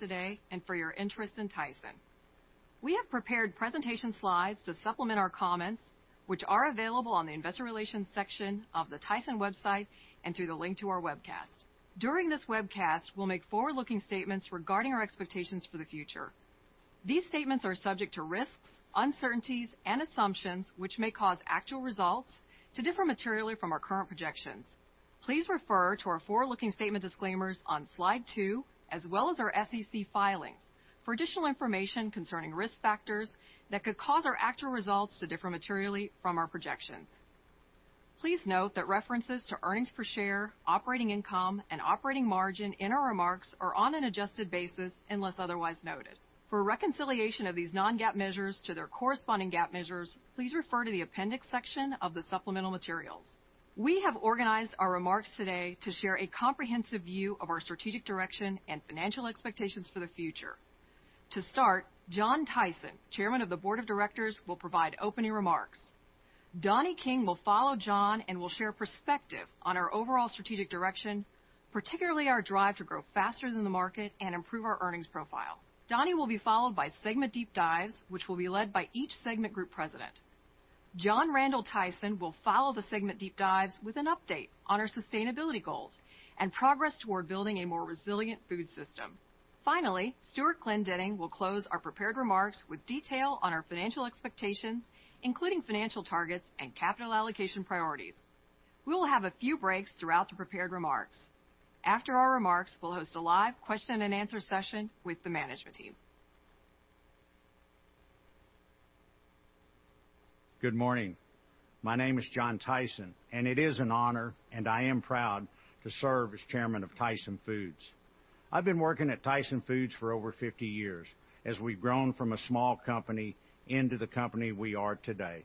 Thank you for your interest in Tyson. We have prepared presentation slides to supplement our comments, which are available on the Investor Relations section of the Tyson website and through the link to our webcast. During this webcast, we'll make forward-looking statements regarding our expectations for the future. These statements are subject to risks, uncertainties and assumptions which may cause actual results to differ materially from our current projections. Please refer to our forward-looking statement disclaimers on slide two, as well as our SEC filings for additional information concerning risk factors that could cause our actual results to differ materially from our projections. Please note that references to earnings per share, operating income and operating margin in our remarks are on an adjusted basis unless otherwise noted. For a reconciliation of these non-GAAP measures to their corresponding GAAP measures, please refer to the Appendix section of the supplemental materials. We have organized our remarks today to share a comprehensive view of our strategic direction and financial expectations for the future. To start, John Tyson, Chairman of the Board of Directors, will provide opening remarks. Donnie King will follow John and will share perspective on our overall strategic direction, particularly our drive to grow faster than the market and improve our earnings profile. Donnie will be followed by segment deep dives, which will be led by each segment group president. John Randal Tyson will follow the segment deep dives with an update on our sustainability goals and progress toward building a more resilient food system. Finally, Stewart Glendinning will close our prepared remarks with detail on our financial expectations, including financial targets and capital allocation priorities. We will have a few breaks throughout the prepared remarks. After our remarks, we'll host a live question and answer session with the management team. Good morning. My name is John Tyson, and it is an honor, and I am proud to serve as Chairman of Tyson Foods. I've been working at Tyson Foods for over 50 years as we've grown from a small company into the company we are today.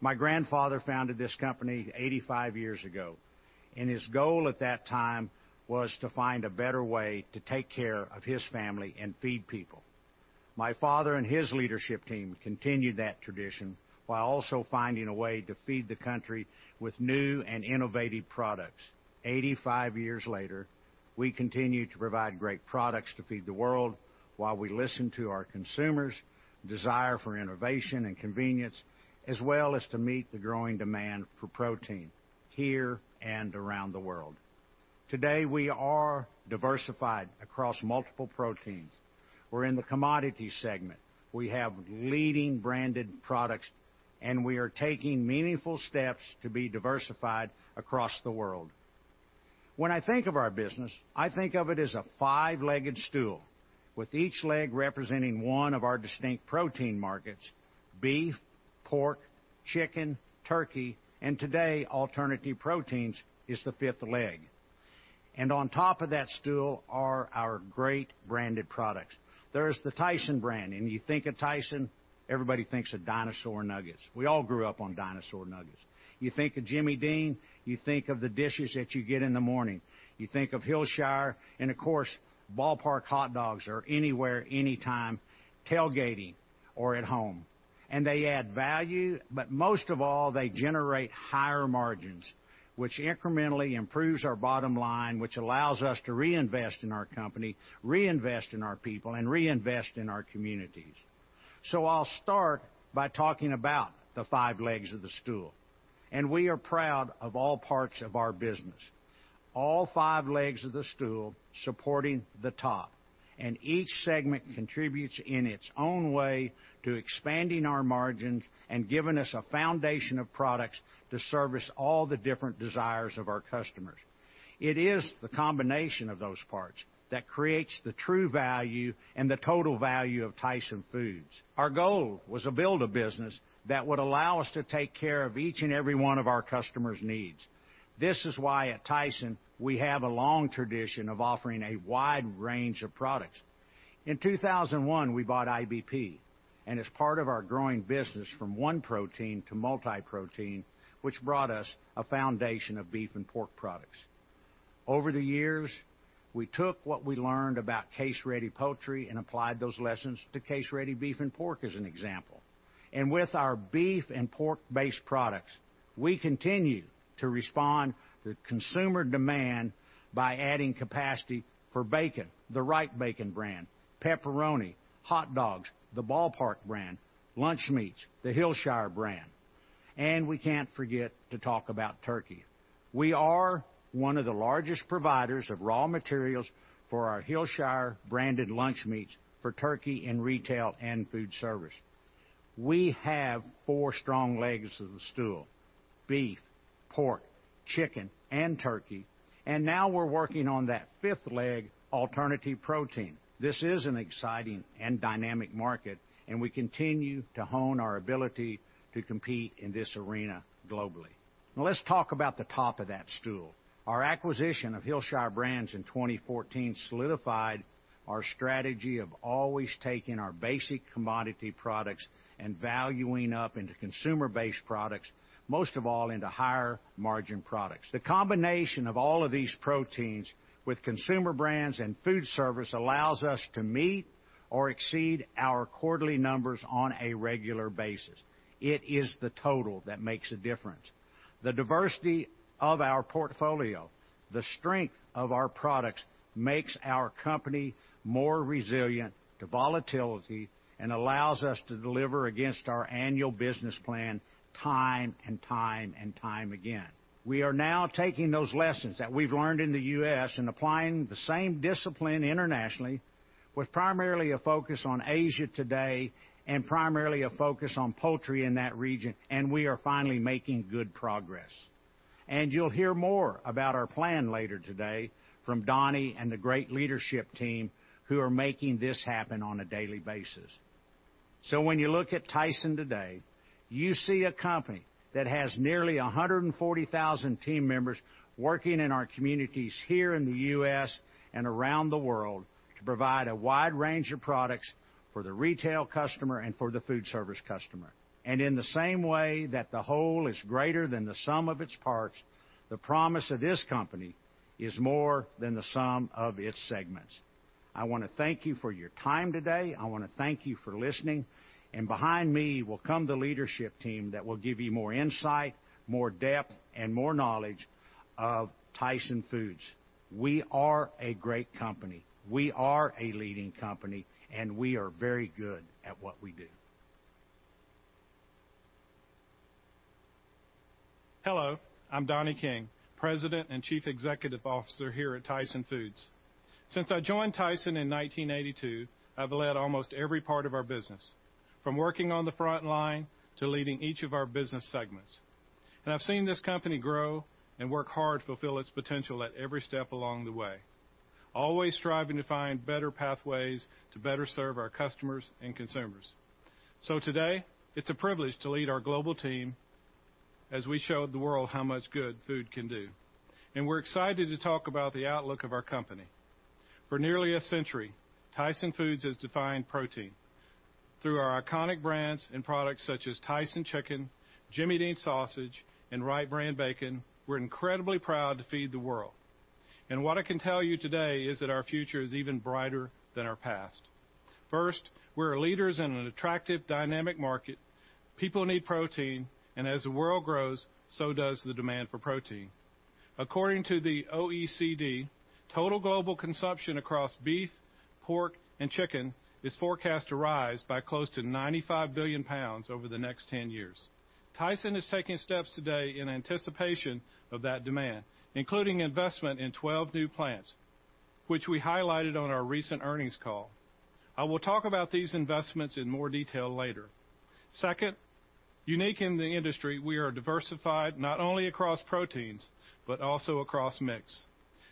My grandfather founded this company 85 years ago, and his goal at that time was to find a better way to take care of his family and feed people. My father and his leadership team continued that tradition while also finding a way to feed the country with new and innovative products. 85 years later, we continue to provide great products to feed the world while we listen to our consumers' desire for innovation and convenience, as well as to meet the growing demand for protein here and around the world. Today, we are diversified across multiple proteins. We're in the commodity segment. We have leading branded products, and we are taking meaningful steps to be diversified across the world. When I think of our business, I think of it as a five-legged stool, with each leg representing one of our distinct protein markets: beef, pork, chicken, turkey, and today, alternative proteins is the fifth leg. On top of that stool are our great branded products. There's the Tyson brand, and you think of Tyson, everybody thinks of dinosaur nuggets. We all grew up on dinosaur nuggets. You think of Jimmy Dean, you think of the dishes that you get in the morning. You think of Hillshire, and of course, Ball Park hot dogs are anywhere, anytime, tailgating or at home. They add value, but most of all, they generate higher margins, which incrementally improves our bottom line, which allows us to reinvest in our company, reinvest in our people, and reinvest in our communities. I'll start by talking about the five legs of the stool, and we are proud of all parts of our business, all five legs of the stool supporting the top. Each segment contributes in its own way to expanding our margins and giving us a foundation of products to service all the different desires of our customers. It is the combination of those parts that creates the true value and the total value of Tyson Foods. Our goal was to build a business that would allow us to take care of each and every one of our customers' needs. This is why at Tyson, we have a long tradition of offering a wide range of products. In 2001, we bought IBP, and as part of our growing business from one protein to multi-protein, which brought us a foundation of beef and pork products. Over the years, we took what we learned about case-ready poultry and applied those lessons to case-ready beef and pork as an example. With our beef and pork-based products, we continue to respond to consumer demand by adding capacity for bacon, the Wright Brand Bacon, pepperoni, hot dogs, the Ball Park brand, lunch meats, the Hillshire brand. We can't forget to talk about turkey. We are one of the largest providers of raw materials for our Hillshire branded lunch meats for turkey in retail and food service. We have four strong legs of the stool, beef, pork, chicken, and turkey. Now we're working on that fifth leg, alternative protein. This is an exciting and dynamic market, and we continue to hone our ability to compete in this arena globally. Now let's talk about the top of that stool. Our acquisition of Hillshire Brands in 2014 solidified our strategy of always taking our basic commodity products and valuing up into consumer-based products, most of all into higher margin products. The combination of all of these proteins with consumer brands and food service allows us to meet or exceed our quarterly numbers on a regular basis. It is the total that makes a difference. The diversity of our portfolio, the strength of our products, makes our company more resilient to volatility and allows us to deliver against our annual business plan time and time and time again. We are now taking those lessons that we've learned in the U.S. and applying the same discipline internationally, with primarily a focus on Asia today and primarily a focus on poultry in that region, and we are finally making good progress. You'll hear more about our plan later today from Donnie and the great leadership team who are making this happen on a daily basis. When you look at Tyson today, you see a company that has nearly 140,000 team members working in our communities here in the U.S. and around the world to provide a wide range of products for the retail customer and for the food service customer. In the same way that the whole is greater than the sum of its parts, the promise of this company is more than the sum of its segments. I wanna thank you for your time today. I wanna thank you for listening, and behind me will come the leadership team that will give you more insight, more depth, and more knowledge of Tyson Foods. We are a great company. We are a leading company, and we are very good at what we do. Hello, I'm Donnie King, President and Chief Executive Officer here at Tyson Foods. Since I joined Tyson in 1982, I've led almost every part of our business, from working on the front line to leading each of our business segments. I've seen this company grow and work hard to fulfill its potential at every step along the way, always striving to find better pathways to better serve our customers and consumers. Today, it's a privilege to lead our global team as we show the world how much good food can do. We're excited to talk about the outlook of our company. For nearly a century, Tyson Foods has defined protein. Through our iconic brands and products such as Tyson Chicken, Jimmy Dean Sausage, and Wright Brand Bacon, we're incredibly proud to feed the world. What I can tell you today is that our future is even brighter than our past. First, we are leaders in an attractive, dynamic market. People need protein, and as the world grows, so does the demand for protein. According to the OECD, total global consumption across beef, pork, and chicken is forecast to rise by close to 95 billion pounds over the next 10 years. Tyson is taking steps today in anticipation of that demand, including investment in 12 new plants, which we highlighted on our recent earnings call. I will talk about these investments in more detail later. Second, unique in the industry, we are diversified not only across proteins, but also across mix.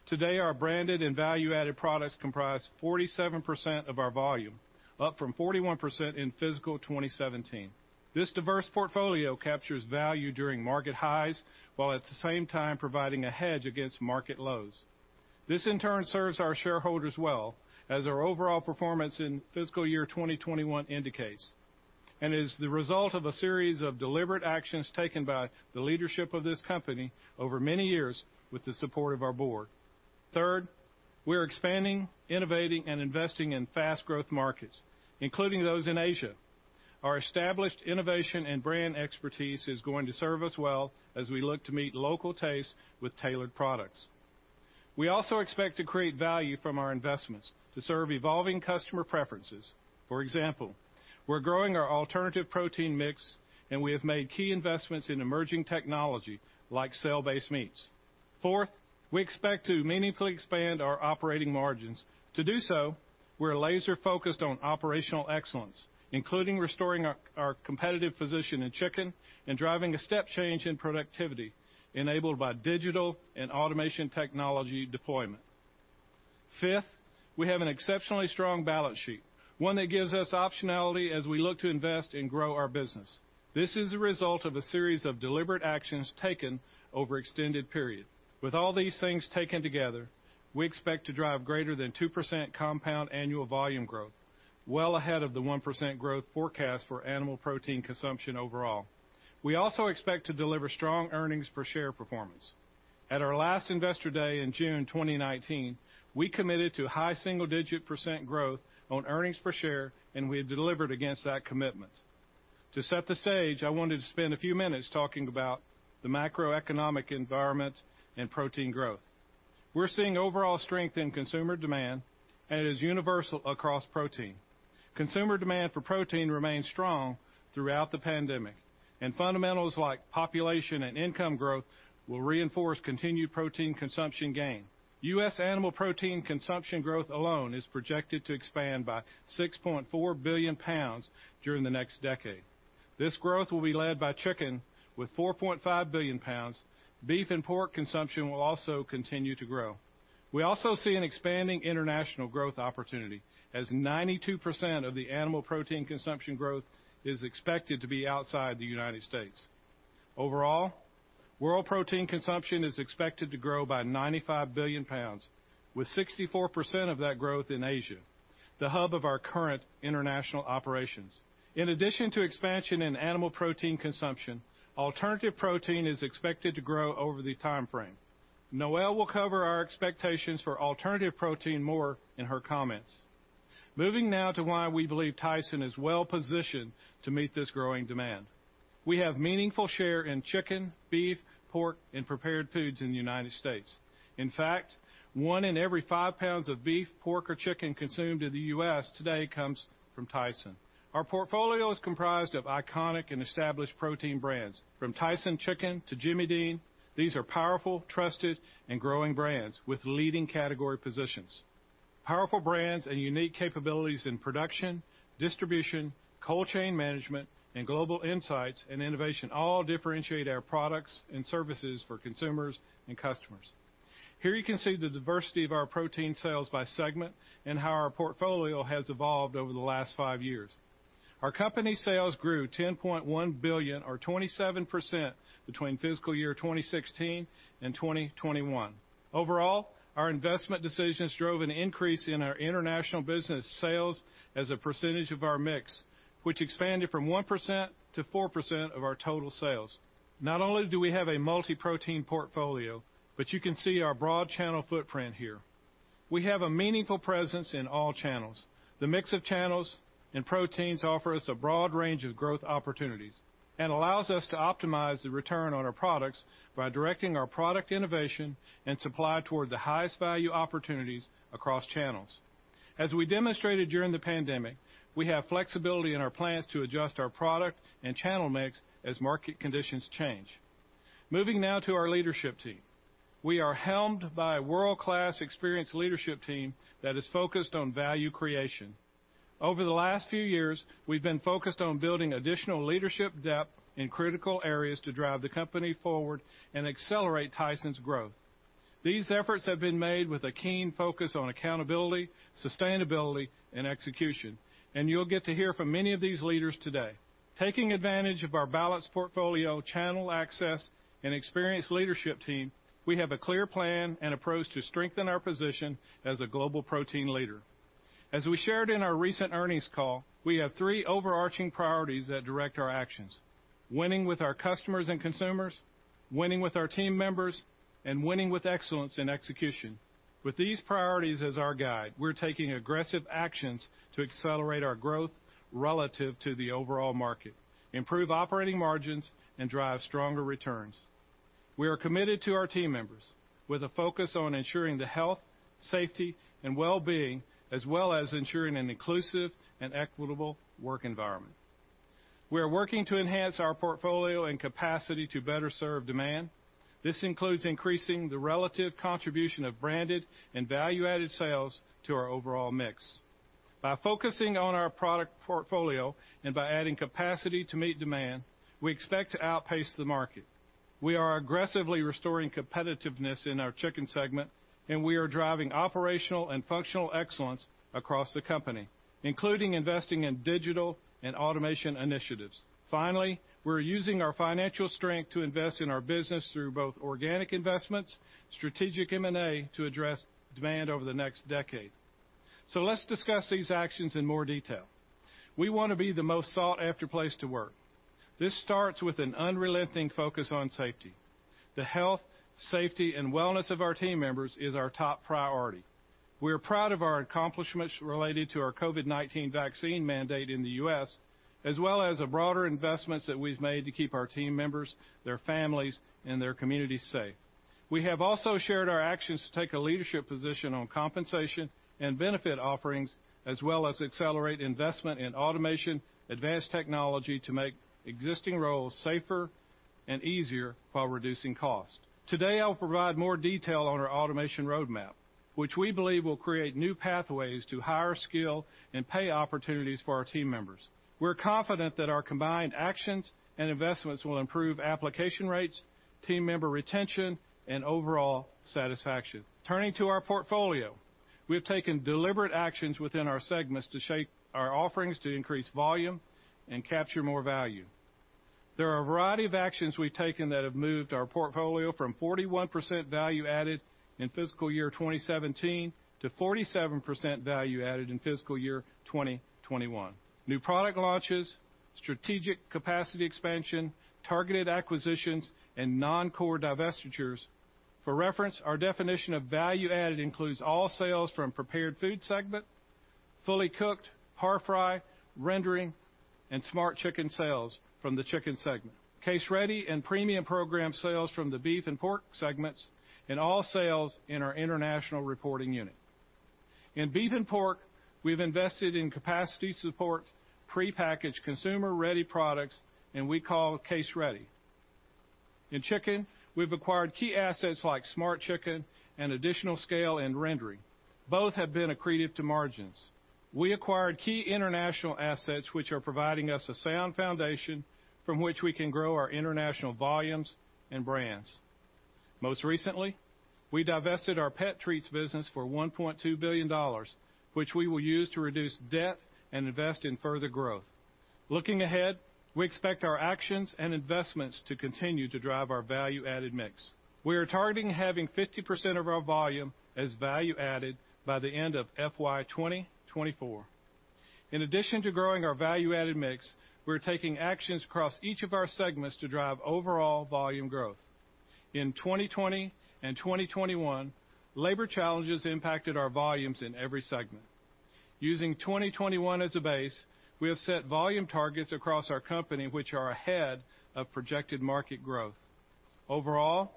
Today, our branded and value-added products comprise 47% of our volume, up from 41% in fiscal 2017. This diverse portfolio captures value during market highs, while at the same time providing a hedge against market lows. This, in turn, serves our shareholders well, as our overall performance in fiscal year 2021 indicates, and is the result of a series of deliberate actions taken by the leadership of this company over many years with the support of our board. Third, we're expanding, innovating, and investing in fast growth markets, including those in Asia. Our established innovation and brand expertise is going to serve us well as we look to meet local tastes with tailored products. We also expect to create value from our investments to serve evolving customer preferences. For example, we're growing our alternative protein mix, and we have made key investments in emerging technology like cell-based meats. Fourth, we expect to meaningfully expand our operating margins. To do so, we're laser-focused on operational excellence, including restoring our competitive position in chicken and driving a step change in productivity enabled by digital and automation technology deployment. Fifth, we have an exceptionally strong balance sheet, one that gives us optionality as we look to invest and grow our business. This is a result of a series of deliberate actions taken over extended periods. With all these things taken together, we expect to drive greater than 2% compound annual volume growth, well ahead of the 1% growth forecast for animal protein consumption overall. We also expect to deliver strong earnings per share performance. At our last Investor Day in June 2019, we committed to high single-digit % growth on earnings per share, and we have delivered against that commitment. To set the stage, I wanted to spend a few minutes talking about the macroeconomic environment and protein growth. We're seeing overall strength in consumer demand, and it is universal across protein. Consumer demand for protein remained strong throughout the pandemic, and fundamentals like population and income growth will reinforce continued protein consumption gain. U.S. animal protein consumption growth alone is projected to expand by 6.4 billion pounds during the next decade. This growth will be led by chicken with 4.5 billion pounds. Beef and pork consumption will also continue to grow. We also see an expanding international growth opportunity as 92% of the animal protein consumption growth is expected to be outside the United States. Overall, world protein consumption is expected to grow by 95 billion pounds, with 64% of that growth in Asia, the hub of our current international operations. In addition to expansion in animal protein consumption, alternative protein is expected to grow over the timeframe. Noelle will cover our expectations for alternative protein more in her comments. Moving now to why we believe Tyson is well positioned to meet this growing demand. We have meaningful share in chicken, beef, pork, and prepared foods in the United States. In fact, one in every five pounds of beef, pork or chicken consumed in the U.S. today comes from Tyson. Our portfolio is comprised of iconic and established protein brands from Tyson Chicken to Jimmy Dean. These are powerful, trusted, and growing brands with leading category positions. Powerful brands and unique capabilities in production, distribution, cold chain management, and global insights and innovation all differentiate our products and services for consumers and customers. Here you can see the diversity of our protein sales by segment and how our portfolio has evolved over the last 5 years. Our company sales grew $10.1 billion or 27% between fiscal year 2016 and 2021. Overall, our investment decisions drove an increase in our international business sales as a percentage of our mix, which expanded from 1% to 4% of our total sales. Not only do we have a multi-protein portfolio, but you can see our broad channel footprint here. We have a meaningful presence in all channels. The mix of channels and proteins offer us a broad range of growth opportunities and allows us to optimize the return on our products by directing our product innovation and supply toward the highest value opportunities across channels. As we demonstrated during the pandemic, we have flexibility in our plans to adjust our product and channel mix as market conditions change. Moving now to our leadership team. We are helmed by a world-class, experienced leadership team that is focused on value creation. Over the last few years, we've been focused on building additional leadership depth in critical areas to drive the company forward and accelerate Tyson's growth. These efforts have been made with a keen focus on accountability, sustainability and execution. You'll get to hear from many of these leaders today. Taking advantage of our balanced portfolio, channel access and experienced leadership team, we have a clear plan and approach to strengthen our position as a global protein leader. As we shared in our recent earnings call, we have three overarching priorities that direct our actions. Winning with our customers and consumers, winning with our team members, and winning with excellence in execution. With these priorities as our guide, we're taking aggressive actions to accelerate our growth relative to the overall market, improve operating margins, and drive stronger returns. We are committed to our team members with a focus on ensuring the health, safety and well-being, as well as ensuring an inclusive and equitable work environment. We are working to enhance our portfolio and capacity to better serve demand. This includes increasing the relative contribution of branded and value-added sales to our overall mix. By focusing on our product portfolio and by adding capacity to meet demand, we expect to outpace the market. We are aggressively restoring competitiveness in our chicken segment, and we are driving operational and functional excellence across the company, including investing in digital and automation initiatives. Finally, we're using our financial strength to invest in our business through both organic investments, strategic M&A to address demand over the next decade. Let's discuss these actions in more detail. We want to be the most sought after place to work. This starts with an unrelenting focus on safety. The health, safety, and wellness of our team members is our top priority. We are proud of our accomplishments related to our COVID-19 vaccine mandate in the U.S., as well as the broader investments that we've made to keep our team members, their families, and their communities safe. We have also shared our actions to take a leadership position on compensation and benefit offerings, as well as accelerate investment in automation, advanced technology to make existing roles safer and easier while reducing cost. Today, I'll provide more detail on our automation roadmap, which we believe will create new pathways to higher skill and pay opportunities for our team members. We're confident that our combined actions and investments will improve application rates, team member retention, and overall satisfaction. Turning to our portfolio, we have taken deliberate actions within our segments to shape our offerings to increase volume and capture more value. There are a variety of actions we've taken that have moved our portfolio from 41% value added in fiscal year 2017 to 47% value added in fiscal year 2021. New product launches, strategic capacity expansion, targeted acquisitions, and non-core divestitures. For reference, our definition of value-added includes all sales from Prepared Foods segment, fully cooked, par-fried, rendering and Smart Chicken sales from the Chicken segment, case-ready and premium program sales from the Beef and Pork segments, and all sales in our international reporting unit. In Beef and Pork, we've invested in capacity to support prepackaged consumer-ready products and we call case-ready. In Chicken, we've acquired key assets like Smart Chicken and additional scale and rendering. Both have been accretive to margins. We acquired key international assets which are providing us a sound foundation from which we can grow our international volumes and brands. Most recently, we divested our pet treats business for $1.2 billion, which we will use to reduce debt and invest in further growth. Looking ahead, we expect our actions and investments to continue to drive our value-added mix. We are targeting having 50% of our volume as value added by the end of FY 2024. In addition to growing our value-added mix, we're taking actions across each of our segments to drive overall volume growth. In 2020 and 2021, labor challenges impacted our volumes in every segment. Using 2021 as a base, we have set volume targets across our company which are ahead of projected market growth. Overall,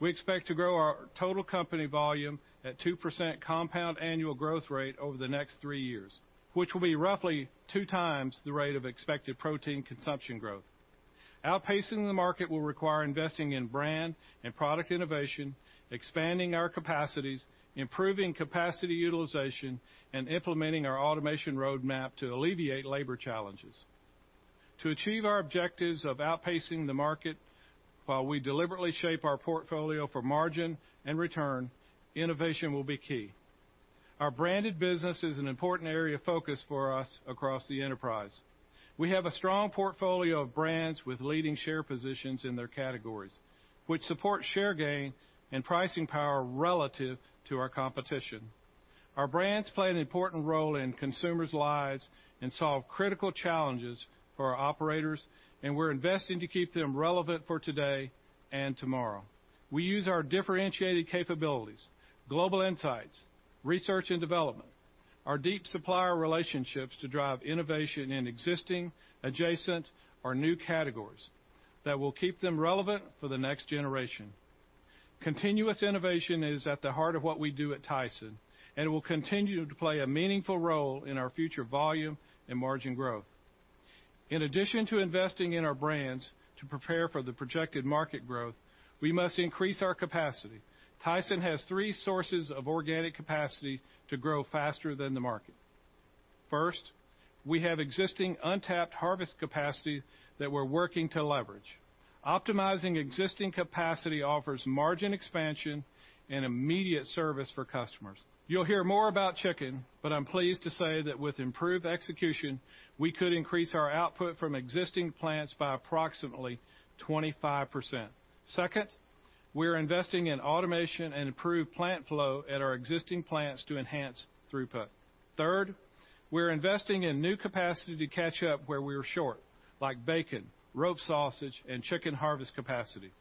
we expect to grow our total company volume at 2% compound annual growth rate over the next three years, which will be roughly 2 times the rate of expected protein consumption growth. Outpacing the market will require investing in brand and product innovation, expanding our capacities, improving capacity utilization, and implementing our automation roadmap to alleviate labor challenges. To achieve our objectives of outpacing the market while we deliberately shape our portfolio for margin and return, innovation will be key. Our branded business is an important area of focus for us across the enterprise. We have a strong portfolio of brands with leading share positions in their categories, which support share gain and pricing power relative to our competition. Our brands play an important role in consumers' lives and solve critical challenges for our operators, and we're investing to keep them relevant for today and tomorrow. We use our differentiated capabilities, global insights, research and development, our deep supplier relationships to drive innovation in existing, adjacent, or new categories that will keep them relevant for the next generation. Continuous innovation is at the heart of what we do at Tyson, and it will continue to play a meaningful role in our future volume and margin growth. In addition to investing in our brands to prepare for the projected market growth, we must increase our capacity. Tyson has three sources of organic capacity to grow faster than the market. First, we have existing untapped harvest capacity that we're working to leverage. Optimizing existing capacity offers margin expansion and immediate service for customers. You'll hear more about chicken, but I'm pleased to say that with improved execution, we could increase our output from existing plants by approximately 25%. Second, we're investing in automation and improved plant flow at our existing plants to enhance throughput. Third, we're investing in new capacity to catch up where we are short, like bacon, rope sausage, and chicken harvest capacity.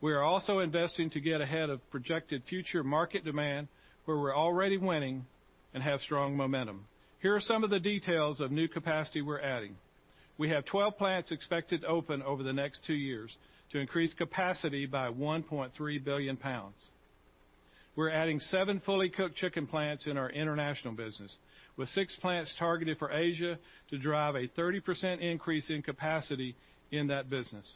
We are also investing to get ahead of projected future market demand where we're already winning and have strong momentum. Here are some of the details of new capacity we're adding. We have 12 plants expected to open over the next two years to increase capacity by 1.3 billion pounds. We're adding seven fully cooked chicken plants in our international business, with six plants targeted for Asia to drive a 30% increase in capacity in that business.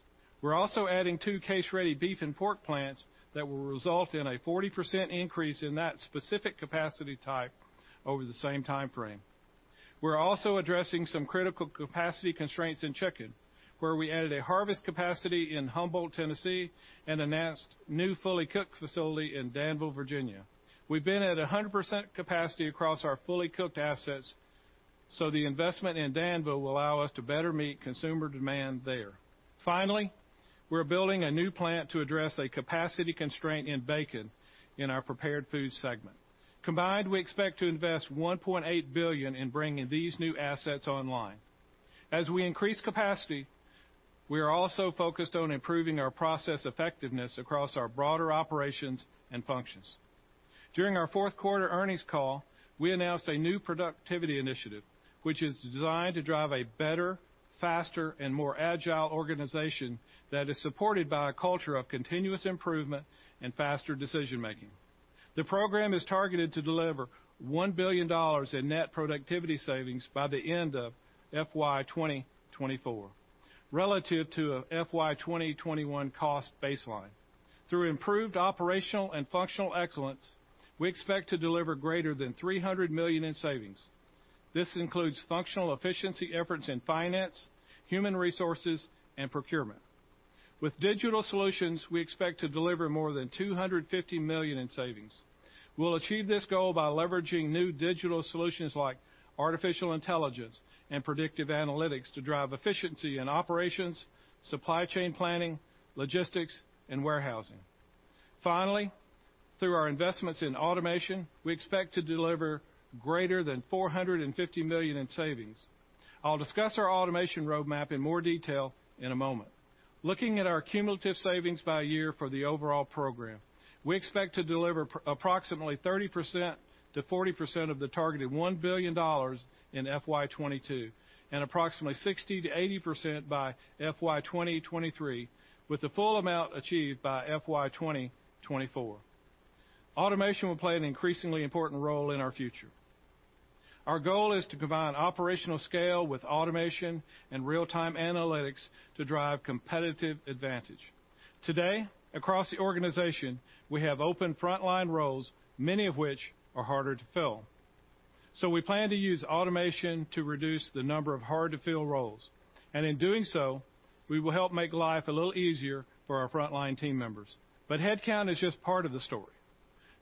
We're also adding two case-ready beef and pork plants that will result in a 40% increase in that specific capacity type over the same time frame. We're also addressing some critical capacity constraints in chicken, where we added a harvest capacity in Humboldt, Tennessee, and announced new fully cooked facility in Danville, Virginia. We've been at 100% capacity across our fully cooked assets, so the investment in Danville will allow us to better meet consumer demand there. Finally, we're building a new plant to address a capacity constraint in bacon in our prepared foods segment. Combined, we expect to invest $1.8 billion in bringing these new assets online. As we increase capacity, we are also focused on improving our process effectiveness across our broader operations and functions. During our fourth quarter earnings call, we announced a new productivity initiative, which is designed to drive a better, faster, and more agile organization that is supported by a culture of continuous improvement and faster decision-making. The program is targeted to deliver $1 billion in net productivity savings by the end of FY 2024, relative to a FY 2021 cost baseline. Through improved operational and functional excellence, we expect to deliver greater than $300 million in savings. This includes functional efficiency efforts in finance, human resources, and procurement. With digital solutions, we expect to deliver more than $250 million in savings. We'll achieve this goal by leveraging new digital solutions like artificial intelligence and predictive analytics to drive efficiency in operations, supply chain planning, logistics, and warehousing. Finally, through our investments in automation, we expect to deliver greater than $450 million in savings. I'll discuss our automation roadmap in more detail in a moment. Looking at our cumulative savings by year for the overall program, we expect to deliver approximately 30%-40% of the targeted $1 billion in FY 2022 and approximately 60%-80% by FY 2023, with the full amount achieved by FY 2024. Automation will play an increasingly important role in our future. Our goal is to combine operational scale with automation and real-time analytics to drive competitive advantage. Today, across the organization, we have open frontline roles, many of which are harder to fill. We plan to use automation to reduce the number of hard-to-fill roles. In doing so, we will help make life a little easier for our frontline team members. Headcount is just part of the story.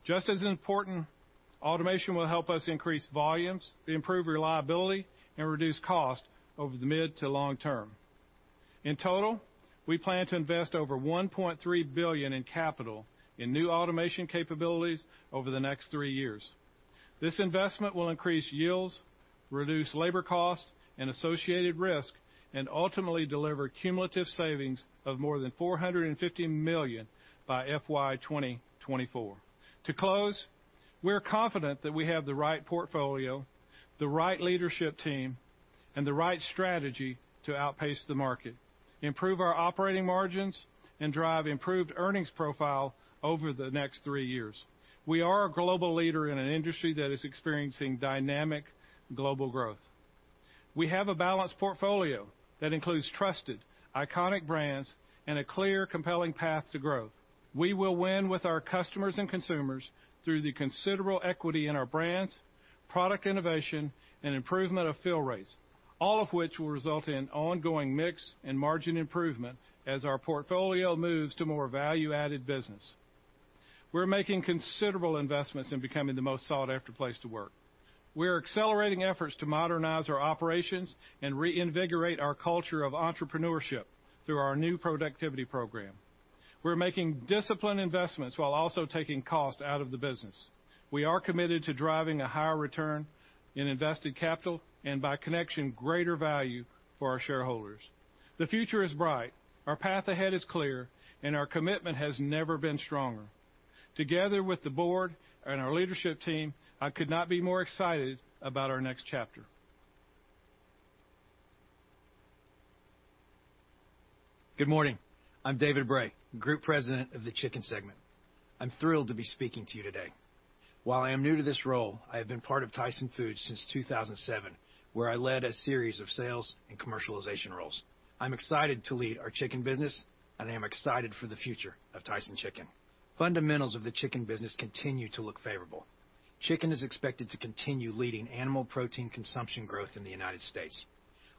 Just as important, automation will help us increase volumes, improve reliability, and reduce cost over the mid to long term. In total, we plan to invest over $1.3 billion in capital in new automation capabilities over the next three years. This investment will increase yields, reduce labor costs and associated risk, and ultimately deliver cumulative savings of more than $450 million by FY 2024. To close, we're confident that we have the right portfolio, the right leadership team, and the right strategy to outpace the market, improve our operating margins, and drive improved earnings profile over the next three years. We are a global leader in an industry that is experiencing dynamic global growth. We have a balanced portfolio that includes trusted, iconic brands and a clear, compelling path to growth. We will win with our customers and consumers through the considerable equity in our brands, product innovation, and improvement of fill rates, all of which will result in ongoing mix and margin improvement as our portfolio moves to more value-added business. We're making considerable investments in becoming the most sought-after place to work. We are accelerating efforts to modernize our operations and reinvigorate our culture of entrepreneurship through our new productivity program. We're making disciplined investments while also taking cost out of the business. We are committed to driving a higher return in invested capital and by connection, greater value for our shareholders. The future is bright, our path ahead is clear, and our commitment has never been stronger. Together with the board and our leadership team, I could not be more excited about our next chapter. Good morning. I'm David Bray, Group President of the Chicken segment. I'm thrilled to be speaking to you today. While I am new to this role, I have been part of Tyson Foods since 2007, where I led a series of sales and commercialization roles. I'm excited to lead our chicken business and I am excited for the future of Tyson Chicken. Fundamentals of the chicken business continue to look favorable. Chicken is expected to continue leading animal protein consumption growth in the United States,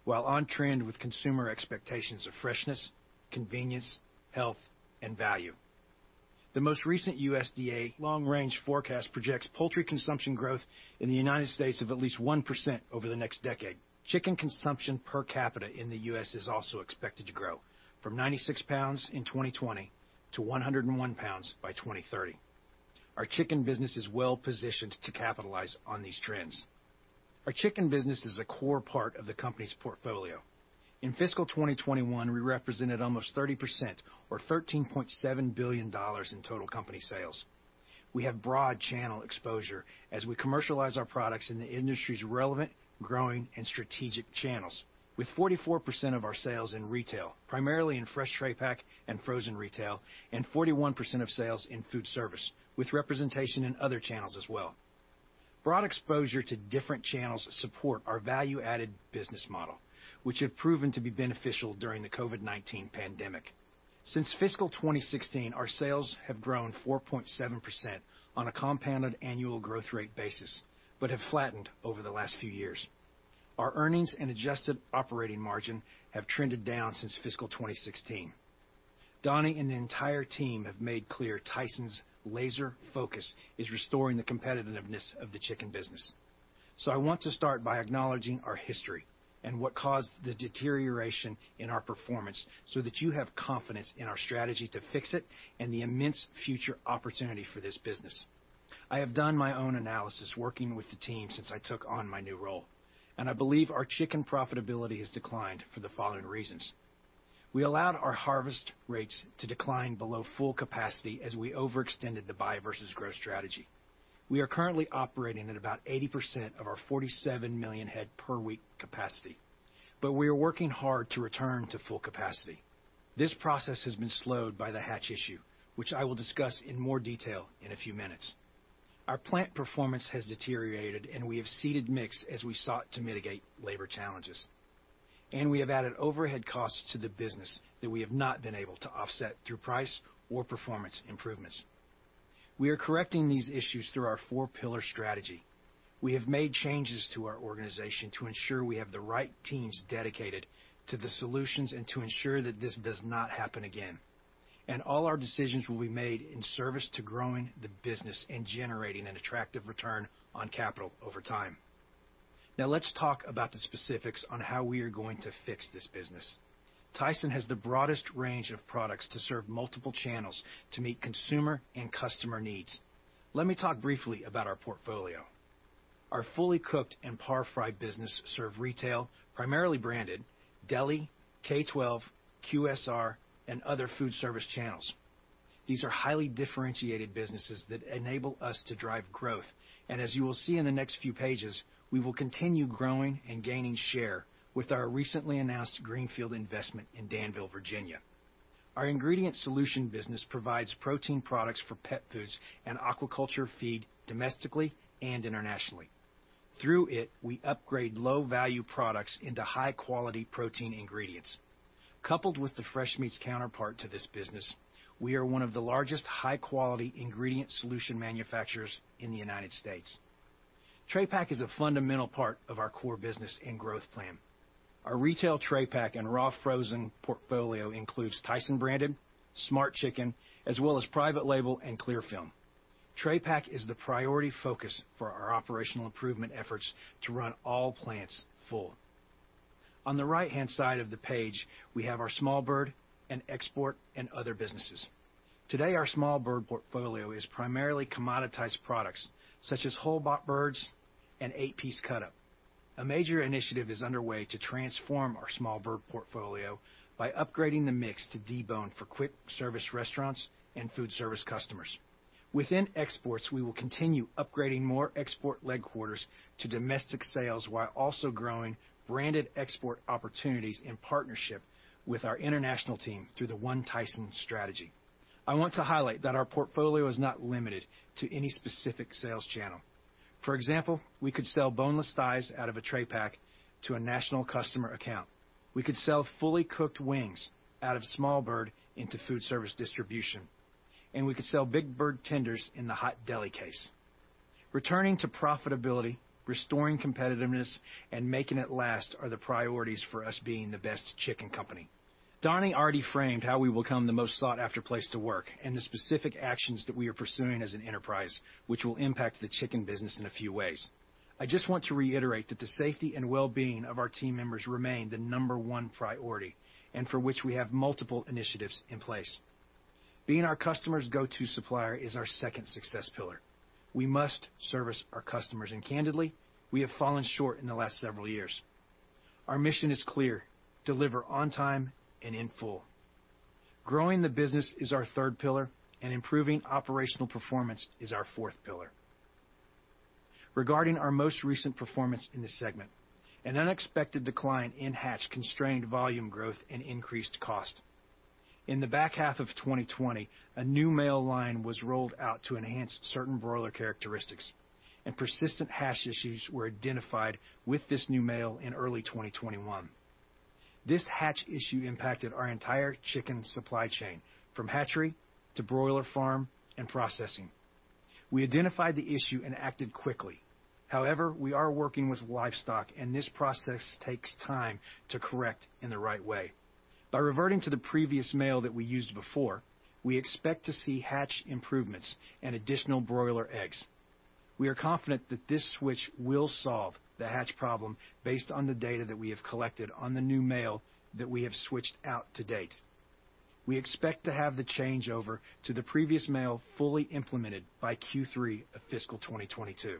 while on trend with consumer expectations of freshness, convenience, health and value. The most recent USDA long range forecast projects poultry consumption growth in the United States of at least 1% over the next decade. Chicken consumption per capita in the U.S. is also expected to grow from 96 pounds in 2020 to 101 pounds by 2030. Our chicken business is well positioned to capitalize on these trends. Our chicken business is a core part of the company's portfolio. In FY 2021, we represented almost 30% or $13.7 billion in total company sales. We have broad channel exposure as we commercialize our products in the industry's relevant, growing and strategic channels. With 44% of our sales in retail, primarily in fresh tray pack and frozen retail, and 41% of sales in food service, with representation in other channels as well. Broad exposure to different channels support our value-added business model, which have proven to be beneficial during the COVID-19 pandemic. Since fiscal 2016, our sales have grown 4.7% on a compounded annual growth rate basis, but have flattened over the last few years. Our earnings and adjusted operating margin have trended down since fiscal 2016. Donnie and the entire team have made clear Tyson's laser focus is restoring the competitiveness of the chicken business. I want to start by acknowledging our history and what caused the deterioration in our performance, so that you have confidence in our strategy to fix it and the immense future opportunity for this business. I have done my own analysis working with the team since I took on my new role, and I believe our chicken profitability has declined for the following reasons. We allowed our harvest rates to decline below full capacity as we overextended the buy versus grow strategy. We are currently operating at about 80% of our 47 million head per week capacity, but we are working hard to return to full capacity. This process has been slowed by the hatch issue, which I will discuss in more detail in a few minutes. Our plant performance has deteriorated and we have ceded mix as we sought to mitigate labor challenges. We have added overhead costs to the business that we have not been able to offset through price or performance improvements. We are correcting these issues through our four pillar strategy. We have made changes to our organization to ensure we have the right teams dedicated to the solutions and to ensure that this does not happen again. All our decisions will be made in service to growing the business and generating an attractive return on capital over time. Now, let's talk about the specifics on how we are going to fix this business. Tyson has the broadest range of products to serve multiple channels to meet consumer and customer needs. Let me talk briefly about our portfolio. Our fully cooked and par-fried business serve retail, primarily branded, deli, K-12, QSR, and other foodservice channels. These are highly differentiated businesses that enable us to drive growth. As you will see in the next few pages, we will continue growing and gaining share with our recently announced greenfield investment in Danville, Virginia. Our ingredient solution business provides protein products for pet foods and aquaculture feed domestically and internationally. Through it, we upgrade low-value products into high-quality protein ingredients. Coupled with the fresh meats counterpart to this business, we are one of the largest high-quality ingredient solution manufacturers in the United States. Tray pack is a fundamental part of our core business and growth plan. Our retail tray pack and raw frozen portfolio includes Tyson-branded, Smart Chicken, as well as private label and clear film. Tray pack is the priority focus for our operational improvement efforts to run all plants full. On the right-hand side of the page, we have our small bird and export and other businesses. Today, our small bird portfolio is primarily commoditized products such as whole box birds and eight-piece cutup. A major initiative is underway to transform our small bird portfolio by upgrading the mix to debone for quick service restaurants and food service customers. Within exports, we will continue upgrading more export leg quarters to domestic sales, while also growing branded export opportunities in partnership with our international team through the One Tyson strategy. I want to highlight that our portfolio is not limited to any specific sales channel. For example, we could sell boneless thighs out of a tray pack to a national customer account. We could sell fully cooked wings out of small bird into food service distribution, and we could sell big bird tenders in the hot deli case. Returning to profitability, restoring competitiveness, and making it last are the priorities for us being the best chicken company. Donnie already framed how we become the most sought-after place to work and the specific actions that we are pursuing as an enterprise, which will impact the chicken business in a few ways. I just want to reiterate that the safety and well-being of our team members remain the number one priority, and for which we have multiple initiatives in place. Being our customers' go-to supplier is our second success pillar. We must service our customers and candidly, we have fallen short in the last several years. Our mission is clear. Deliver on time and in full. Growing the business is our third pillar, and improving operational performance is our fourth pillar. Regarding our most recent performance in this segment. An unexpected decline in hatch-constrained volume growth and increased cost. In the back half of 2020, a new male line was rolled out to enhance certain broiler characteristics, and persistent hatch issues were identified with this new male in early 2021. This hatch issue impacted our entire chicken supply chain, from hatchery to broiler farm and processing. We identified the issue and acted quickly. However, we are working with livestock, and this process takes time to correct in the right way. By reverting to the previous male that we used before, we expect to see hatch improvements and additional broiler eggs. We are confident that this switch will solve the hatch problem based on the data that we have collected on the new male that we have switched out to date. We expect to have the changeover to the previous male fully implemented by Q3 of fiscal 2022.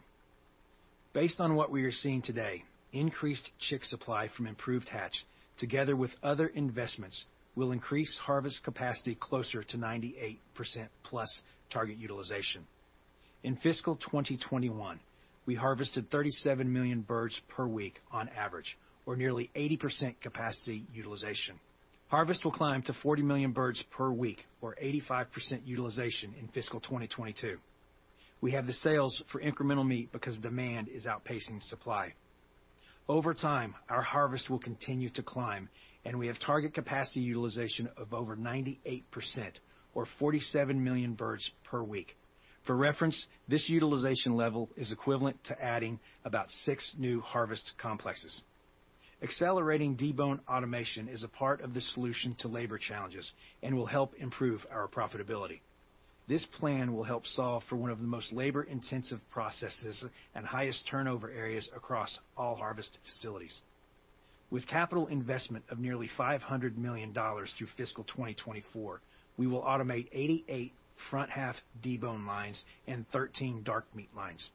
Based on what we are seeing today, increased chick supply from improved hatch, together with other investments, will increase harvest capacity closer to 98%+ target utilization. In fiscal 2021, we harvested 37 million birds per week on average, or nearly 80% capacity utilization. Harvest will climb to 40 million birds per week or 85% utilization in fiscal 2022. We have the sales for incremental meat because demand is outpacing supply. Over time, our harvest will continue to climb, and we have target capacity utilization of over 98% or 47 million birds per week. For reference, this utilization level is equivalent to adding about 6 new harvest complexes. Accelerating debone automation is a part of the solution to labor challenges and will help improve our profitability. This plan will help solve for one of the most labor-intensive processes and highest turnover areas across all harvest facilities. With capital investment of nearly $500 million through FY 2024, we will automate 88 front half debone lines and 13 dark meat lines.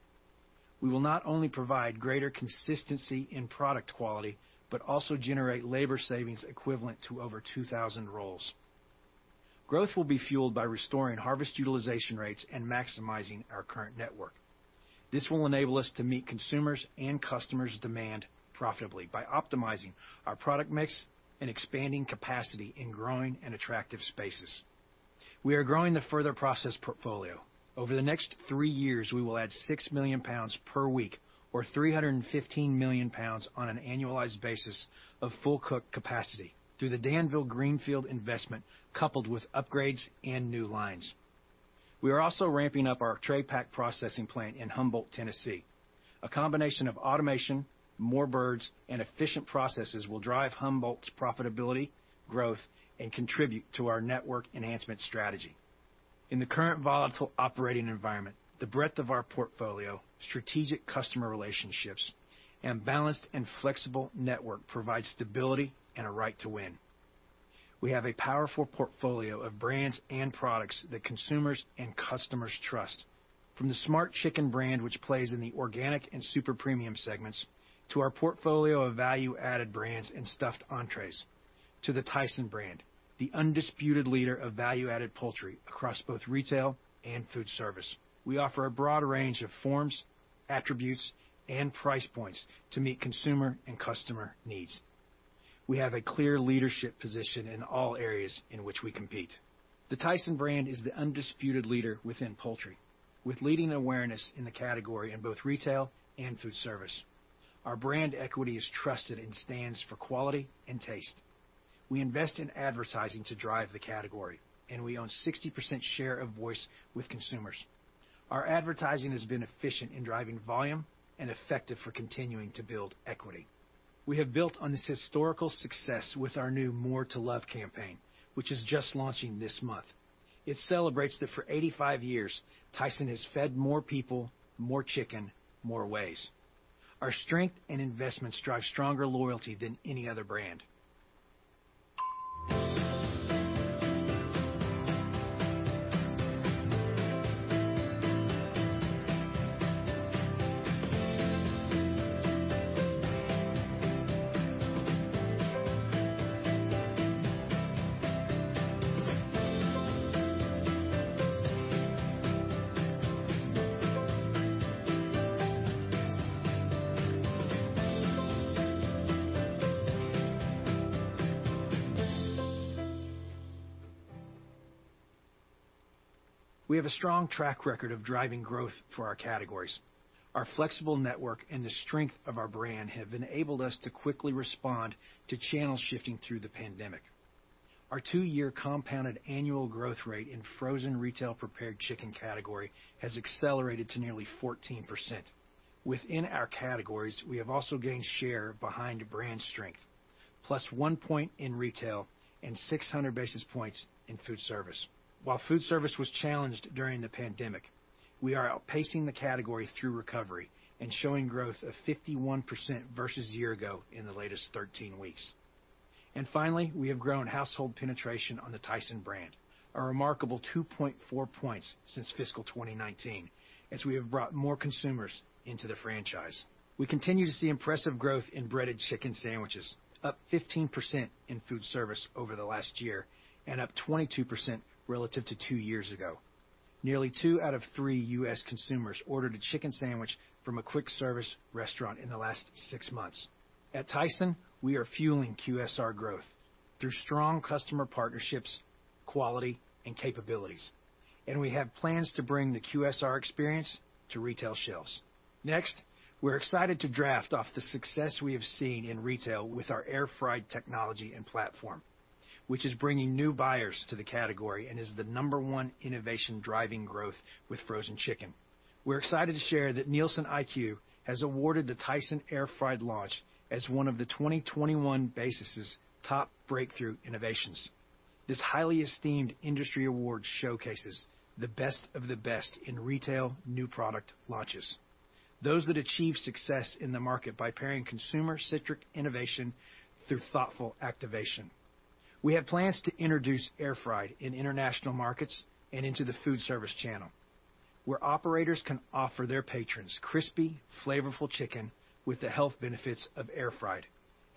We will not only provide greater consistency in product quality, but also generate labor savings equivalent to over 2,000 roles. Growth will be fueled by restoring harvest utilization rates and maximizing our current network. This will enable us to meet consumers' and customers' demand profitably by optimizing our product mix and expanding capacity in growing and attractive spaces. We are growing the further process portfolio. Over the next three years, we will add 6 million pounds per week, or 315 million pounds on an annualized basis of full cook capacity through the Danville Greenfield investment, coupled with upgrades and new lines. We are also ramping up our tray pack processing plant in Humboldt, Tennessee. A combination of automation, more birds, and efficient processes will drive Humboldt's profitability, growth, and contribute to our network enhancement strategy. In the current volatile operating environment, the breadth of our portfolio, strategic customer relationships, and balanced and flexible network provide stability and a right to win. We have a powerful portfolio of brands and products that consumers and customers trust. From the Smart Chicken brand, which plays in the organic and super premium segments, to our portfolio of value-added brands and stuffed entrees, to the Tyson brand, the undisputed leader of value-added poultry across both retail and food service. We offer a broad range of forms, attributes, and price points to meet consumer and customer needs. We have a clear leadership position in all areas in which we compete. The Tyson brand is the undisputed leader within poultry, with leading awareness in the category in both retail and food service. Our brand equity is trusted and stands for quality and taste. We invest in advertising to drive the category, and we own 60% share of voice with consumers. Our advertising has been efficient in driving volume and effective for continuing to build equity. We have built on this historical success with our new More to Love campaign, which is just launching this month. It celebrates that for 85 years, Tyson has fed more people, more chicken, more ways. Our strength and investments drive stronger loyalty than any other brand. We have a strong track record of driving growth for our categories. Our flexible network and the strength of our brand have enabled us to quickly respond to channel shifting through the pandemic. Our 2-year compounded annual growth rate in frozen retail prepared chicken category has accelerated to nearly 14%. Within our categories, we have also gained share behind brand strength, plus one point in retail and 600 basis points in food service. While food service was challenged during the pandemic, we are outpacing the category through recovery and showing growth of 51% versus a year ago in the latest 13 weeks. Finally, we have grown household penetration on the Tyson brand, a remarkable 2.4 points since fiscal 2019, as we have brought more consumers into the franchise. We continue to see impressive growth in breaded chicken sandwiches, up 15% in food service over the last year and up 22% relative to two years ago. Nearly 2 out of 3 U.S. consumers ordered a chicken sandwich from a quick service restaurant in the last six months. At Tyson, we are fueling QSR growth through strong customer partnerships, quality and capabilities, and we have plans to bring the QSR experience to retail shelves. Next, we're excited to draft off the success we have seen in retail with our air-fried technology and platform, which is bringing new buyers to the category and is the number one innovation driving growth with frozen chicken. We're excited to share that NielsenIQ has awarded the Tyson Air Fried launch as one of the 2021 BASES Top Breakthrough Innovations. This highly esteemed industry award showcases the best of the best in retail new product launches, those that achieve success in the market by pairing consumer-centric innovation through thoughtful activation. We have plans to introduce air-fried in international markets and into the foodservice channel, where operators can offer their patrons crispy, flavorful chicken with the health benefits of air-fried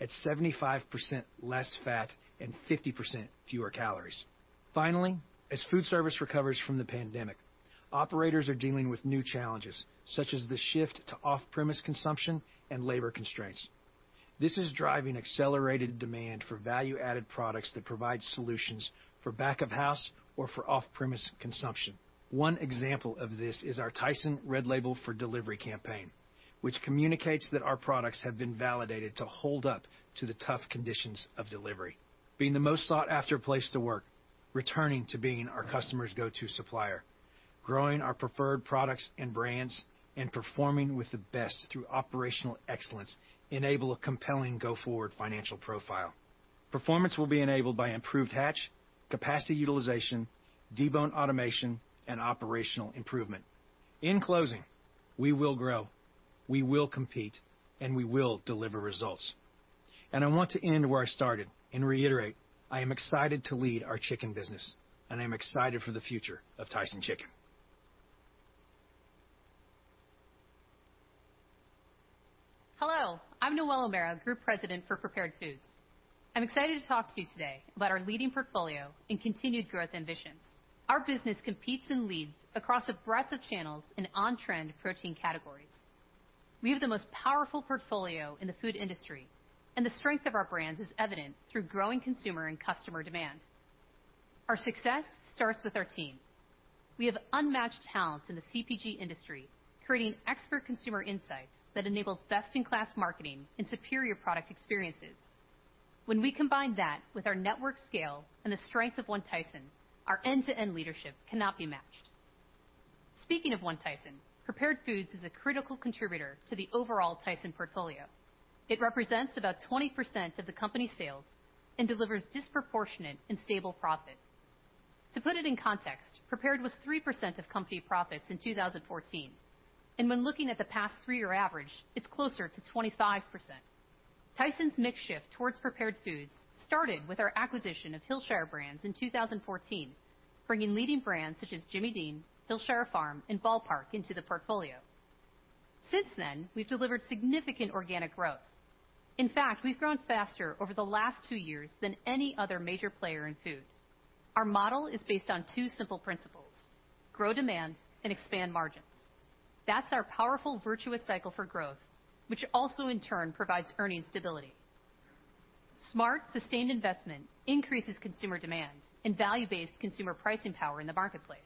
at 75% less fat and 50% fewer calories. Finally, as food service recovers from the pandemic, operators are dealing with new challenges such as the shift to off-premise consumption and labor constraints. This is driving accelerated demand for value-added products that provide solutions for back of house or for off-premise consumption. One example of this is our Tyson Red Label for delivery campaign, which communicates that our products have been validated to hold up to the tough conditions of delivery. Being the most sought after place to work, returning to being our customers' go-to supplier, growing our preferred products and brands, and performing with the best through operational excellence enable a compelling go forward financial profile. Performance will be enabled by improved hatch, capacity utilization, debone automation and operational improvement. In closing, we will grow, we will compete, and we will deliver results. I want to end where I started and reiterate, I am excited to lead our chicken business, and I'm excited for the future of Tyson Chicken. Hello, I'm Noelle O'Mara, Group President for Prepared Foods. I'm excited to talk to you today about our leading portfolio and continued growth ambitions. Our business competes and leads across a breadth of channels in on-trend protein categories. We have the most powerful portfolio in the food industry, and the strength of our brands is evident through growing consumer and customer demand. Our success starts with our team. We have unmatched talents in the CPG industry, creating expert consumer insights that enables best in class marketing and superior product experiences. When we combine that with our network scale and the strength of One Tyson, our end-to-end leadership cannot be matched. Speaking of One Tyson, Prepared Foods is a critical contributor to the overall Tyson portfolio. It represents about 20% of the company's sales and delivers disproportionate and stable profits. To put it in context, Prepared Foods was 3% of company profits in 2014. When looking at the past 3-year average, it's closer to 25%. Tyson's mix shift towards Prepared Foods started with our acquisition of Hillshire Brands in 2014, bringing leading brands such as Jimmy Dean, Hillshire Farm and Ball Park into the portfolio. Since then, we've delivered significant organic growth. In fact, we've grown faster over the last 2 years than any other major player in food. Our model is based on 2 simple principles. Grow demand and expand margins. That's our powerful virtuous cycle for growth, which also in turn provides earnings stability. Smart, sustained investment increases consumer demand and value-based consumer pricing power in the marketplace.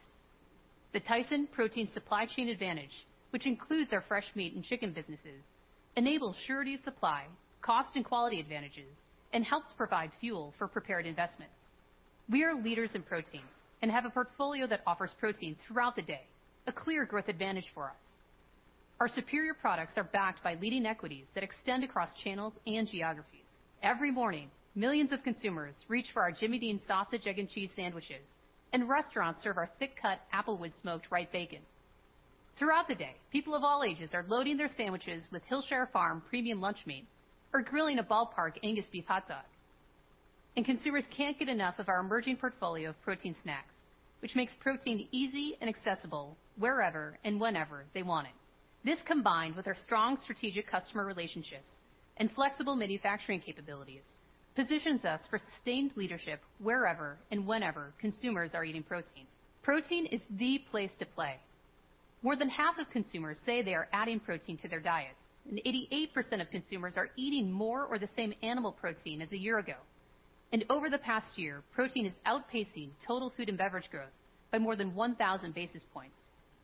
The Tyson protein supply chain advantage, which includes our fresh meat and chicken businesses, enables surety of supply, cost and quality advantages, and helps provide fuel for prepared foods investments. We are leaders in protein and have a portfolio that offers protein throughout the day, a clear growth advantage for us. Our superior products are backed by leading equities that extend across channels and geographies. Every morning, millions of consumers reach for our Jimmy Dean sausage, egg, and cheese sandwiches, and restaurants serve our thick-cut applewood-smoked Wright bacon. Throughout the day, people of all ages are loading their sandwiches with Hillshire Farm premium lunch meat or grilling a Ball Park Angus Beef Hot Dog. Consumers can't get enough of our emerging portfolio of protein snacks, which makes protein easy and accessible wherever and whenever they want it. This, combined with our strong strategic customer relationships and flexible manufacturing capabilities, positions us for sustained leadership wherever and whenever consumers are eating protein. Protein is the place to play. More than half of consumers say they are adding protein to their diets, and 88% of consumers are eating more or the same animal protein as a year ago. Over the past year, protein is outpacing total food and beverage growth by more than 1,000 basis points.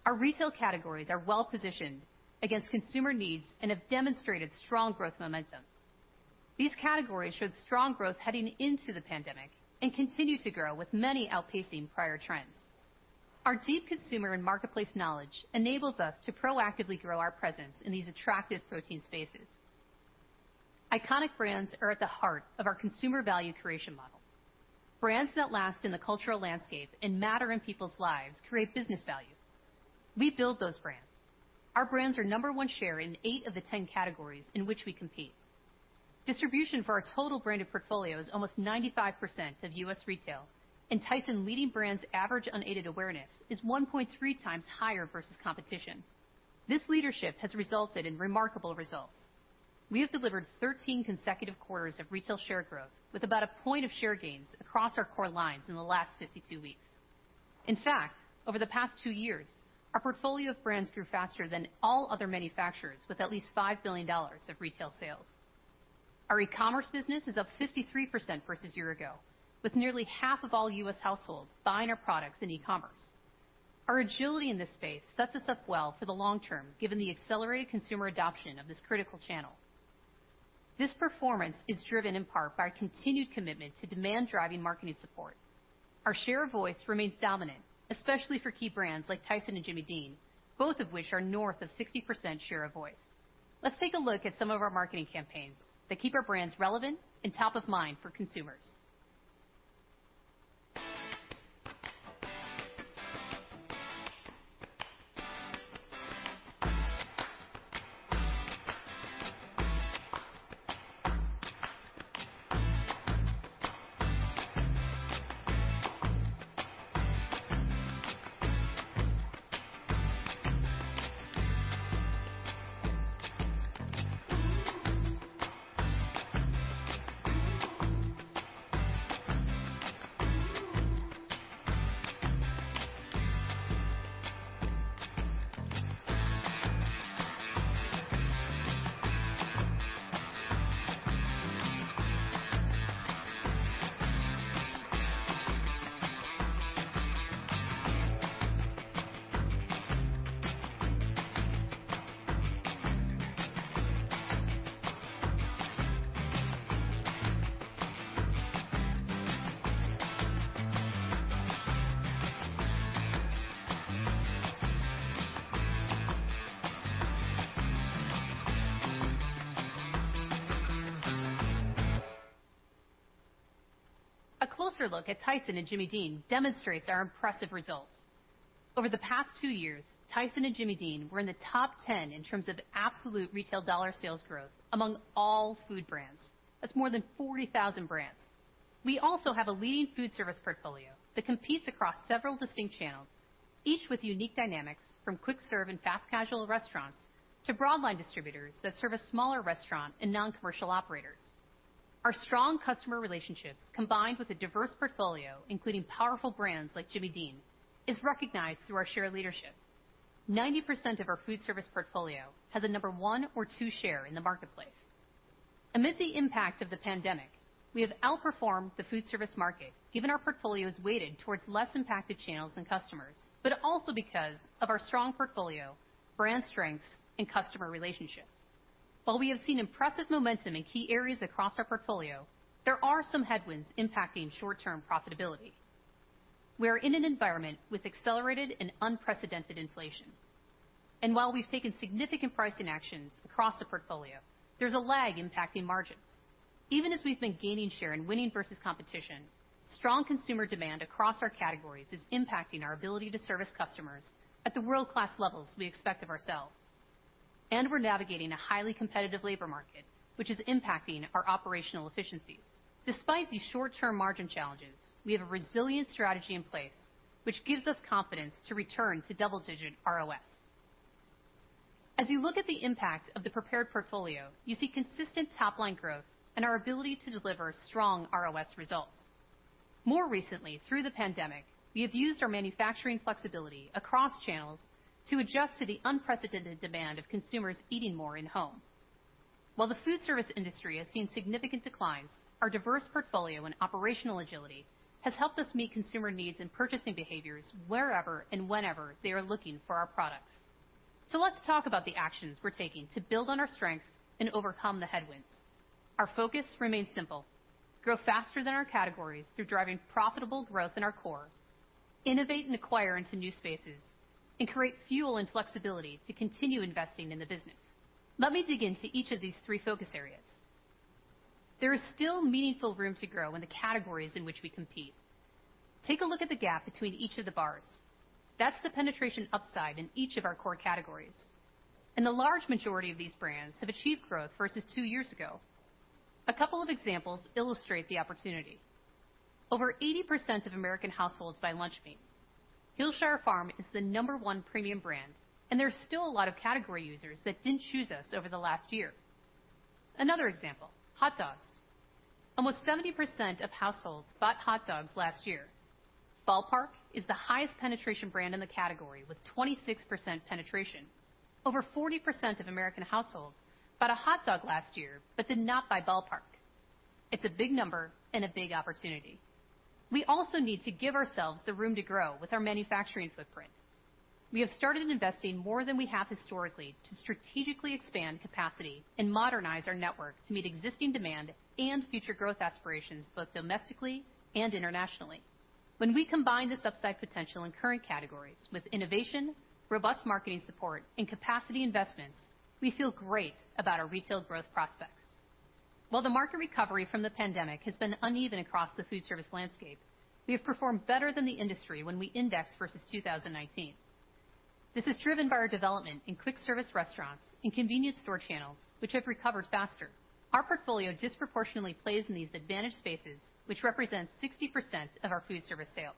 Our retail categories are well-positioned against consumer needs and have demonstrated strong growth momentum. These categories showed strong growth heading into the pandemic and continue to grow, with many outpacing prior trends. Our deep consumer and marketplace knowledge enables us to proactively grow our presence in these attractive protein spaces. Iconic brands are at the heart of our consumer value creation model. Brands that last in the cultural landscape and matter in people's lives create business value. We build those brands. Our brands are number one share in 8 of the 10 categories in which we compete. Distribution for our total branded portfolio is almost 95% of U.S. retail, and Tyson leading brands' average unaided awareness is 1.3 times higher versus competition. This leadership has resulted in remarkable results. We have delivered 13 consecutive quarters of retail share growth with about a point of share gains across our core lines in the last 52 weeks. In fact, over the past 2 years, our portfolio of brands grew faster than all other manufacturers with at least $5 billion of retail sales. Our e-commerce business is up 53% versus a year ago, with nearly half of all U.S. households buying our products in e-commerce. Our agility in this space sets us up well for the long term, given the accelerated consumer adoption of this critical channel. This performance is driven in part by our continued commitment to demand-driving marketing support. Our share of voice remains dominant, especially for key brands like Tyson and Jimmy Dean, both of which are north of 60% share of voice. Let's take a look at some of our marketing campaigns that keep our brands relevant and top of mind for consumers. A closer look at Tyson and Jimmy Dean demonstrates our impressive results. Over the past two years, Tyson and Jimmy Dean were in the top 10 in terms of absolute retail dollar sales growth among all food brands. That's more than 40,000 brands. We also have a leading food service portfolio that competes across several distinct channels, each with unique dynamics, from quick-serve and fast-casual restaurants to broad line distributors that serve smaller restaurants and non-commercial operators. Our strong customer relationships, combined with a diverse portfolio including powerful brands like Jimmy Dean, is recognized through our share leadership. 90% of our food service portfolio has a No. 1 or No. 2 share in the marketplace. Amid the impact of the pandemic, we have outperformed the food service market, given our portfolio is weighted towards less impacted channels and customers, but also because of our strong portfolio, brand strengths, and customer relationships. While we have seen impressive momentum in key areas across our portfolio, there are some headwinds impacting short-term profitability. We are in an environment with accelerated and unprecedented inflation, and while we've taken significant pricing actions across the portfolio, there's a lag impacting margins. Even as we've been gaining share and winning versus competition, strong consumer demand across our categories is impacting our ability to service customers at the world-class levels we expect of ourselves. We're navigating a highly competitive labor market, which is impacting our operational efficiencies. Despite these short-term margin challenges, we have a resilient strategy in place, which gives us confidence to return to double-digit ROS. As you look at the impact of the prepared portfolio, you see consistent top-line growth and our ability to deliver strong ROS results. More recently, through the pandemic, we have used our manufacturing flexibility across channels to adjust to the unprecedented demand of consumers eating more at home. While the foodservice industry has seen significant declines, our diverse portfolio and operational agility has helped us meet consumer needs and purchasing behaviors wherever and whenever they are looking for our products. Let's talk about the actions we're taking to build on our strengths and overcome the headwinds. Our focus remains simple: grow faster than our categories through driving profitable growth in our core, innovate and acquire into new spaces, and create fuel and flexibility to continue investing in the business. Let me dig into each of these three focus areas. There is still meaningful room to grow in the categories in which we compete. Take a look at the gap between each of the bars. That's the penetration upside in each of our core categories, and the large majority of these brands have achieved growth versus two years ago. A couple of examples illustrate the opportunity. Over 80% of American households buy lunch meat. Hillshire Farm is the No. 1 premium brand, and there's still a lot of category users that didn't choose us over the last year. Another example, hot dogs. Almost 70% of households bought hot dogs last year. Ball Park is the highest penetration brand in the category with 26% penetration. Over 40% of American households bought a hot dog last year, but did not buy Ball Park. It's a big number and a big opportunity. We also need to give ourselves the room to grow with our manufacturing footprint. We have started investing more than we have historically to strategically expand capacity and modernize our network to meet existing demand and future growth aspirations, both domestically and internationally. When we combine this upside potential in current categories with innovation, robust marketing support, and capacity investments, we feel great about our retail growth prospects. While the market recovery from the pandemic has been uneven across the food service landscape, we have performed better than the industry when we index versus 2019. This is driven by our development in quick service restaurants and convenience store channels, which have recovered faster. Our portfolio disproportionately plays in these advantage spaces, which represents 60% of our food service sales.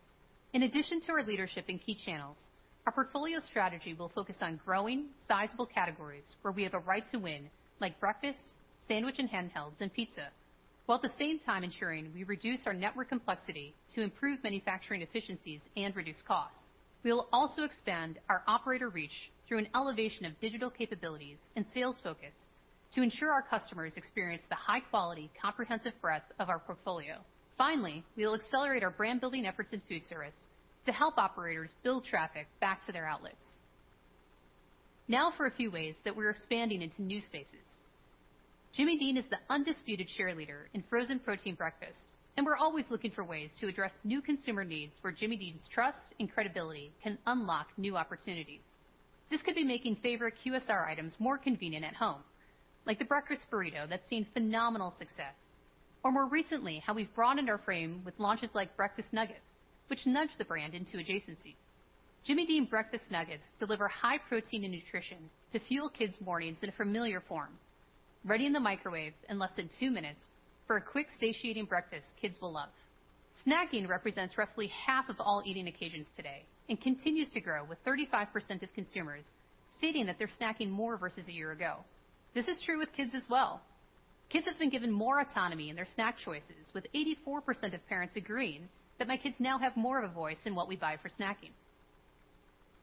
In addition to our leadership in key channels, our portfolio strategy will focus on growing sizable categories where we have a right to win, like breakfast, sandwich and handhelds, and pizza, while at the same time ensuring we reduce our network complexity to improve manufacturing efficiencies and reduce costs. We'll also expand our operator reach through an elevation of digital capabilities and sales focus to ensure our customers experience the high quality, comprehensive breadth of our portfolio. Finally, we'll accelerate our brand-building efforts in food service to help operators build traffic back to their outlets. Now for a few ways that we're expanding into new spaces. Jimmy Dean is the undisputed cheerleader in frozen protein breakfast, and we're always looking for ways to address new consumer needs where Jimmy Dean's trust and credibility can unlock new opportunities. This could be making favorite QSR items more convenient at home, like the breakfast burrito that's seen phenomenal success. Or more recently, how we've broadened our frame with launches like breakfast nuggets, which nudge the brand into adjacencies. Jimmy Dean Breakfast Nuggets deliver high protein and nutrition to fuel kids' mornings in a familiar form, ready in the microwave in less than 2 minutes for a quick, satiating breakfast kids will love. Snacking represents roughly half of all eating occasions today and continues to grow with 35% of consumers stating that they're snacking more versus a year ago. This is true with kids as well. Kids have been given more autonomy in their snack choices, with 84% of parents agreeing that my kids now have more of a voice in what we buy for snacking.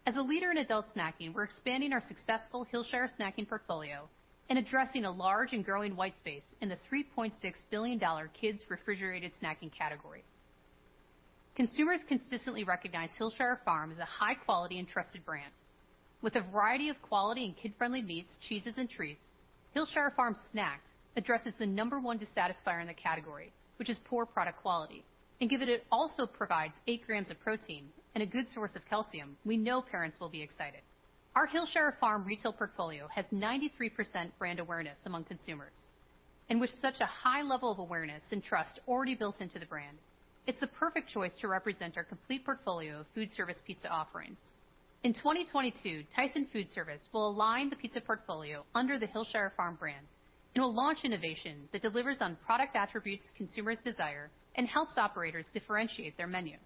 As a leader in adult snacking, we're expanding our successful Hillshire Snacking portfolio and addressing a large and growing white space in the $3.6 billion kids refrigerated snacking category. Consumers consistently recognize Hillshire Farm as a high-quality and trusted brand. With a variety of quality and kid-friendly meats, cheeses, and treats, Hillshire Farm snacks addresses the number one dissatisfier in the category, which is poor product quality. Given it also provides 8 grams of protein and a good source of calcium, we know parents will be excited. Our Hillshire Farm retail portfolio has 93% brand awareness among consumers. With such a high level of awareness and trust already built into the brand, it's the perfect choice to represent our complete portfolio of foodservice pizza offerings. In 2022, Tyson Foodservice will align the pizza portfolio under the Hillshire Farm brand and will launch innovation that delivers on product attributes consumers desire and helps operators differentiate their menu.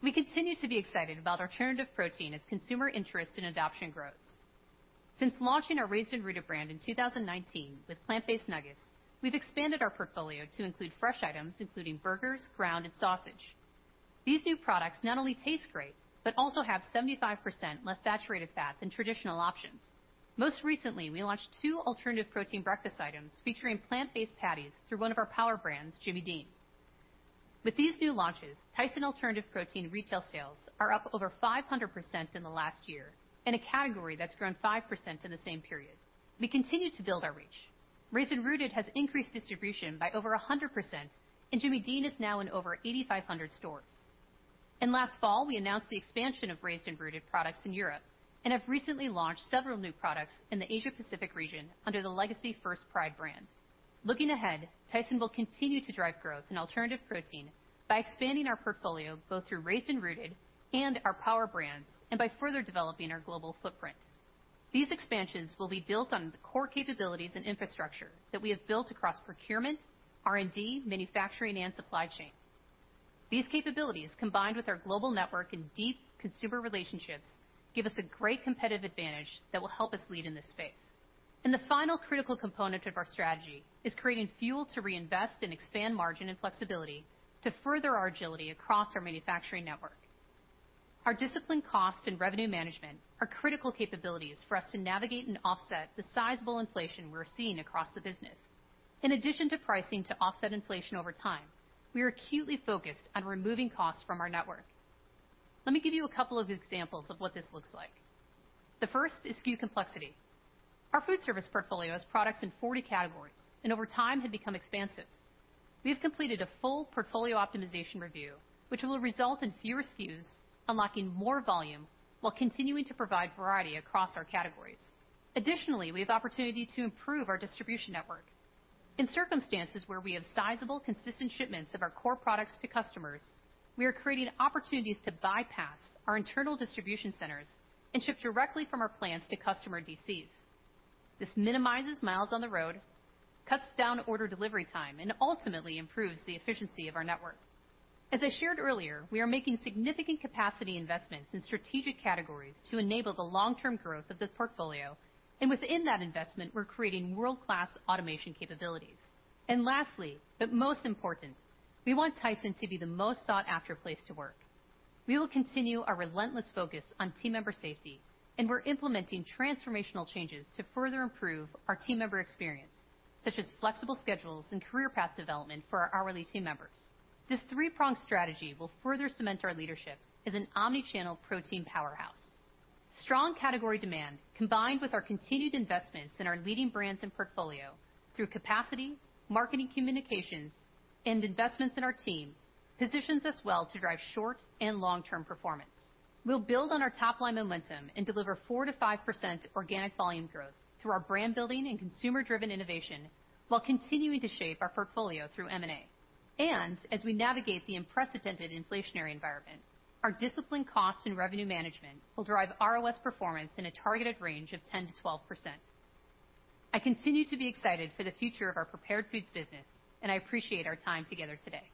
We continue to be excited about alternative protein as consumer interest and adoption grows. Since launching our Raised & Rooted brand in 2019 with plant-based nuggets, we've expanded our portfolio to include fresh items, including burgers, ground, and sausage. These new products not only taste great, but also have 75% less saturated fat than traditional options. Most recently, we launched two alternative protein breakfast items featuring plant-based patties through one of our power brands, Jimmy Dean. With these new launches, Tyson alternative protein retail sales are up over 500% in the last year in a category that's grown 5% in the same period. We continue to build our reach. Raised & Rooted has increased distribution by over 100%, and Jimmy Dean is now in over 8,500 stores. Last fall, we announced the expansion of Raised & Rooted products in Europe and have recently launched several new products in the Asia-Pacific region under the legacy First Pride brand. Looking ahead, Tyson will continue to drive growth in alternative protein by expanding our portfolio, both through Raised & Rooted and our power brands, and by further developing our global footprint. These expansions will be built on the core capabilities and infrastructure that we have built across procurement, R&D, manufacturing, and supply chain. These capabilities, combined with our global network and deep consumer relationships, give us a great competitive advantage that will help us lead in this space. The final critical component of our strategy is creating fuel to reinvest and expand margin and flexibility to further our agility across our manufacturing network. Our disciplined cost and revenue management are critical capabilities for us to navigate and offset the sizable inflation we're seeing across the business. In addition to pricing to offset inflation over time, we are acutely focused on removing costs from our network. Let me give you a couple of examples of what this looks like. The first is SKU complexity. Our food service portfolio has products in 40 categories, and over time had become expansive. We have completed a full portfolio optimization review, which will result in fewer SKUs, unlocking more volume while continuing to provide variety across our categories. Additionally, we have opportunity to improve our distribution network. In circumstances where we have sizable, consistent shipments of our core products to customers, we are creating opportunities to bypass our internal distribution centers and ship directly from our plants to customer DCs. This minimizes miles on the road, cuts down order delivery time, and ultimately improves the efficiency of our network. As I shared earlier, we are making significant capacity investments in strategic categories to enable the long-term growth of this portfolio, and within that investment, we're creating world-class automation capabilities. Lastly, but most important, we want Tyson to be the most sought-after place to work. We will continue our relentless focus on team member safety, and we're implementing transformational changes to further improve our team member experience, such as flexible schedules and career path development for our hourly team members. This three-pronged strategy will further cement our leadership as an omni-channel protein powerhouse. Strong category demand, combined with our continued investments in our leading brands and portfolio through capacity, marketing communications, and investments in our team, positions us well to drive short and long-term performance. We'll build on our top line momentum and deliver 4%-5% organic volume growth through our brand building and consumer-driven innovation while continuing to shape our portfolio through M&A. As we navigate the unprecedented inflationary environment, our disciplined cost and revenue management will drive ROS performance in a targeted range of 10%-12%. I continue to be excited for the future of our Prepared Foods business, and I appreciate our time together today.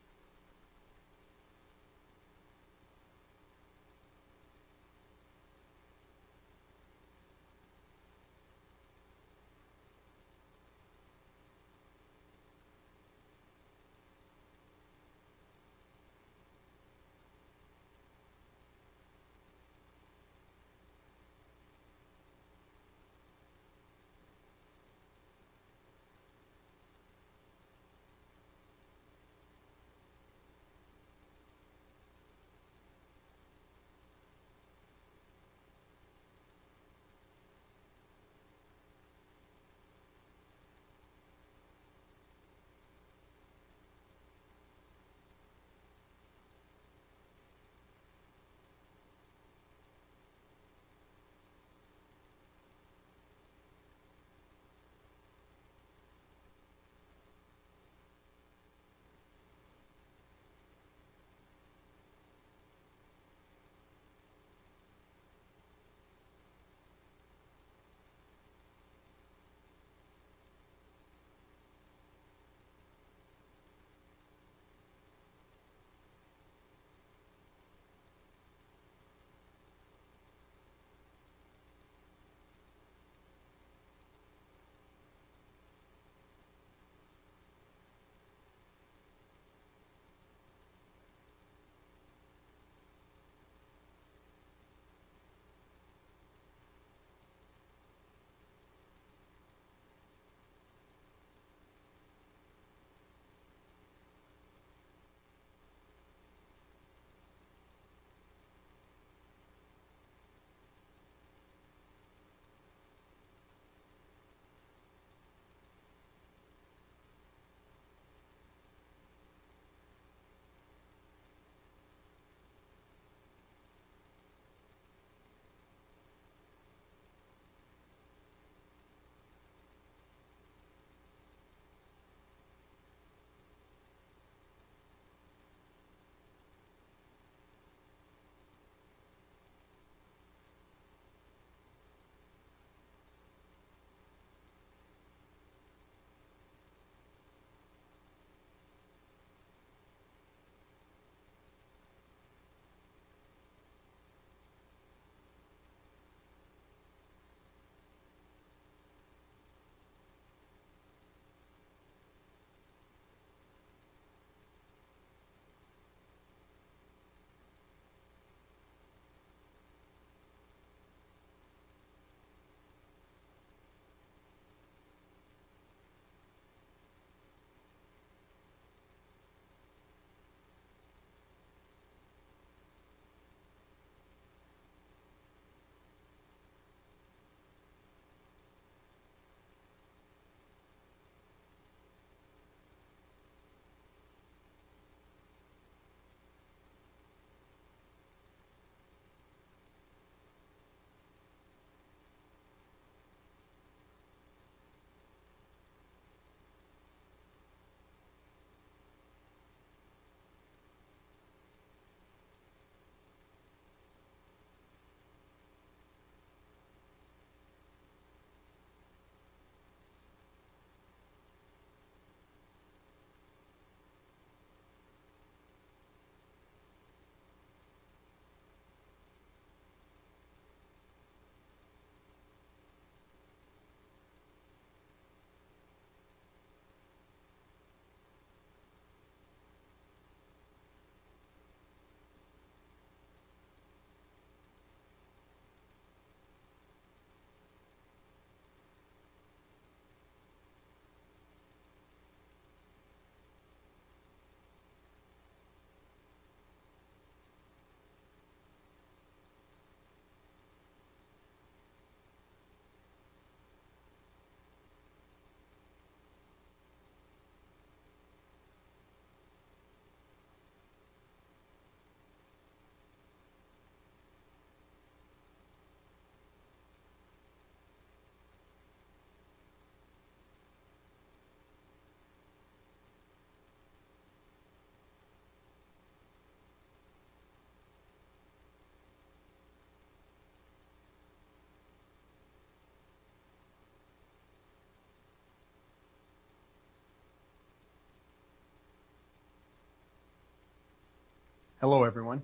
Hello, everyone.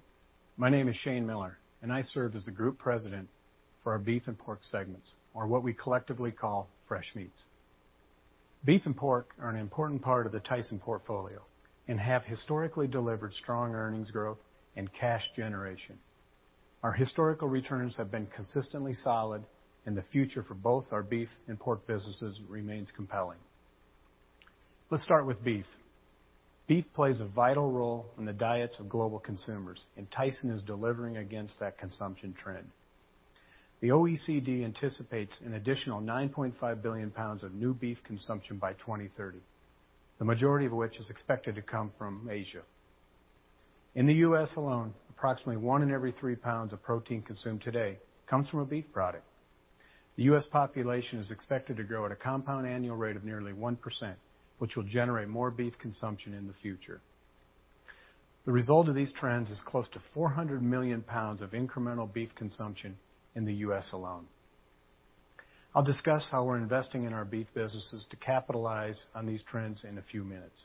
My name is Shane Miller, and I serve as the Group President for our Beef and Pork segments, or what we collectively call Fresh Meats. Beef and Pork are an important part of the Tyson portfolio and have historically delivered strong earnings growth and cash generation. Our historical returns have been consistently solid, and the future for both our Beef and Pork businesses remains compelling. Let's start with Beef. Beef plays a vital role in the diets of global consumers, and Tyson is delivering against that consumption trend. The OECD anticipates an additional 9.5 billion pounds of new Beef consumption by 2030, the majority of which is expected to come from Asia. In the U.S. alone, approximately one in every three pounds of protein consumed today comes from a Beef product. The U.S. population is expected to grow at a compound annual rate of nearly 1%, which will generate more beef consumption in the future. The result of these trends is close to 400 million pounds of incremental beef consumption in the U.S. alone. I'll discuss how we're investing in our Beef segment to capitalize on these trends in a few minutes.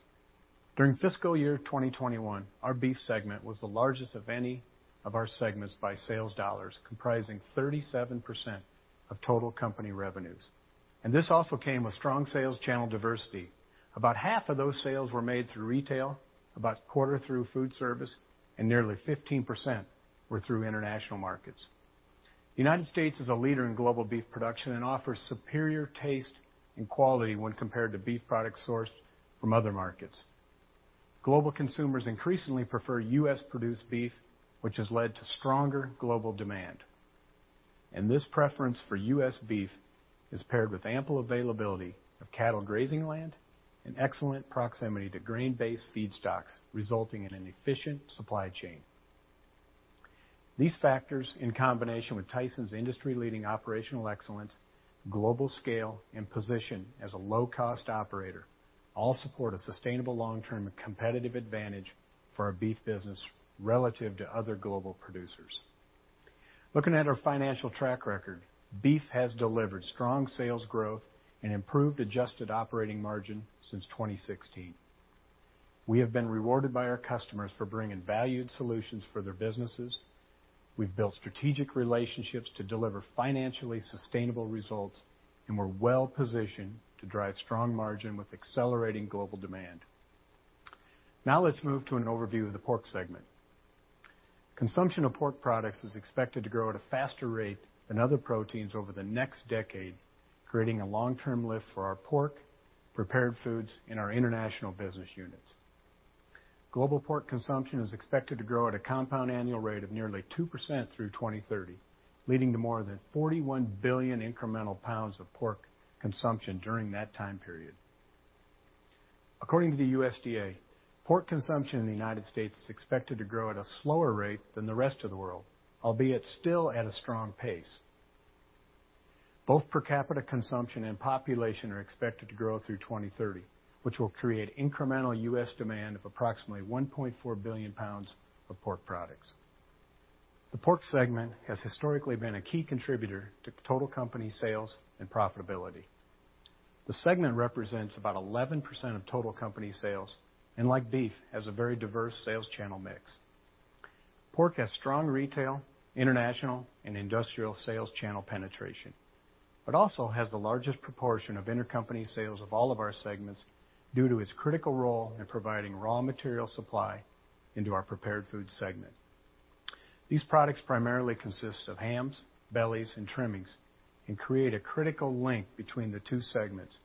During fiscal year 2021, our Beef segment was the largest of any of our segments by sales dollars, comprising 37% of total company revenues. This also came with strong sales channel diversity. About half of those sales were made through retail, about a quarter through food service, and nearly 15% were through international markets. The United States is a leader in global beef production and offers superior taste and quality when compared to beef products sourced from other markets. Global consumers increasingly prefer U.S.-produced beef, which has led to stronger global demand. This preference for U.S. beef is paired with ample availability of cattle grazing land and excellent proximity to grain-based feedstocks, resulting in an efficient supply chain. These factors, in combination with Tyson's industry-leading operational excellence, global scale, and position as a low-cost operator, all support a sustainable long-term competitive advantage for our beef business relative to other global producers. Looking at our financial track record, beef has delivered strong sales growth and improved adjusted operating margin since 2016. We have been rewarded by our customers for bringing valued solutions for their businesses. We've built strategic relationships to deliver financially sustainable results, and we're well-positioned to drive strong margin with accelerating global demand. Now let's move to an overview of the pork segment. Consumption of pork products is expected to grow at a faster rate than other proteins over the next decade, creating a long-term lift for our pork, prepared foods, and our international business units. Global pork consumption is expected to grow at a compound annual rate of nearly 2% through 2030, leading to more than 41 billion incremental pounds of pork consumption during that time period. According to the USDA, pork consumption in the United States is expected to grow at a slower rate than the rest of the world, albeit still at a strong pace. Both per capita consumption and population are expected to grow through 2030, which will create incremental U.S. demand of approximately 1.4 billion pounds of pork products. The pork segment has historical.y been a key contributor to total company sales and profitability. The segment represents about 11% of total company sales, and like beef, has a very diverse sales channel mix. Pork has strong retail, international, and industrial sales channel penetration, but also has the largest proportion of intercompany sales of all of our segments due to its critical role in providing raw material supply into our Prepared Foods segment. These products primarily consist of hams, bellies, and trimmings, and create a critical link between the two segments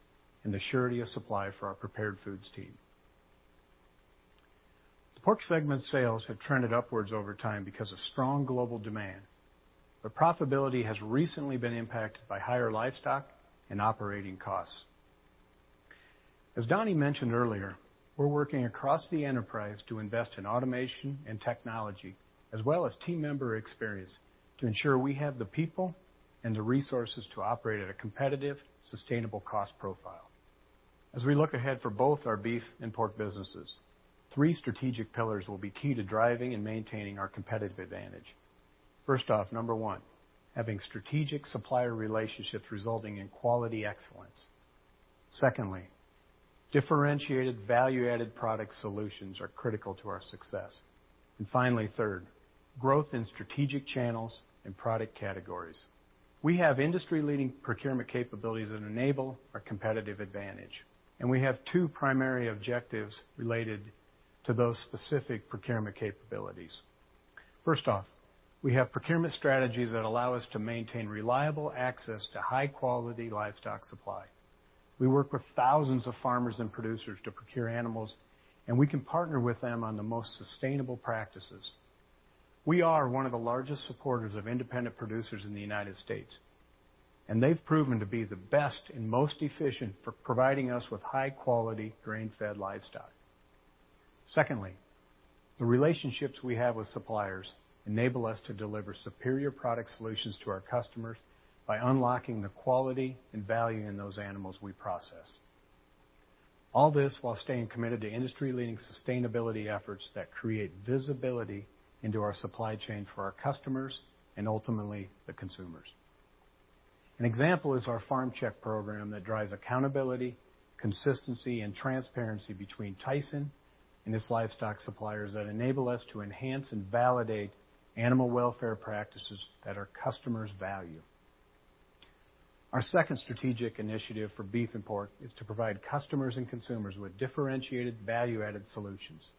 and the surety of supply for our Prepared Foods team. The pork segment sales have trended upwards over time because of strong global demand, but profitability has recently been impacted by higher livestock and operating costs. As Donnie mentioned earlier, we're working across the enterprise to invest in automation and technology, as well as team member experience, to ensure we have the people and the resources to operate at a competitive, sustainable cost profile. As we look ahead for both our beef and pork businesses, three strategic pillars will be key to driving and maintaining our competitive advantage. First off, number one, having strategic supplier relationships resulting in quality excellence. Secondly, differentiated value-added product solutions are critical to our success. Finally, third, growth in strategic channels and product categories. We have industry-leading procurement capabilities that enable our competitive advantage, and we have two primary objectives related to those specific procurement capabilities. First off, we have procurement strategies that allow us to maintain reliable access to high-quality livestock supply. We work with thousands of farmers and producers to procure animals, and we can partner with them on the most sustainable practices. We are one of the largest supporters of independent producers in the United States, and they've proven to be the best and most efficient for providing us with high-quality grain-fed livestock. Secondly, the relationships we have with suppliers enable us to deliver superior product solutions to our customers by unlocking the quality and value in those animals we process. All this while staying committed to industry-leading sustainability efforts that create visibility into our supply chain for our customers and ultimately the consumers. An example is our Farm Check program that drives accountability, consistency, and transparency between Tyson and its livestock suppliers that enable us to enhance and validate animal welfare practices that our customers value. Our second strategic initiative for Beef and Pork is to provide customers and consumers with differentiated value-added solutions.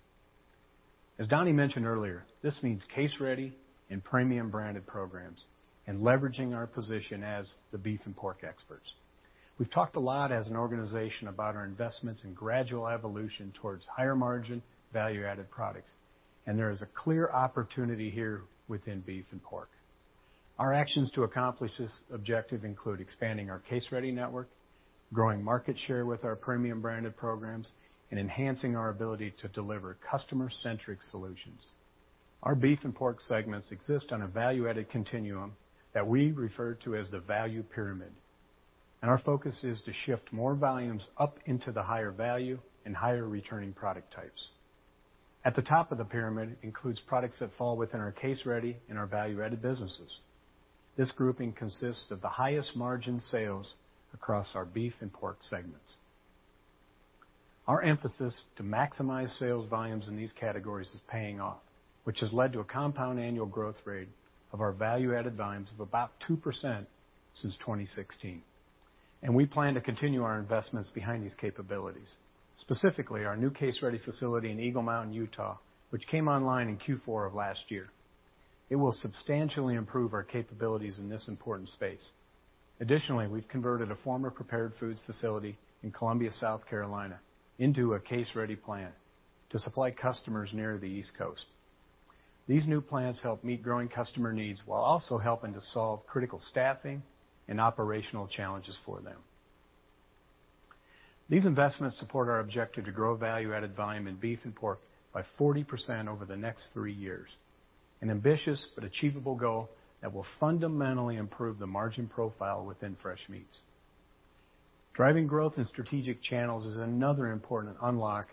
As Donnie mentioned earlier, this means case-ready and premium branded programs and leveraging our position as the beef and pork experts. We've talked a lot as an organization about our investments and gradual evolution towards higher-margin, value-added products, and there is a clear opportunity here within beef and pork. Our actions to accomplish this objective include expanding our case-ready network, growing market share with our premium branded programs, and enhancing our ability to deliver customer-centric solutions. Our Beef and Pork segments exist on a value-added continuum that we refer to as the value pyramid, and our focus is to shift more volumes up into the higher value and higher returning product types. At the top of the pyramid includes products that fall within our case-ready and our value-added businesses. This grouping consists of the highest margin sales across our Beef and Pork segments. Our emphasis to maximize sales volumes in these categories is paying off, which has led to a compound annual growth rate of our value-added volumes of about 2% since 2016. We plan to continue our investments behind these capabilities, specifically our new case-ready facility in Eagle Mountain, Utah, which came online in Q4 of last year. It will substantially improve our capabilities in this important space. Additionally, we've converted a former prepared foods facility in Columbia, South Carolina, into a case-ready plant to supply customers near the East Coast. These new plants help meet growing customer needs while also helping to solve critical staffing and operational challenges for them. These investments support our objective to grow value-added volume in beef and pork by 40% over the next three years, an ambitious but achievable goal that will fundamentally improve the margin profile within Fresh Meats. Driving growth in strategic channels is another important unlock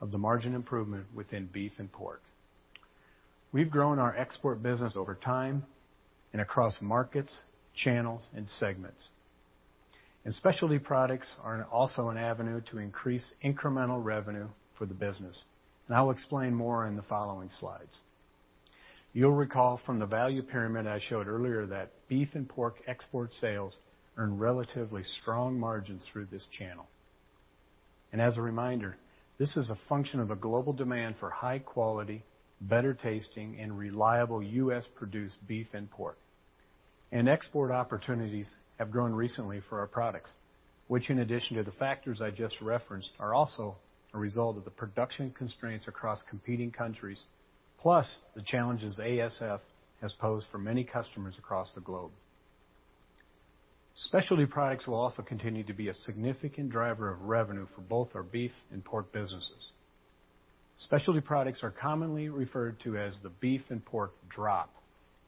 of the margin improvement within Beef and Pork. We've grown our export business over time and across markets, channels, and segments. Specialty products are also an avenue to increase incremental revenue for the business. I'll explain more in the following slides. You'll recall from the value pyramid I showed earlier that Beef and Pork export sales earn relatively strong margins through this channel. As a reminder, this is a function of a global demand for high-quality, better-tasting, and reliable U.S.-produced beef and pork. Export opportunities have grown recently for our products, which in addition to the factors I just referenced, are also a result of the production constraints across competing countries, plus the challenges ASF has posed for many customers across the globe. Specialty products will also continue to be a significant driver of revenue for both our Beef and Pork businesses. Specialty products are commonly referred to as the beef and pork drop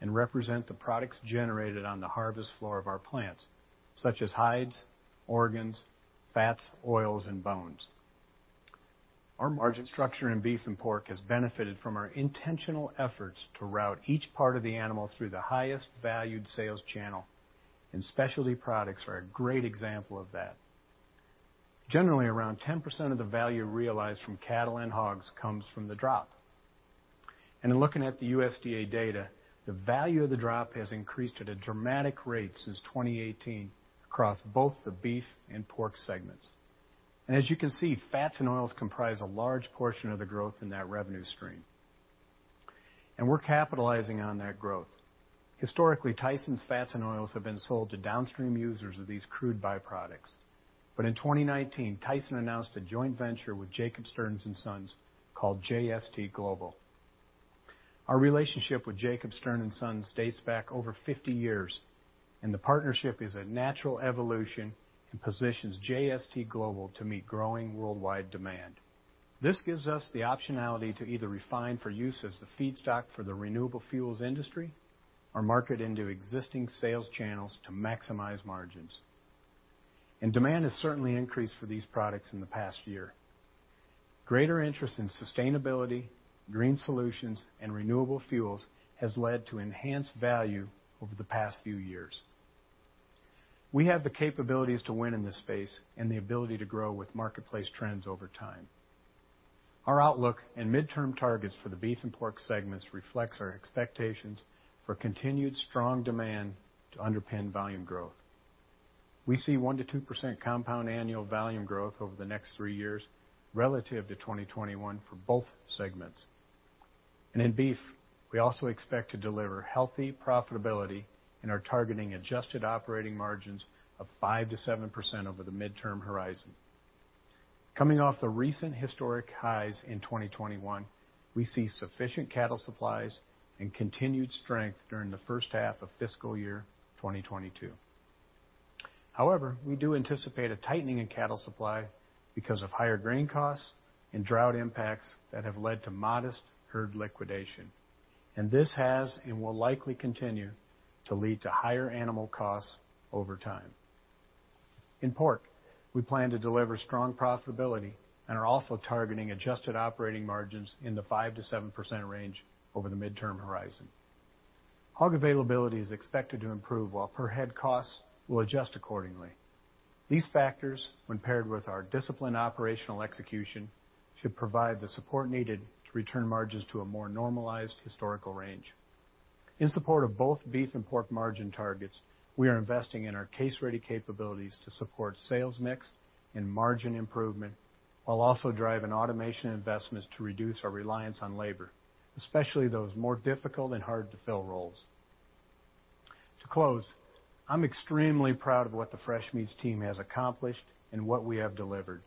and represent the products generated on the harvest floor of our plants, such as hides, organs, fats, oils, and bones. Our margin structure in Beef and Pork has benefited from our intentional efforts to route each part of the animal through the highest valued sales channel, and specialty products are a great example of that. Generally, around 10% of the value realized from cattle and hogs comes from the drop. In looking at the USDA data, the value of the drop has increased at a dramatic rate since 2018 across both the Beef and Pork segments. As you can see, fats and oils comprise a large portion of the growth in that revenue stream. We're capitalizing on that growth. Historically, Tyson's fats and oils have been sold to downstream users of these crude byproducts. In 2019, Tyson announced a joint venture with Jacob Stern & Sons called JST Global. Our relationship with Jacob Stern & Sons dates back over 50 years, and the partnership is a natural evolution and positions JST Global to meet growing worldwide demand. This gives us the optionality to either refine for use as the feedstock for the renewable fuels industry or market into existing sales channels to maximize margins. Demand has certainly increased for these products in the past year. Greater interest in sustainability, green solutions, and renewable fuels has led to enhanced value over the past few years. We have the capabilities to win in this space and the ability to grow with marketplace trends over time. Our outlook and midterm targets for the Beef and Pork segments reflects our expectations for continued strong demand to underpin volume growth. We see 1%-2% compound annual volume growth over the next three years relative to 2021 for both segments. In beef, we also expect to deliver healthy profitability and are targeting adjusted operating margins of 5%-7% over the midterm horizon. Coming off the recent historic highs in 2021, we see sufficient cattle supplies and continued strength during the first half of fiscal year 2022. However, we do anticipate a tightening in cattle supply because of higher grain costs and drought impacts that have led to modest herd liquidation, and this has and will likely continue to lead to higher animal costs over time. In pork, we plan to deliver strong profitability and are also targeting adjusted operating margins in the 5%-7% range over the midterm horizon. Hog availability is expected to improve, while per head costs will adjust accordingly. These factors, when paired with our disciplined operational execution, should provide the support needed to return margins to a more normalized historical range. In support of both beef and pork margin targets, we are investing in our case-ready capabilities to support sales mix and margin improvement, while also driving automation investments to reduce our reliance on labor, especially those more difficult and hard-to-fill roles. To close, I'm extremely proud of what the Fresh Meats team has accomplished and what we have delivered.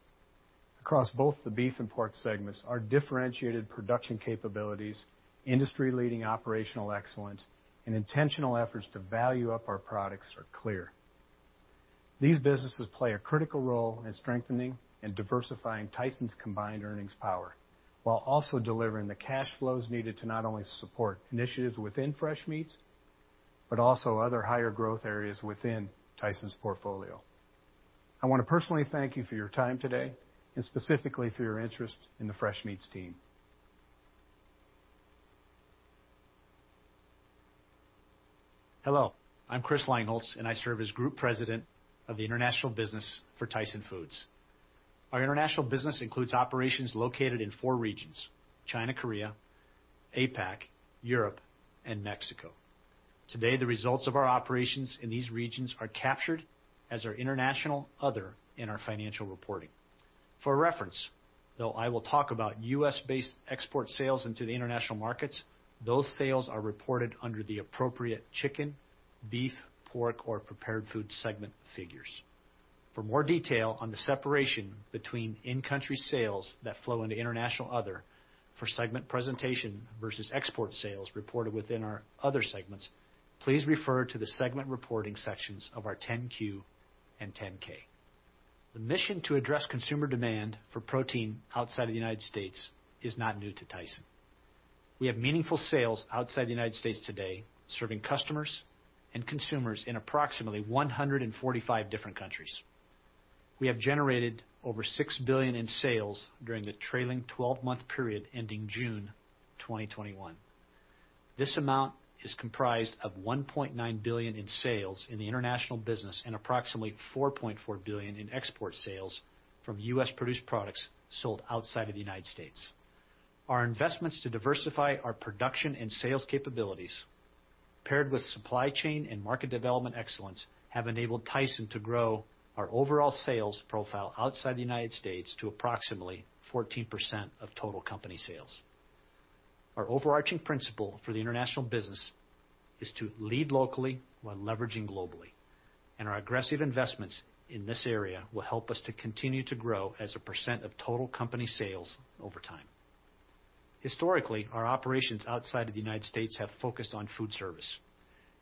Across both the Beef and Pork segments, our differentiated production capabilities, industry-leading operational excellence, and intentional efforts to value up our products are clear. These businesses play a critical role in strengthening and diversifying Tyson's combined earnings power, while also delivering the cash flows needed to not only support initiatives within Fresh Meats, but also other higher growth areas within Tyson's portfolio. I want to personally thank you for your time today, and specifically for your interest in the Fresh Meats team. Hello, I'm Chris Langholz, and I serve as Group President, International, Tyson Foods. Our international business includes operations located in four regions, China, Korea, APAC, Europe, and Mexico. Today, the results of our operations in these regions are captured as our International Other in our financial reporting. For reference, though I will talk about U.S.-based export sales into the international markets, those sales are reported under the appropriate chicken, beef, pork, or prepared food segment figures. For more detail on the separation between in-country sales that flow into International Other for segment presentation versus export sales reported within our other segments, please refer to the segment reporting sections of our 10-Q and 10-K. The mission to address consumer demand for protein outside of the United States is not new to Tyson. We have meaningful sales outside the United States today, serving customers and consumers in approximately 145 different countries. We have generated over $6 billion in sales during the trailing twelve-month period ending June 2021. This amount is comprised of $1.9 billion in sales in the international business and approximately $4.4 billion in export sales from U.S.-produced products sold outside of the United States. Our investments to diversify our production and sales capabilities, paired with supply chain and market development excellence, have enabled Tyson to grow our overall sales profile outside the United States to approximately 14% of total company sales. Our overarching principle for the international business is to lead locally while leveraging globally, and our aggressive investments in this area will help us to continue to grow as a % of total company sales over time. Historically, our operations outside of the United States have focused on food service.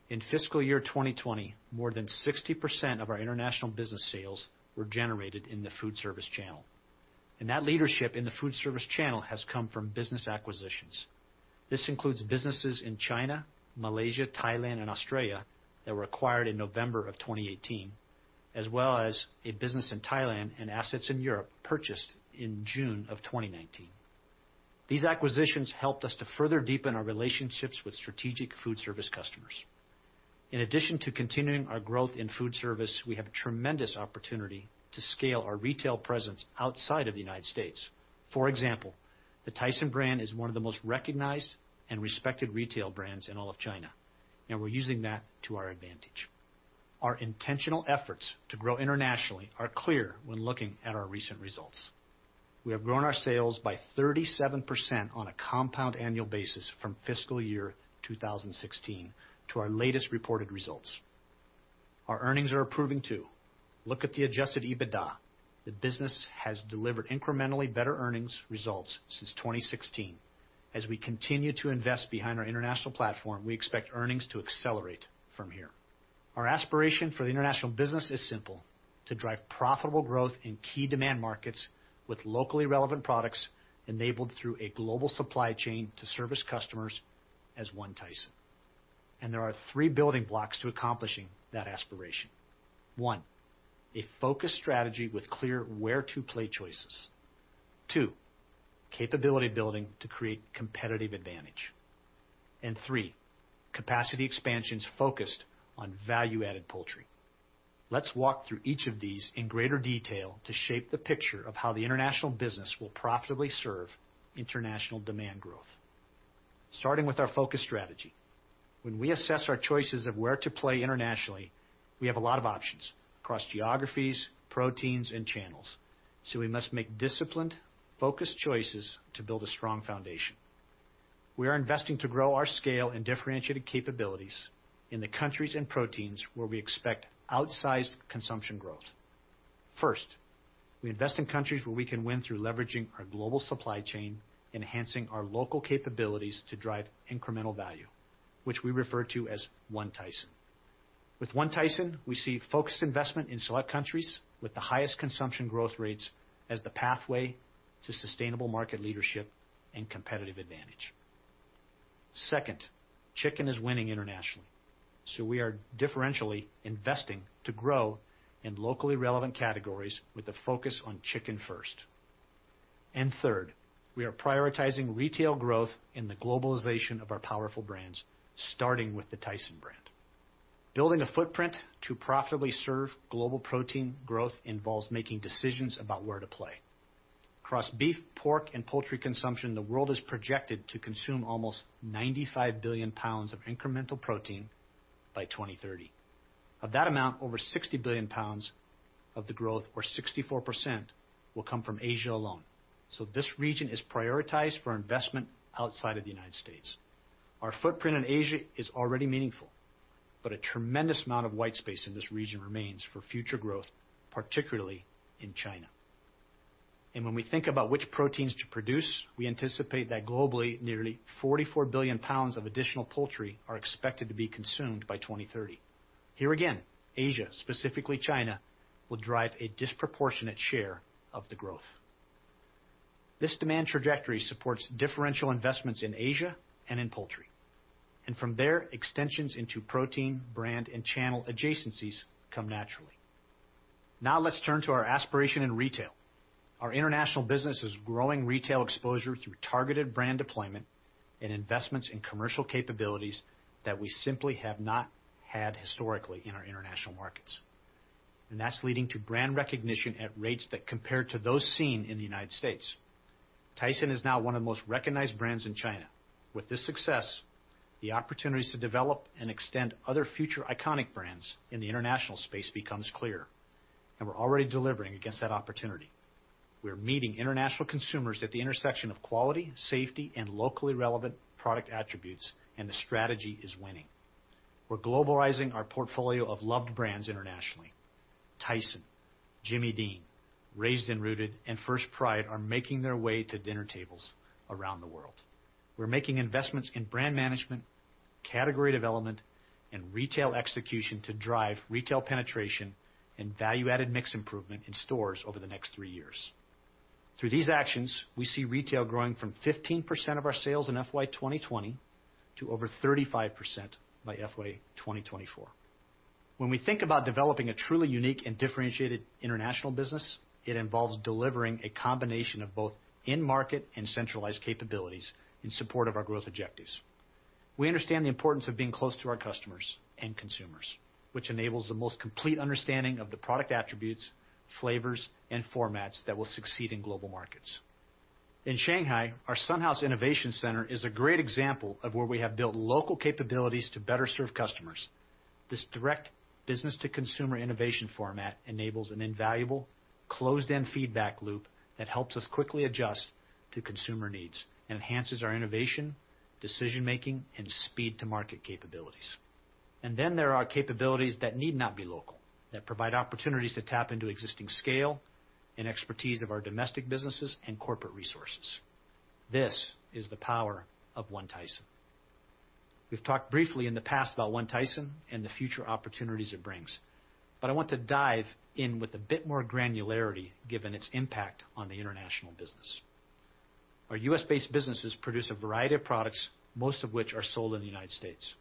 In fiscal year 2020, more than 60% of our international business sales were generated in the food service channel. That leadership in the food service channel has come from business acquisitions. This includes businesses in China, Malaysia, Thailand, and Australia that were acquired in November 2018, as well as a business in Thailand and assets in Europe purchased in June 2019. These acquisitions helped us to further deepen our relationships with strategic food service customers. In addition to continuing our growth in food service, we have a tremendous opportunity to scale our retail presence outside of the United States. For example, the Tyson brand is one of the most recognized and respected retail brands in all of China, and we're using that to our advantage. Our intentional efforts to grow internationally are clear when looking at our recent results. We have grown our sales by 37% on a compound annual CAGR from fiscal year 2016 to our latest reported results. Our earnings are improving too. Look at the adjusted EBITDA. The business has delivered incrementally better earnings results since 2016. As we continue to invest behind our international platform, we expect earnings to accelerate from here. Our aspiration for the international business is simple, to drive profitable growth in key demand markets with locally relevant products enabled through a global supply chain to service customers as One Tyson. There are three building blocks to accomplishing that aspiration. One, a focused strategy with clear where to play choices. Two, capability building to create competitive advantage. Three, capacity expansions focused on value-added poultry. Let's walk through each of these in greater detail to shape the picture of how the international business will profitably serve international demand growth. Starting with our focus strategy. When we assess our choices of where to play internationally, we have a lot of options across geographies, proteins, and channels. We must make disciplined, focused choices to build a strong foundation. We are investing to grow our scale and differentiated capabilities in the countries and proteins where we expect outsized consumption growth. First, we invest in countries where we can win through leveraging our global supply chain, enhancing our local capabilities to drive incremental value, which we refer to as One Tyson. With One Tyson, we see focused investment in select countries with the highest consumption growth rates as the pathway to sustainable market leadership and competitive advantage. Second, chicken is winning internationally, so we are differentially investing to grow in locally relevant categories with a focus on chicken first. Third, we are prioritizing retail growth in the globalization of our powerful brands, starting with the Tyson brand. Building a footprint to profitably serve global protein growth involves making decisions about where to play. Across beef, pork, and poultry consumption, the world is projected to consume almost 95 billion pounds of incremental protein by 2030. Of that amount, over 60 billion pounds of the growth, or 64%, will come from Asia alone, so this region is prioritized for investment outside of the United States. Our footprint in Asia is already meaningful, but a tremendous amount of white space in this region remains for future growth, particularly in China. When we think about which proteins to produce, we anticipate that globally, nearly 44 billion pounds of additional poultry are expected to be consumed by 2030. Here again, Asia, specifically China, will drive a disproportionate share of the growth. This demand trajectory supports differential investments in Asia and in poultry, and from there, extensions into protein, brand, and channel adjacencies come naturally. Now let's turn to our aspiration in retail. Our international business is growing retail exposure through targeted brand deployment and investments in commercial capabilities that we simply have not had historically in our international markets. That's leading to brand recognition at rates that compare to those seen in the United States. Tyson is now one of the most recognized brands in China. With this success, the opportunities to develop and extend other future iconic brands in the international space becomes clear, and we're already delivering against that opportunity. We're meeting international consumers at the intersection of quality, safety, and locally relevant product attributes, and the strategy is winning. We're globalizing our portfolio of loved brands internationally. Tyson, Jimmy Dean, Raised & Rooted, and First Pride are making their way to dinner tables around the world. We're making investments in brand management, category development, and retail execution to drive retail penetration and value-added mix improvement in stores over the next three years. Through these actions, we see retail growing from 15% of our sales in FY 2020 to over 35% by FY 2024. When we think about developing a truly unique and differentiated international business, it involves delivering a combination of both in-market and centralized capabilities in support of our growth objectives. We understand the importance of being close to our customers and consumers, which enables the most complete understanding of the product attributes, flavors, and formats that will succeed in global markets. In Shanghai, our Sun House Innovation Center is a great example of where we have built local capabilities to better serve customers. This direct business-to-consumer innovation format enables an invaluable closed-end feedback loop that helps us quickly adjust to consumer needs and enhances our innovation, decision-making, and speed to market capabilities. There are capabilities that need not be local, that provide opportunities to tap into existing scale and expertise of our domestic businesses and corporate resources. This is the power of One Tyson. We've talked briefly in the past about One Tyson and the future opportunities it brings, but I want to dive in with a bit more granularity given its impact on the international business. Our U.S.-based businesses produce a variety of products, most of which are sold in the United States.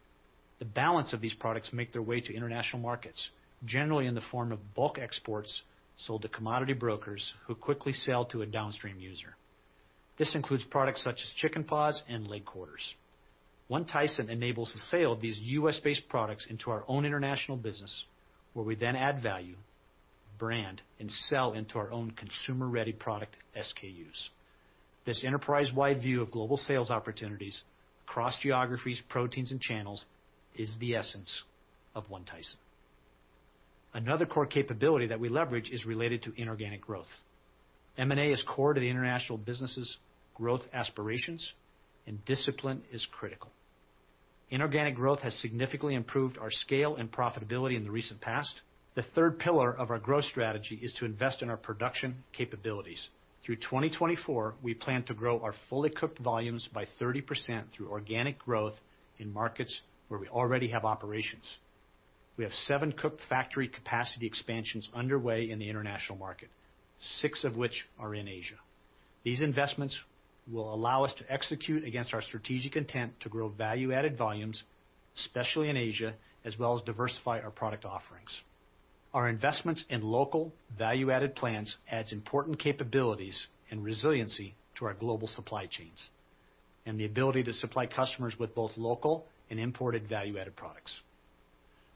The balance of these products make their way to international markets, generally in the form of bulk exports sold to commodity brokers who quickly sell to a downstream user. This includes products such as chicken paws and leg quarters. One Tyson enables the sale of these U.S.-based products into our own international business, where we then add value, brand, and sell into our own consumer-ready product SKUs. This enterprise-wide view of global sales opportunities across geographies, proteins, and channels is the essence of One Tyson. Another core capability that we leverage is related to inorganic growth. M&A is core to the international business's growth aspirations, and discipline is critical. Inorganic growth has significantly improved our scale and profitability in the recent past. The third pillar of our growth strategy is to invest in our production capabilities. Through 2024, we plan to grow our fully cooked volumes by 30% through organic growth in markets where we already have operations. We have 7 cook factory capacity expansions underway in the international market, 6 of which are in Asia. These investments will allow us to execute against our strategic intent to grow value-added volumes, especially in Asia, as well as diversify our product offerings. Our investments in local value-added plants adds important capabilities and resiliency to our global supply chains and the ability to supply customers with both local and imported value-added products.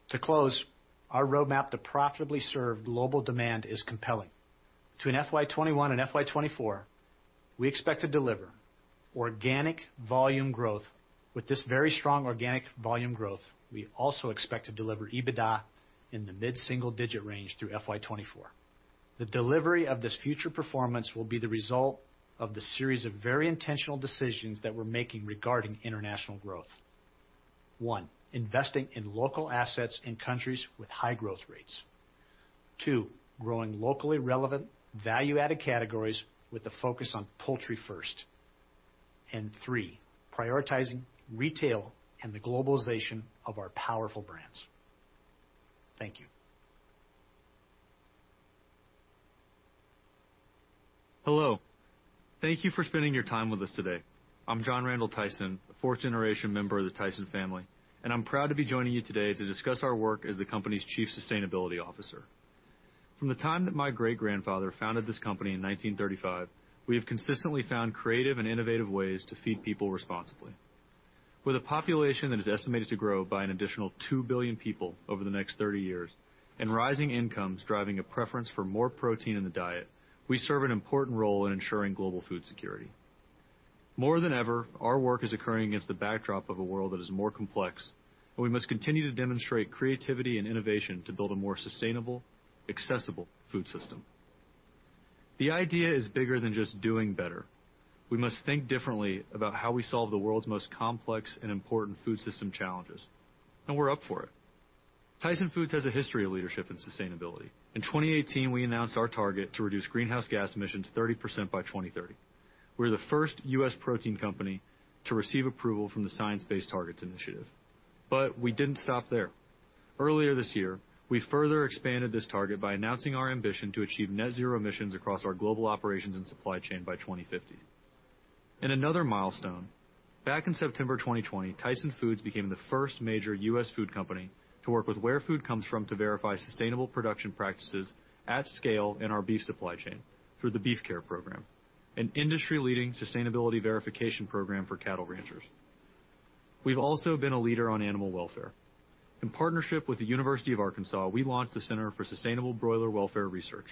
To close, our roadmap to profitably serve global demand is compelling. Between FY 2021 and FY 2024, we expect to deliver organic volume growth. With this very strong organic volume growth, we also expect to deliver EBITDA in the mid-single digit range through FY 2024. The delivery of this future performance will be the result of the series of very intentional decisions that we're making regarding international growth. One, investing in local assets in countries with high growth rates. Two, growing locally relevant value-added categories with a focus on poultry first. Three, prioritizing retail and the globalization of our powerful brands. Thank you. Hello. Thank you for spending your time with us today. I'm John Randal Tyson, a fourth-generation member of the Tyson family, and I'm proud to be joining you today to discuss our work as the company's Chief Sustainability Officer. From the time that my great-grandfather founded this company in 1935, we have consistently found creative and innovative ways to feed people responsibly. With a population that is estimated to grow by an additional 2 billion people over the next 30 years and rising incomes driving a preference for more protein in the diet, we serve an important role in ensuring global food security. More than ever, our work is occurring against the backdrop of a world that is more complex, and we must continue to demonstrate creativity and innovation to build a more sustainable, accessible food system. The idea is bigger than just doing better. We must think differently about how we solve the world's most complex and important food system challenges, and we're up for it. Tyson Foods has a history of leadership and sustainability. In 2018, we announced our target to reduce greenhouse gas emissions 30% by 2030. We're the first U.S. protein company to receive approval from the Science Based Targets initiative. We didn't stop there. Earlier this year, we further expanded this target by announcing our ambition to achieve net zero emissions across our global operations and supply chain by 2050. In another milestone, back in September 2020, Tyson Foods became the first major U.S. food company to work with Where Food Comes From to verify sustainable production practices at scale in our beef supply chain through the BeefCARE program, an industry-leading sustainability verification program for cattle ranchers. We've also been a leader on animal welfare. In partnership with the University of Arkansas, we launched the Center for Sustainable Broiler Welfare Research.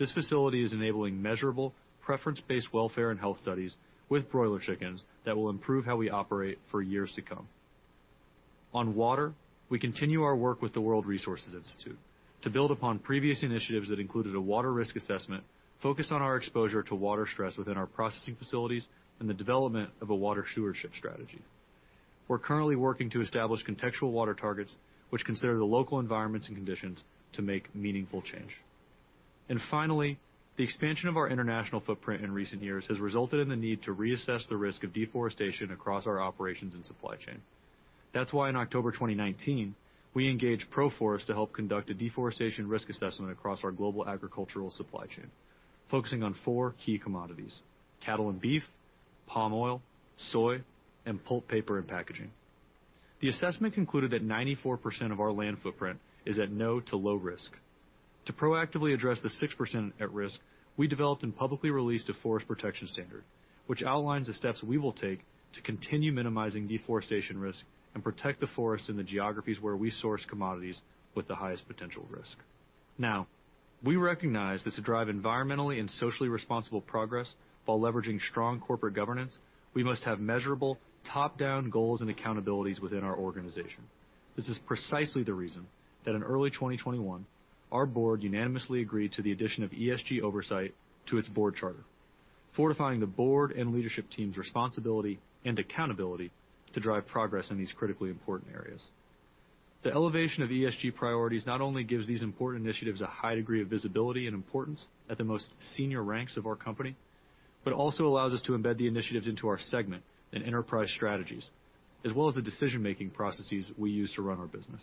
This facility is enabling measurable preference-based welfare and health studies with broiler chickens that will improve how we operate for years to come. On water, we continue our work with the World Resources Institute to build upon previous initiatives that included a water risk assessment focused on our exposure to water stress within our processing facilities and the development of a water stewardship strategy. We're currently working to establish contextual water targets which consider the local environments and conditions to make meaningful change. Finally, the expansion of our international footprint in recent years has resulted in the need to reassess the risk of deforestation across our operations and supply chain. That's why in October 2019, we engaged Proforest to help conduct a deforestation risk assessment across our global agricultural supply chain, focusing on four key commodities, cattle and beef, palm oil, soy, and pulp paper and packaging. The assessment concluded that 94% of our land footprint is at no to low risk. To proactively address the 6% at risk, we developed and publicly released a forest protection standard, which outlines the steps we will take to continue minimizing deforestation risk and protect the forest in the geographies where we source commodities with the highest potential risk. Now, we recognize that to drive environmentally and socially responsible progress while leveraging strong corporate governance, we must have measurable top-down goals and accountabilities within our organization. This is precisely the reason that in early 2021, our board unanimously agreed to the addition of ESG oversight to its board charter, fortifying the board and leadership team's responsibility and accountability to drive progress in these critically important areas. The elevation of ESG priorities not only gives these important initiatives a high degree of visibility and importance at the most senior ranks of our company, but also allows us to embed the initiatives into our segment and enterprise strategies, as well as the decision-making processes we use to run our business.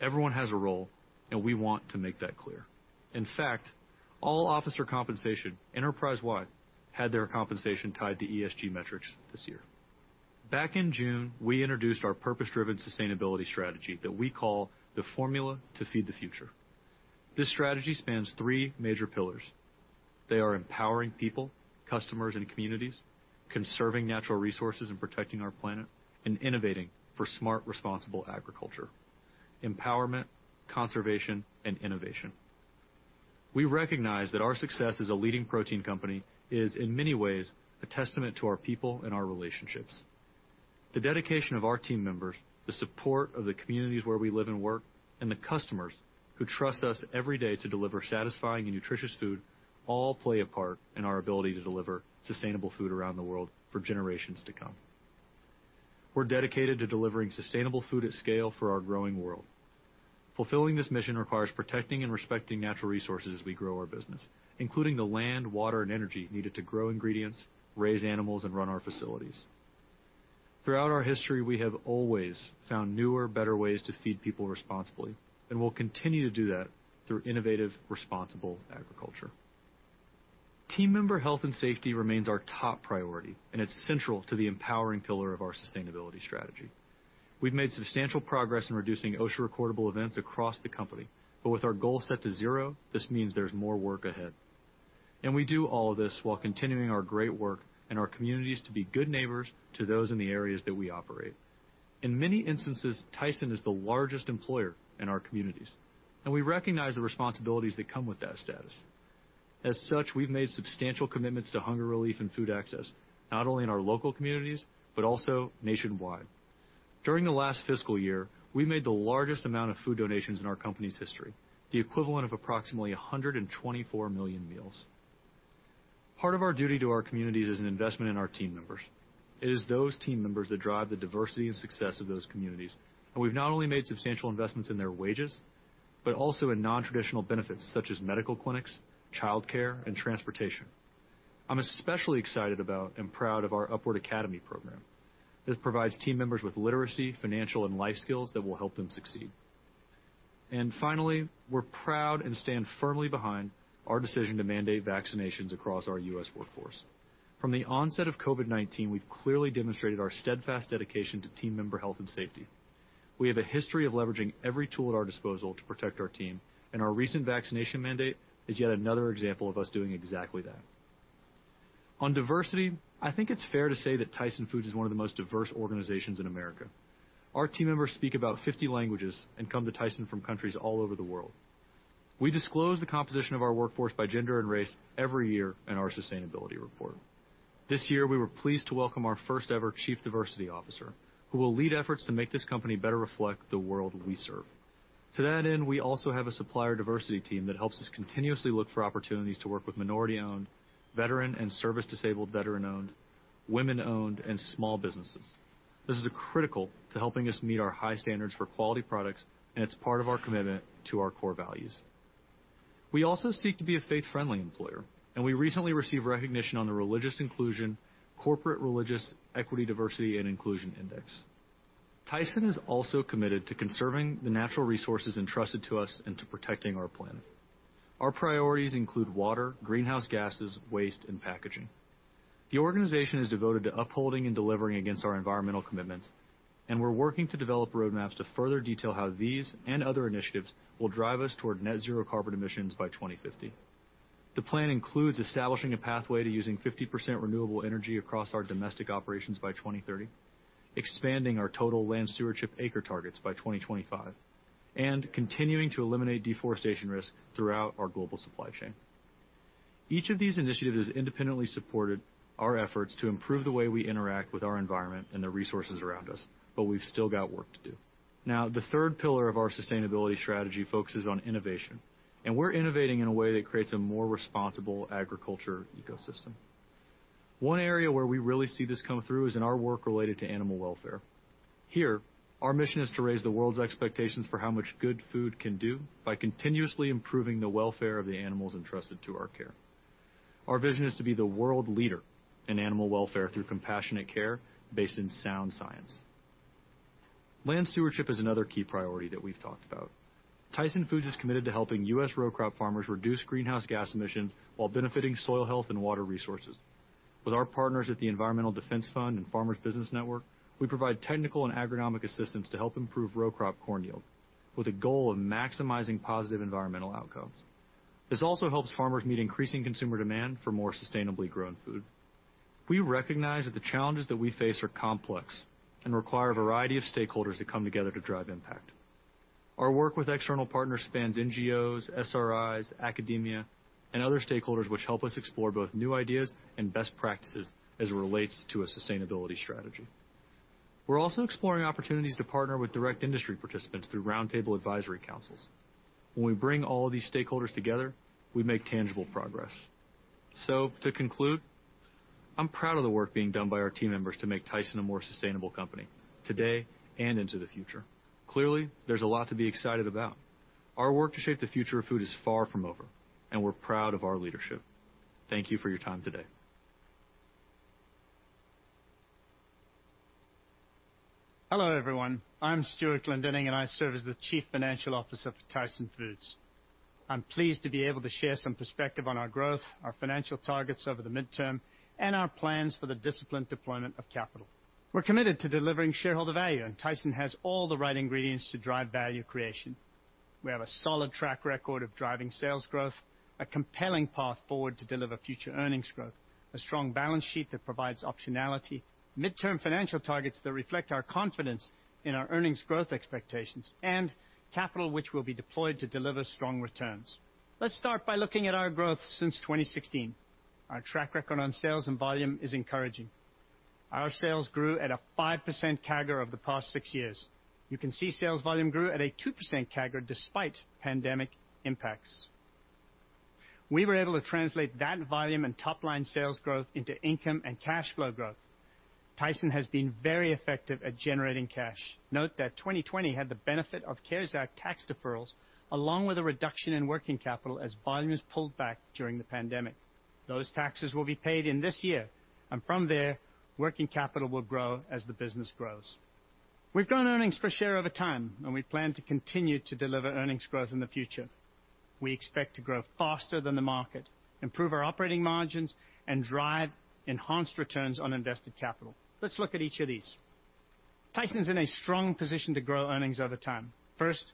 Everyone has a role, and we want to make that clear. In fact, all officer compensation enterprise-wide had their compensation tied to ESG metrics this year. Back in June, we introduced our purpose-driven sustainability strategy that we call the Formula to Feed the Future. This strategy spans three major pillars. They are empowering people, customers, and communities, conserving natural resources and protecting our planet, and innovating for smart, responsible agriculture. Empowerment, conservation, and innovation. We recognize that our success as a leading protein company is, in many ways, a testament to our people and our relationships. The dedication of our team members, the support of the communities where we live and work, and the customers who trust us every day to deliver satisfying and nutritious food all play a part in our ability to deliver sustainable food around the world for generations to come. We're dedicated to delivering sustainable food at scale for our growing world. Fulfilling this mission requires protecting and respecting natural resources as we grow our business, including the land, water, and energy needed to grow ingredients, raise animals, and run our facilities. Throughout our history, we have always found newer, better ways to feed people responsibly, and we'll continue to do that through innovative, responsible agriculture. Team member health and safety remains our top priority, and it's central to the empowering pillar of our sustainability strategy. We've made substantial progress in reducing OSHA-recordable events across the company, but with our goal set to zero, this means there's more work ahead. We do all of this while continuing our great work in our communities to be good neighbors to those in the areas that we operate. In many instances, Tyson is the largest employer in our communities, and we recognize the responsibilities that come with that status. As such, we've made substantial commitments to hunger relief and food access, not only in our local communities, but also nationwide. During the last fiscal year, we made the largest amount of food donations in our company's history, the equivalent of approximately 124 million meals. Part of our duty to our communities is an investment in our team members. It is those team members that drive the diversity and success of those communities. We've not only made substantial investments in their wages, but also in non-traditional benefits such as medical clinics, childcare, and transportation. I'm especially excited about and proud of our Upward Academy program. This provides team members with literacy, financial, and life skills that will help them succeed. Finally, we're proud and stand firmly behind our decision to mandate vaccinations across our U.S. workforce. From the onset of COVID-19, we've clearly demonstrated our steadfast dedication to team member health and safety. We have a history of leveraging every tool at our disposal to protect our team, and our recent vaccination mandate is yet another example of us doing exactly that. On diversity, I think it's fair to say that Tyson Foods is one of the most diverse organizations in America. Our team members speak about 50 languages and come to Tyson from countries all over the world. We disclose the composition of our workforce by gender and race every year in our sustainability report. This year, we were pleased to welcome our first ever Chief Diversity Officer, who will lead efforts to make this company better reflect the world we serve. To that end, we also have a supplier diversity team that helps us continuously look for opportunities to work with minority-owned, veteran and service-disabled veteran-owned, women-owned, and small businesses. This is critical to helping us meet our high standards for quality products, and it's part of our commitment to our core values. We also seek to be a faith-friendly employer, and we recently received recognition on the Corporate Religious Equity, Diversity & Inclusion Index. Tyson is also committed to conserving the natural resources entrusted to us and to protecting our planet. Our priorities include water, greenhouse gases, waste, and packaging. The organization is devoted to upholding and delivering against our environmental commitments, and we're working to develop roadmaps to further detail how these and other initiatives will drive us toward net zero carbon emissions by 2050. The plan includes establishing a pathway to using 50% renewable energy across our domestic operations by 2030, expanding our total land stewardship acre targets by 2025, and continuing to eliminate deforestation risk throughout our global supply chain. Each of these initiatives independently supported our efforts to improve the way we interact with our environment and the resources around us, but we've still got work to do. Now, the third pillar of our sustainability strategy focuses on innovation, and we're innovating in a way that creates a more responsible agriculture ecosystem. One area where we really see this come through is in our work related to animal welfare. Here, our mission is to raise the world's expectations for how much good food can do by continuously improving the welfare of the animals entrusted to our care. Our vision is to be the world leader in animal welfare through compassionate care based in sound science. Land stewardship is another key priority that we've talked about. Tyson Foods is committed to helping U.S. row crop farmers reduce greenhouse gas emissions while benefiting soil health and water resources. With our partners at the Environmental Defense Fund and Farmers Business Network, we provide technical and agronomic assistance to help improve row crop corn yield with a goal of maximizing positive environmental outcomes. This also helps farmers meet increasing consumer demand for more sustainably grown food. We recognize that the challenges that we face are complex and require a variety of stakeholders to come together to drive impact. Our work with external partners spans NGOs, SRIs, academia, and other stakeholders which help us explore both new ideas and best practices as it relates to a sustainability strategy. We're also exploring opportunities to partner with direct industry participants through roundtable advisory councils. When we bring all of these stakeholders together, we make tangible progress. To conclude, I'm proud of the work being done by our team members to make Tyson a more sustainable company today and into the future. Clearly, there's a lot to be excited about. Our work to shape the future of food is far from over, and we're proud of our leadership. Thank you for your time today. Hello, everyone. I'm Stewart Glendinning, and I serve as the Chief Financial Officer for Tyson Foods. I'm pleased to be able to share some perspective on our growth, our financial targets over the midterm, and our plans for the disciplined deployment of capital. We're committed to delivering shareholder value, and Tyson has all the right ingredients to drive value creation. We have a solid track record of driving sales growth, a compelling path forward to deliver future earnings growth, a strong balance sheet that provides optionality, midterm financial targets that reflect our confidence in our earnings growth expectations, and capital which will be deployed to deliver strong returns. Let's start by looking at our growth since 2016. Our track record on sales and volume is encouraging. Our sales grew at a 5% CAGR over the past 6 years. You can see sales volume grew at a 2% CAGR despite pandemic impacts. We were able to translate that volume and top-line sales growth into income and cash flow growth. Tyson has been very effective at generating cash. Note that 2020 had the benefit of CARES Act tax deferrals, along with a reduction in working capital as volume was pulled back during the pandemic. Those taxes will be paid in this year, and from there, working capital will grow as the business grows. We've grown earnings per share over time, and we plan to continue to deliver earnings growth in the future. We expect to grow faster than the market, improve our operating margins, and drive enhanced returns on invested capital. Let's look at each of these. Tyson's in a strong position to grow earnings over time. First,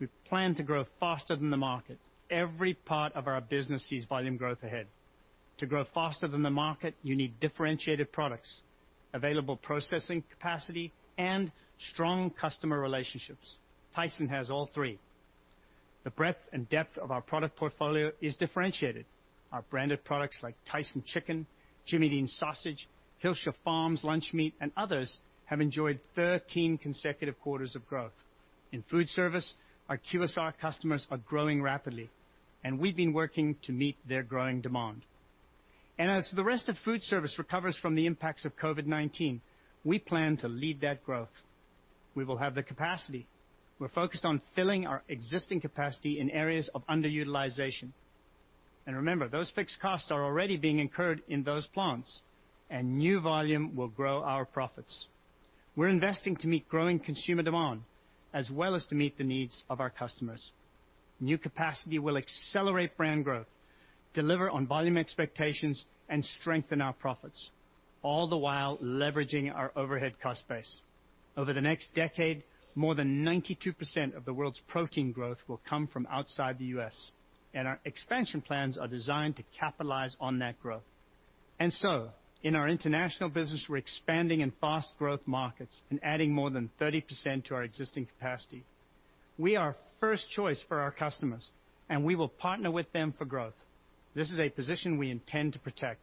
we plan to grow faster than the market. Every part of our business sees volume growth ahead. To grow faster than the market, you need differentiated products, available processing capacity, and strong customer relationships. Tyson has all three. The breadth and depth of our product portfolio is differentiated. Our branded products like Tyson Chicken, Jimmy Dean Sausage, Hillshire Farm lunch meat, and others have enjoyed thirteen consecutive quarters of growth. In food service, our QSR customers are growing rapidly, and we've been working to meet their growing demand. As the rest of food service recovers from the impacts of COVID-19, we plan to lead that growth. We will have the capacity. We're focused on filling our existing capacity in areas of underutilization. Remember, those fixed costs are already being incurred in those plants, and new volume will grow our profits. We're investing to meet growing consumer demand as well as to meet the needs of our customers. New capacity will accelerate brand growth, deliver on volume expectations, and strengthen our profits, all the while leveraging our overhead cost base. Over the next decade, more than 92% of the world's protein growth will come from outside the U.S., and our expansion plans are designed to capitalize on that growth. In our international business, we're expanding in fast growth markets and adding more than 30% to our existing capacity. We are first choice for our customers, and we will partner with them for growth. This is a position we intend to protect.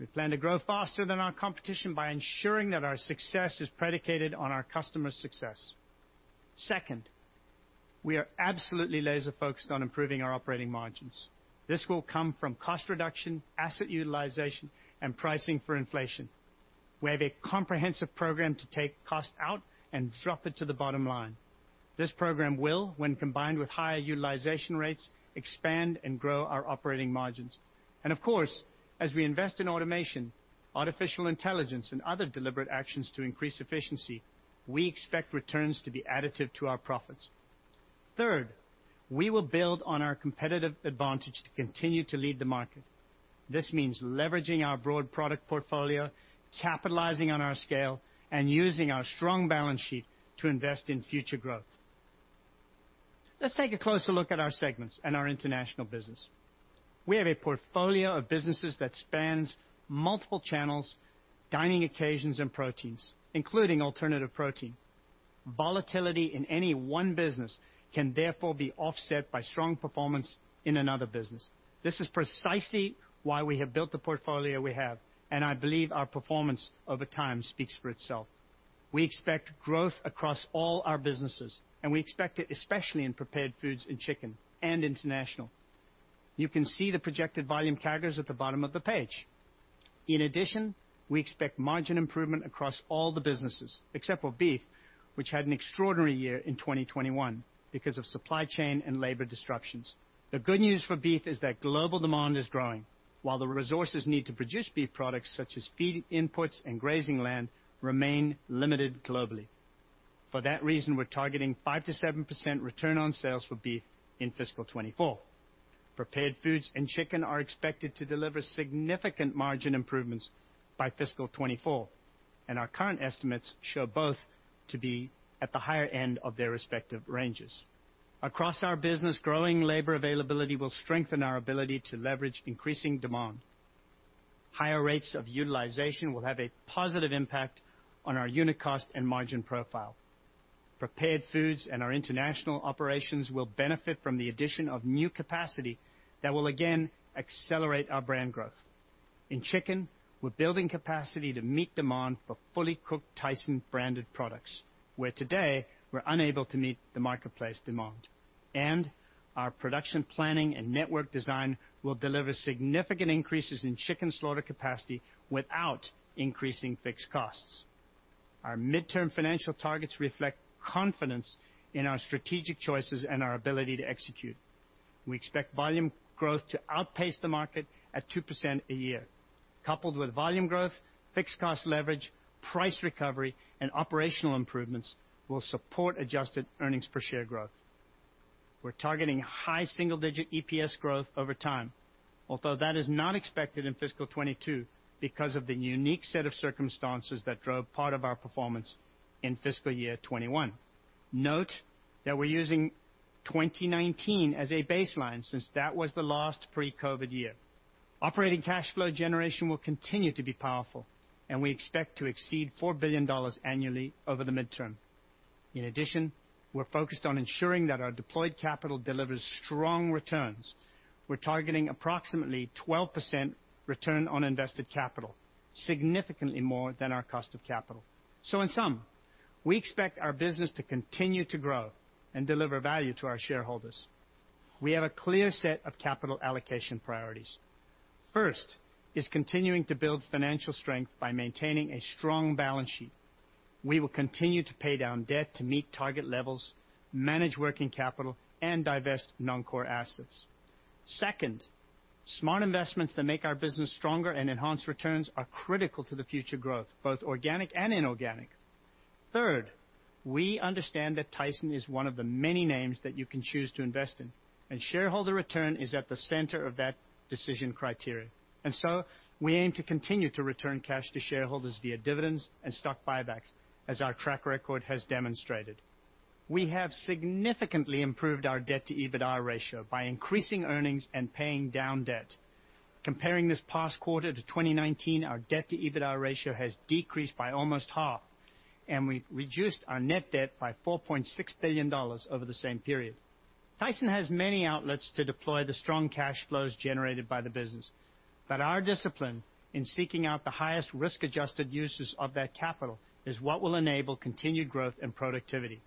We plan to grow faster than our competition by ensuring that our success is predicated on our customers' success. Second, we are absolutely laser-focused on improving our operating margins. This will come from cost reduction, asset utilization, and pricing for inflation. We have a comprehensive program to take cost out and drop it to the bottom line. This program will, when combined with higher utilization rates, expand and grow our operating margins. Of course, as we invest in automation, artificial intelligence, and other deliberate actions to increase efficiency, we expect returns to be additive to our profits. Third, we will build on our competitive advantage to continue to lead the market. This means leveraging our broad product portfolio, capitalizing on our scale, and using our strong balance sheet to invest in future growth. Let's take a closer look at our segments and our international business. We have a portfolio of businesses that spans multiple channels, dining occasions, and proteins, including alternative protein. Volatility in any one business can therefore be offset by strong performance in another business. This is precisely why we have built the portfolio we have, and I believe our performance over time speaks for itself. We expect growth across all our businesses, and we expect it especially in prepared foods and chicken and international. You can see the projected volume CAGRs at the bottom of the page. In addition, we expect margin improvement across all the businesses, except for beef, which had an extraordinary year in 2021 because of supply chain and labor disruptions. The good news for beef is that global demand is growing, while the resources needed to produce beef products, such as feed imports and grazing land, remain limited globally. For that reason, we're targeting 5%-7% return on sales for beef in FY 2024. Prepared Foods and Chicken are expected to deliver significant margin improvements by fiscal 2024, and our current estimates show both to be at the higher end of their respective ranges. Across our business, growing labor availability will strengthen our ability to leverage increasing demand. Higher rates of utilization will have a positive impact on our unit cost and margin profile. Prepared Foods and our International operations will benefit from the addition of new capacity that will again accelerate our brand growth. In Chicken, we're building capacity to meet demand for fully cooked Tyson-branded products, where today we're unable to meet the marketplace demand. Our production planning and network design will deliver significant increases in Chicken slaughter capacity without increasing fixed costs. Our midterm financial targets reflect confidence in our strategic choices and our ability to execute. We expect volume growth to outpace the market at 2% a year. Coupled with volume growth, fixed cost leverage, price recovery, and operational improvements will support adjusted earnings per share growth. We're targeting high single-digit EPS growth over time. Although that is not expected in FY 2022 because of the unique set of circumstances that drove part of our performance in FY 2021. Note that we're using 2019 as a baseline since that was the last pre-COVID year. Operating cash flow generation will continue to be powerful, and we expect to exceed $4 billion annually over the midterm. In addition, we're focused on ensuring that our deployed capital delivers strong returns. We're targeting approximately 12% return on invested capital, significantly more than our cost of capital. In sum, we expect our business to continue to grow and deliver value to our shareholders. We have a clear set of capital allocation priorities. First is continuing to build financial strength by maintaining a strong balance sheet. We will continue to pay down debt to meet target levels, manage working capital, and divest non-core assets. Second, smart investments that make our business stronger and enhance returns are critical to the future growth, both organic and inorganic. Third. We understand that Tyson is one of the many names that you can choose to invest in, and shareholder return is at the center of that decision criteria. We aim to continue to return cash to shareholders via dividends and stock buybacks, as our track record has demonstrated. We have significantly improved our debt to EBITDA ratio by increasing earnings and paying down debt. Comparing this past quarter to 2019, our debt to EBITDA ratio has decreased by almost half, and we reduced our net debt by $4.6 billion over the same period. Tyson has many outlets to deploy the strong cash flows generated by the business, but our discipline in seeking out the highest risk-adjusted uses of that capital is what will enable continued growth and productivity.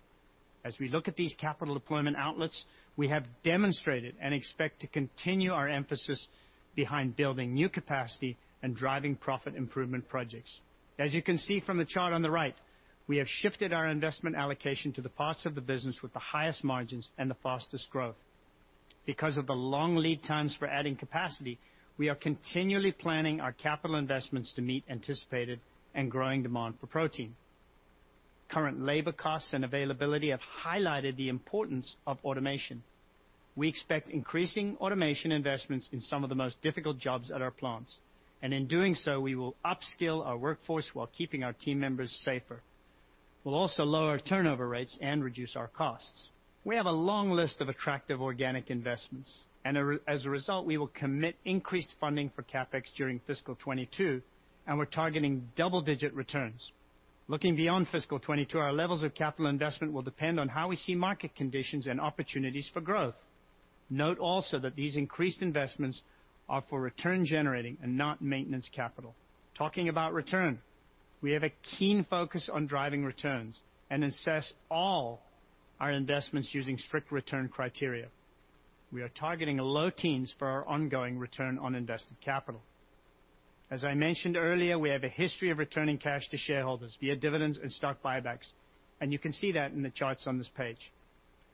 As we look at these capital deployment outlets, we have demonstrated and expect to continue our emphasis behind building new capacity and driving profit improvement projects. As you can see from the chart on the right, we have shifted our investment allocation to the parts of the business with the highest margins and the fastest growth. Because of the long lead times for adding capacity, we are continually planning our capital investments to meet anticipated and growing demand for protein. Current labor costs and availability have highlighted the importance of automation. We expect increasing automation investments in some of the most difficult jobs at our plants, and in doing so, we will upskill our workforce while keeping our team members safer. We'll also lower turnover rates and reduce our costs. We have a long list of attractive organic investments, and as a result, we will commit increased funding for CapEx during FY 2022, and we're targeting double-digit returns. Looking beyond FY 2022, our levels of capital investment will depend on how we see market conditions and opportunities for growth. Note also that these increased investments are for return-generating and not maintenance capital. Talking about return, we have a keen focus on driving returns and assess all our investments using strict return criteria. We are targeting a low teens for our ongoing return on invested capital. As I mentioned earlier, we have a history of returning cash to shareholders via dividends and stock buybacks, and you can see that in the charts on this page.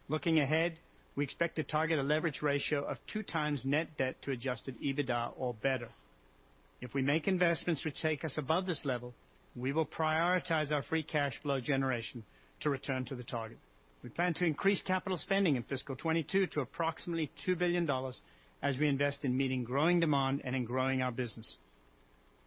Looking ahead, we expect to target a leverage ratio of 2x net debt to adjusted EBITDA or better. If we make investments which take us above this level, we will prioritize our free cash flow generation to return to the target. We plan to increase capital spending in fiscal 2022 to approximately $2 billion as we invest in meeting growing demand and in growing our business.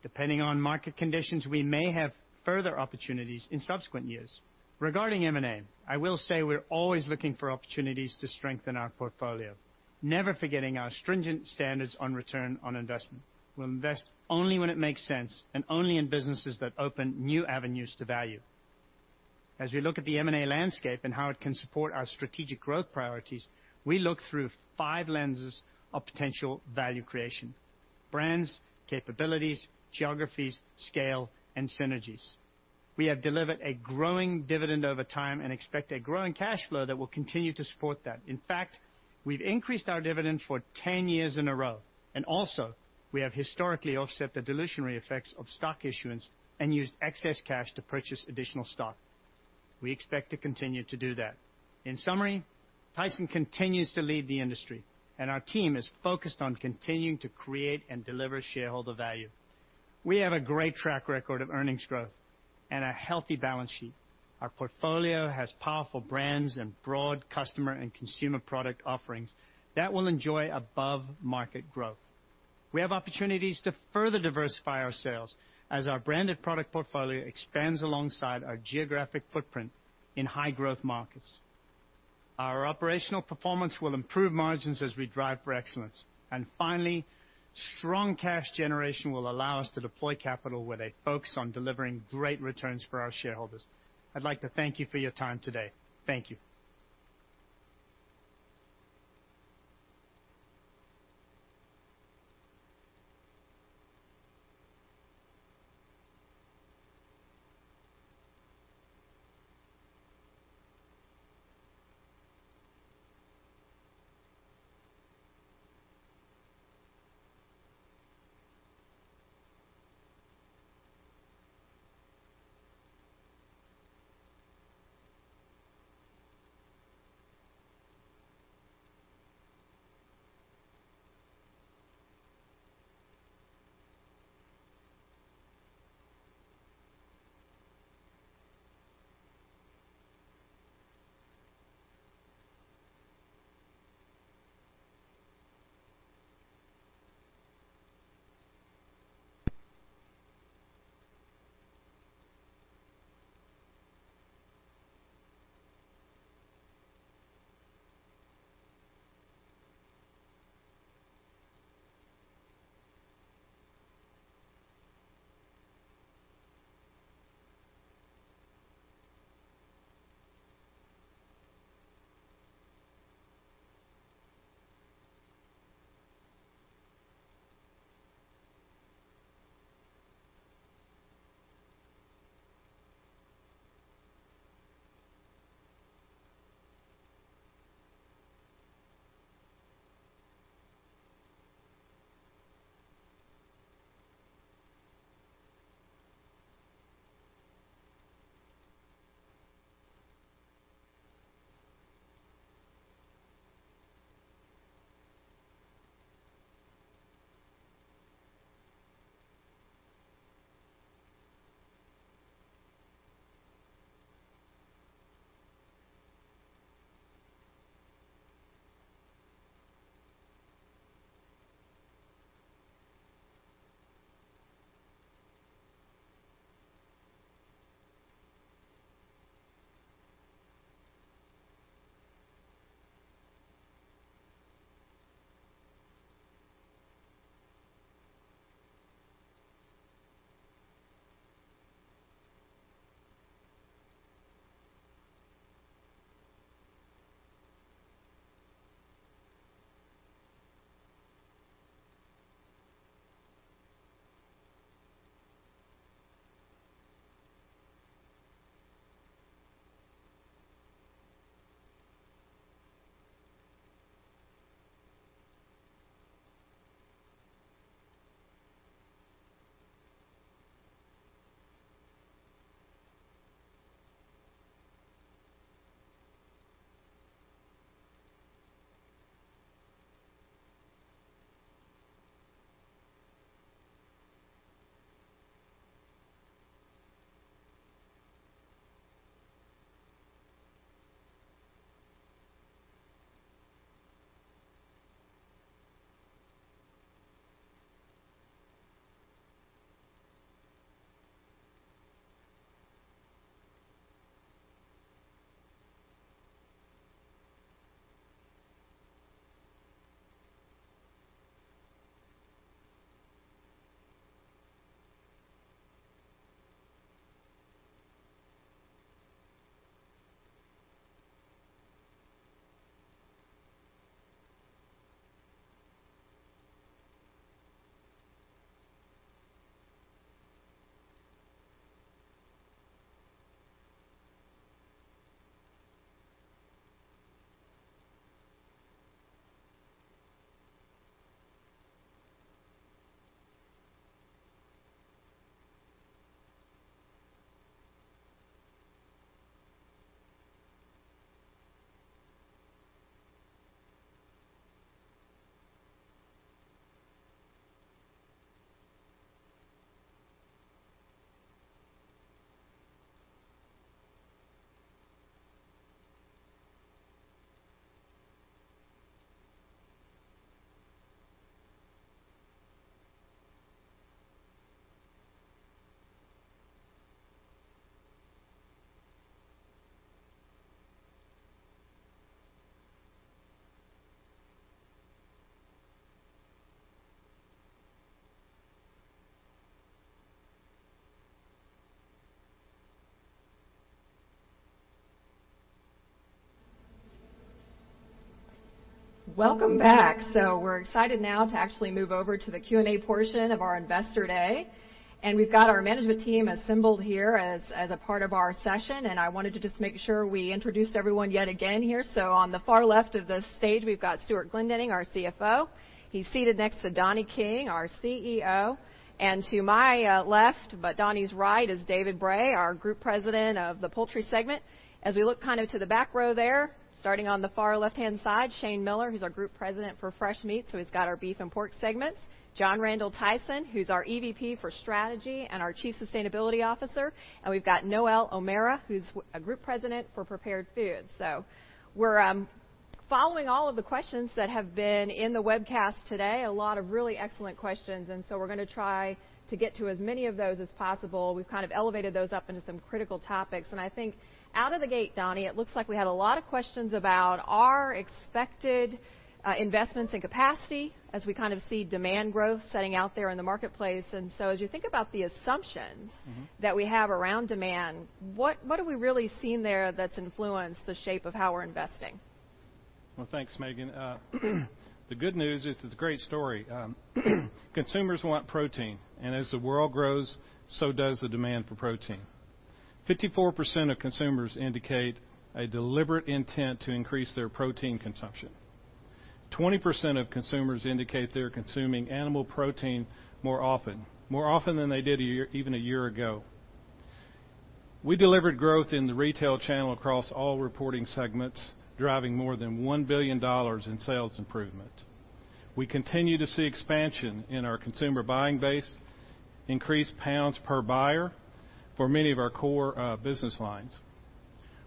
Depending on market conditions, we may have further opportunities in subsequent years. Regarding M&A, I will say we're always looking for opportunities to strengthen our portfolio, never forgetting our stringent standards on return on investment. We'll invest only when it makes sense and only in businesses that open new avenues to value. As we look at the M&A landscape and how it can support our strategic growth priorities, we look through five lenses of potential value creation, brands, capabilities, geographies, scale, and synergies. We have delivered a growing dividend over time and expect a growing cash flow that will continue to support that. In fact, we've increased our dividend for 10 years in a row, and also we have historically offset the dilutionary effects of stock issuance and used excess cash to purchase additional stock. We expect to continue to do that. In summary, Tyson continues to lead the industry, and our team is focused on continuing to create and deliver shareholder value. We have a great track record of earnings growth and a healthy balance sheet. Our portfolio has powerful brands and broad customer and consumer product offerings that will enjoy above-market growth. We have opportunities to further diversify our sales as our branded product portfolio expands alongside our geographic footprint in high-growth markets. Our operational performance will improve margins as we drive for excellence. Finally, strong cash generation will allow us to deploy capital with a focus on delivering great returns for our shareholders. I'd like to thank you for your time today. Thank you. Welcome back. We're excited now to actually move over to the Q&A portion of our Investor Day. We've got our management team assembled here as a part of our session, and I wanted to just make sure we introduced everyone yet again here. On the far left of the stage, we've got Stewart Glendinning, our CFO. He's seated next to Donnie King, our CEO. To my left, but Donnie's right is David Bray, our Group President of the Poultry segment. As we look kind of to the back row there, starting on the far left-hand side, Shane Miller, who's our Group President for Fresh Meats, so he's got our beef and pork segments. John Randal Tyson, who's our EVP for Strategy and our Chief Sustainability Officer. We've got Noelle O'Mara, who's a Group President for Prepared Foods. We're following all of the questions that have been in the webcast today, a lot of really excellent questions. We're gonna try to get to as many of those as possible. We've kind of elevated those up into some critical topics. I think out of the gate, Donnie, it looks like we had a lot of questions about our expected investments and capacity as we kind of see demand growth setting out there in the marketplace. As you think about the assumptions- Mm-hmm. that we have around demand, what have we really seen there that's influenced the shape of how we're investing? Well, thanks, Megan. The good news is it's a great story. Consumers want protein, and as the world grows, so does the demand for protein. 54% of consumers indicate a deliberate intent to increase their protein consumption. 20% of consumers indicate they're consuming animal protein more often than they did a year ago. We delivered growth in the retail channel across all reporting segments, driving more than $1 billion in sales improvement. We continue to see expansion in our consumer buying base, increased pounds per buyer for many of our core business lines.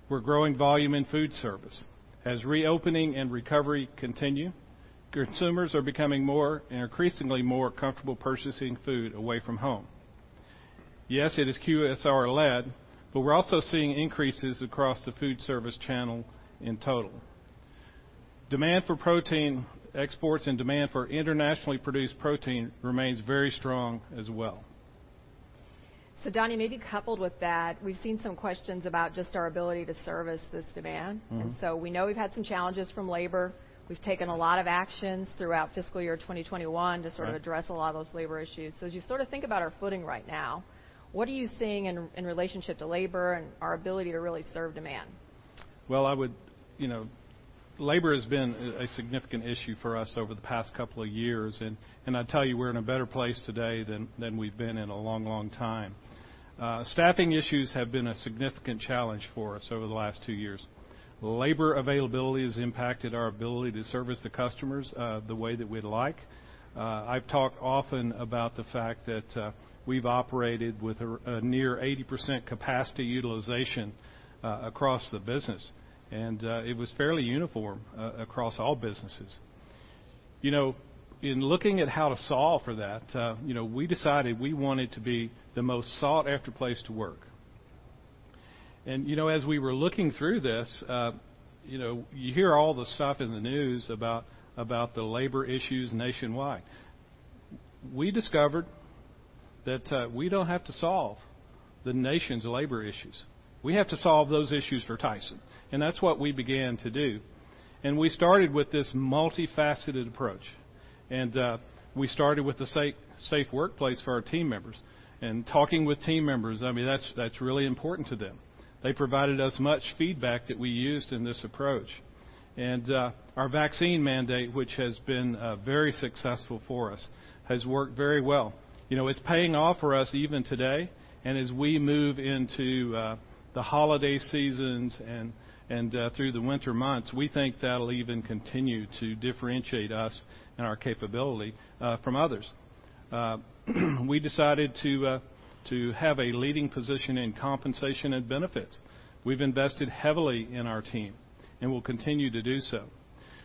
We're growing volume in food service. As reopening and recovery continue, consumers are becoming more and increasingly more comfortable purchasing food away from home. Yes, it is QSR-led, but we're also seeing increases across the food service channel in total. Demand for protein exports and demand for internationally produced protein remains very strong as well. Donnie, maybe coupled with that, we've seen some questions about just our ability to service this demand. Mm-hmm. We know we've had some challenges from labor. We've taken a lot of actions throughout fiscal year 2021. Right. to sort of address a lot of those labor issues. As you sort of think about our footing right now, what are you seeing in relationship to labor and our ability to really serve demand? Well, I would. You know, labor has been a significant issue for us over the past couple of years. I tell you, we're in a better place today than we've been in a long time. Staffing issues have been a significant challenge for us over the last two years. Labor availability has impacted our ability to service the customers the way that we'd like. I've talked often about the fact that we've operated with a near 80% capacity utilization across the business, and it was fairly uniform across all businesses. You know, in looking at how to solve for that, you know, we decided we wanted to be the most sought-after place to work. You know, as we were looking through this, you know, you hear all the stuff in the news about the labor issues nationwide. We discovered that we don't have to solve the nation's labor issues. We have to solve those issues for Tyson, and that's what we began to do. We started with this multifaceted approach. We started with a safe workplace for our team members. Talking with team members, I mean, that's really important to them. They provided us much feedback that we used in this approach. Our vaccine mandate, which has been very successful for us, has worked very well. You know, it's paying off for us even today. As we move into the holiday seasons and through the winter months, we think that'll even continue to differentiate us and our capability from others. We decided to have a leading position in compensation and benefits. We've invested heavily in our team, and we'll continue to do so.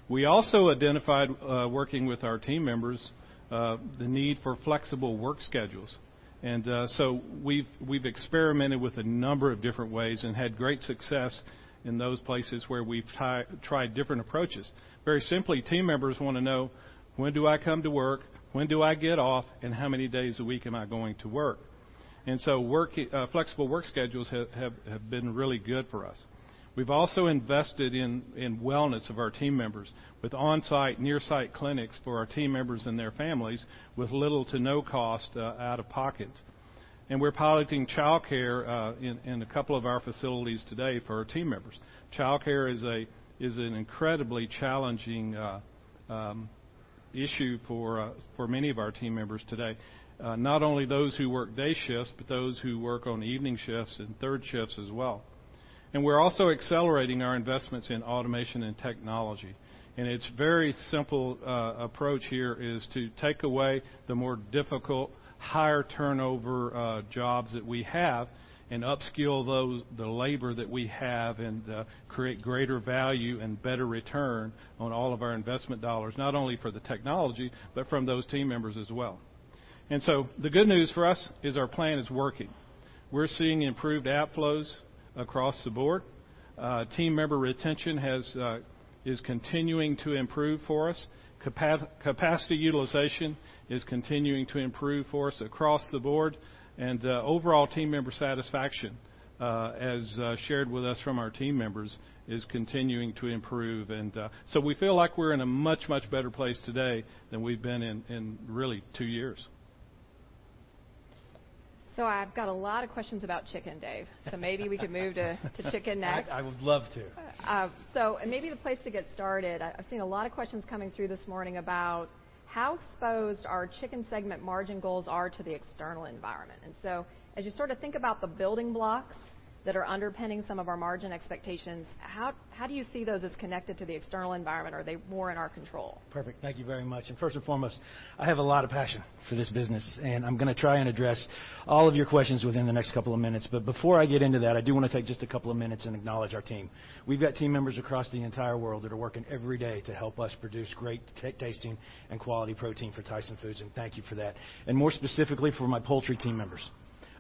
We also identified, working with our team members, the need for flexible work schedules. We've experimented with a number of different ways and had great success in those places where we've tried different approaches. Very simply, team members wanna know, when do I come to work? When do I get off? Flexible work schedules have been really good for us. We've also invested in wellness of our team members with on-site, near-site clinics for our team members and their families with little to no cost out of pocket. We're piloting childcare in a couple of our facilities today for our team members. Childcare is an incredibly challenging issue for many of our team members today. Not only those who work day shifts, but those who work on evening shifts and third shifts as well. We're also accelerating our investments in automation and technology. It's very simple approach here is to take away the more difficult, higher turnover jobs that we have and upskill the labor that we have and create greater value and better return on all of our investment dollars, not only for the technology, but from those team members as well. The good news for us is our plan is working. We're seeing improved outflows across the board. Team member retention is continuing to improve for us. Capacity utilization is continuing to improve for us across the board. Overall team member satisfaction, as shared with us from our team members, is continuing to improve. We feel like we're in a much, much better place today than we've been in in really two years. I've got a lot of questions about chicken, Dave. Maybe we could move to chicken next. I would love to. Maybe the place to get started, I've seen a lot of questions coming through this morning about how exposed our chicken segment margin goals are to the external environment. As you sort of think about the building blocks that are underpinning some of our margin expectations, how do you see those as connected to the external environment? Are they more in our control? Perfect. Thank you very much. First and foremost, I have a lot of passion for this business, and I'm gonna try and address all of your questions within the next couple of minutes. Before I get into that, I do wanna take just a couple of minutes and acknowledge our team. We've got team members across the entire world that are working every day to help us produce great tasting and quality protein for Tyson Foods, and thank you for that. More specifically for my poultry team members,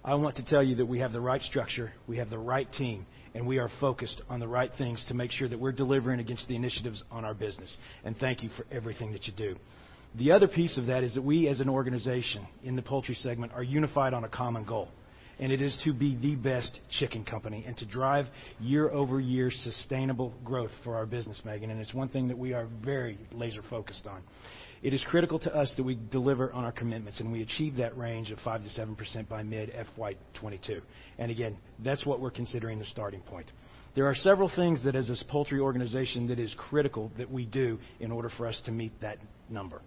I want to tell you that we have the right structure, we have the right team, and we are focused on the right things to make sure that we're delivering against the initiatives on our business. Thank you for everything that you do. The other piece of that is that we, as an organization in the poultry segment, are unified on a common goal, and it is to be the best chicken company and to drive year-over-year sustainable growth for our business, Megan, and it's one thing that we are very laser-focused on. It is critical to us that we deliver on our commitments, and we achieve that range of 5%-7% by mid FY 2022. Again, that's what we're considering the starting point. There are several things that as a poultry organization that is critical that we do in order for us to meet that number.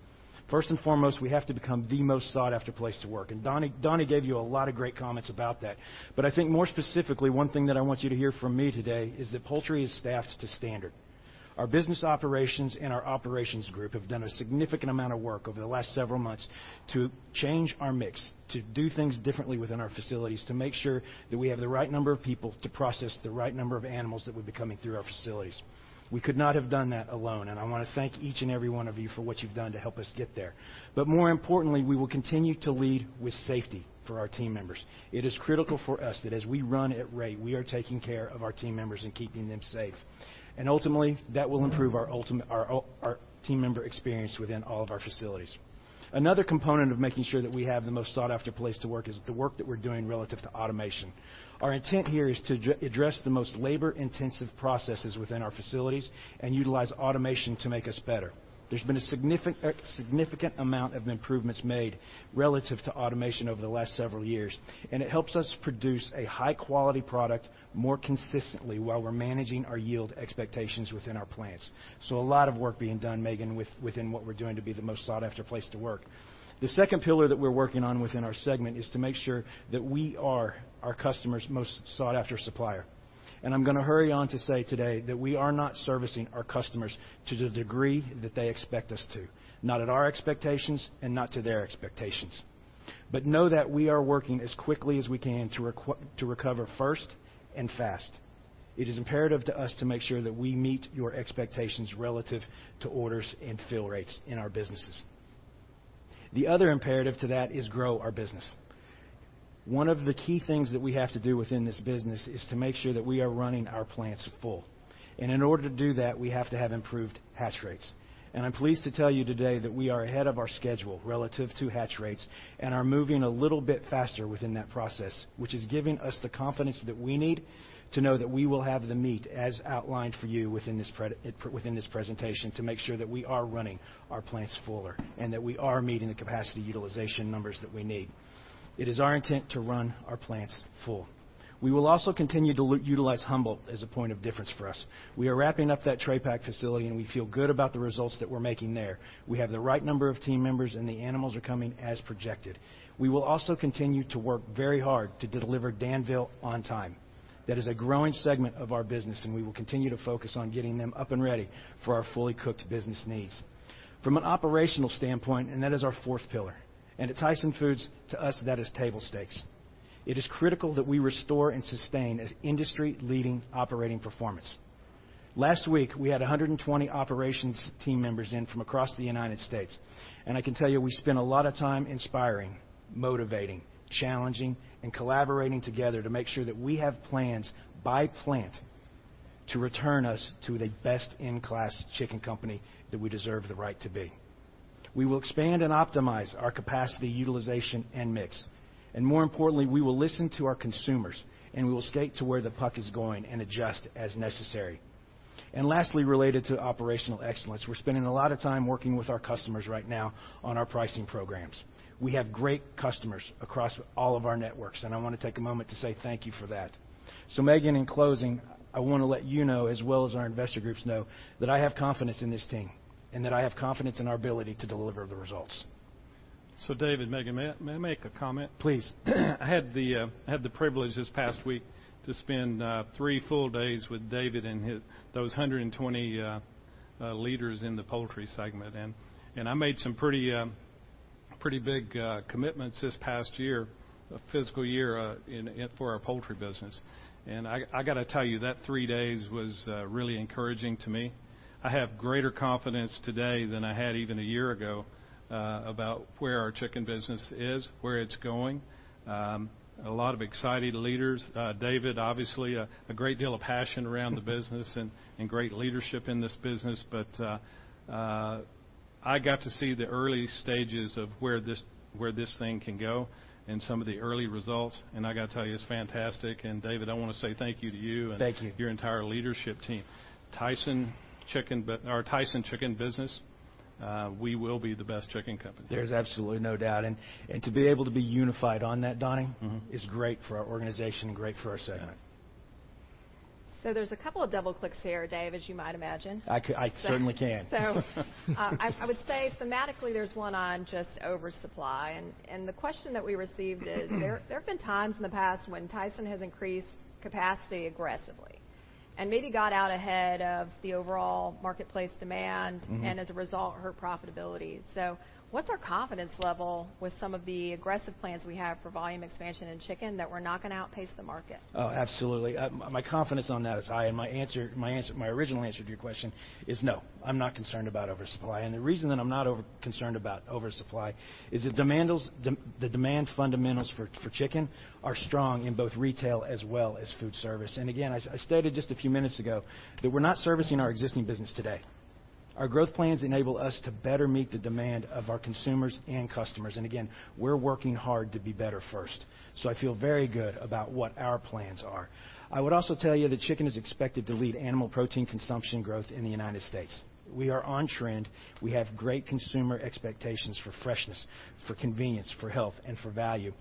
First and foremost, we have to become the most sought-after place to work. Donnie gave you a lot of great comments about that. I think more specifically, one thing that I want you to hear from me today is that poultry is staffed to standard. Our business operations and our operations group have done a significant amount of work over the last several months to change our mix, to do things differently within our facilities, to make sure that we have the right number of people to process the right number of animals that would be coming through our facilities. We could not have done that alone, and I wanna thank each and every one of you for what you've done to help us get there. More importantly, we will continue to lead with safety for our team members. It is critical for us that as we run at rate, we are taking care of our team members and keeping them safe. Ultimately, that will improve our team member experience within all of our facilities. Another component of making sure that we have the most sought-after place to work is the work that we're doing relative to automation. Our intent here is to address the most labor-intensive processes within our facilities and utilize automation to make us better. There's been a significant amount of improvements made relative to automation over the last several years, and it helps us produce a high-quality product more consistently while we're managing our yield expectations within our plants. A lot of work being done, Megan, within what we're doing to be the most sought-after place to work. The second pillar that we're working on within our segment is to make sure that we are our customers' most sought-after supplier. I'm gonna hurry on to say today that we are not servicing our customers to the degree that they expect us to, not at our expectations and not to their expectations. Know that we are working as quickly as we can to recover first and fast. It is imperative to us to make sure that we meet your expectations relative to orders and fill rates in our businesses. The other imperative to that is grow our business. One of the key things that we have to do within this business is to make sure that we are running our plants full. In order to do that, we have to have improved hatch rates. I'm pleased to tell you today that we are ahead of our schedule relative to hatch rates and are moving a little bit faster within that process, which is giving us the confidence that we need to know that we will have the meat as outlined for you within this presentation to make sure that we are running our plants fuller and that we are meeting the capacity utilization numbers that we need. It is our intent to run our plants full. We will also continue to utilize Humboldt as a point of difference for us. We are wrapping up that tray pack facility, and we feel good about the results that we're making there. We have the right number of team members, and the animals are coming as projected. We will also continue to work very hard to deliver Danville on time. That is a growing segment of our business, and we will continue to focus on getting them up and ready for our fully cooked business needs. From an operational standpoint, and that is our fourth pillar, and at Tyson Foods, to us, that is table stakes. It is critical that we restore and sustain as industry-leading operating performance. Last week, we had 120 operations team members in from across the United States. I can tell you, we spent a lot of time inspiring, motivating, challenging, and collaborating together to make sure that we have plans by plant to return us to the best-in-class chicken company that we deserve the right to be. We will expand and optimize our capacity, utilization, and mix. More importantly, we will listen to our consumers, and we will skate to where the puck is going and adjust as necessary. Lastly, related to operational excellence, we're spending a lot of time working with our customers right now on our pricing programs. We have great customers across all of our networks, and I wanna take a moment to say thank you for that. Megan, in closing, I wanna let you know as well as our investor groups know that I have confidence in this team and that I have confidence in our ability to deliver the results. David, Megan, may I make a comment? Please. I had the privilege this past week to spend three full days with David and his those 120 leaders in the poultry segment. I made some pretty big commitments this past year, a fiscal year, for our poultry business. I gotta tell you, that three days was really encouraging to me. I have greater confidence today than I had even a year ago about where our chicken business is, where it's going. A lot of exciting leaders. David, obviously a great deal of passion around the business and great leadership in this business. I got to see the early stages of where this thing can go and some of the early results. I gotta tell you, it's fantastic. David, I wanna say thank you to you. Thank you. your entire leadership team. Our Tyson Chicken business, we will be the best chicken company. There's absolutely no doubt. To be able to be unified on that, Donnie. Mm-hmm. is great for our organization and great for our segment. All right. There's a couple of double-clicks here, Dave, as you might imagine. I certainly can. I would say thematically, there's one on just oversupply. The question that we received is, there have been times in the past when Tyson has increased capacity aggressively and maybe got out ahead of the overall marketplace demand. Mm-hmm. As a result, hurt profitability. What's our confidence level with some of the aggressive plans we have for volume expansion in chicken that we're not gonna outpace the market? Oh, absolutely. My confidence on that is high. My original answer to your question is no, I'm not concerned about oversupply. The reason that I'm not concerned about oversupply is the demand fundamentals for chicken are strong in both retail as well as food service. Again, as I stated just a few minutes ago, that we're not servicing our existing business today. Our growth plans enable us to better meet the demand of our consumers and customers. Again, we're working hard to be better first. I feel very good about what our plans are. I would also tell you that chicken is expected to lead animal protein consumption growth in the United States. We are on trend. We have great consumer expectations for freshness, for convenience, for health, and for value.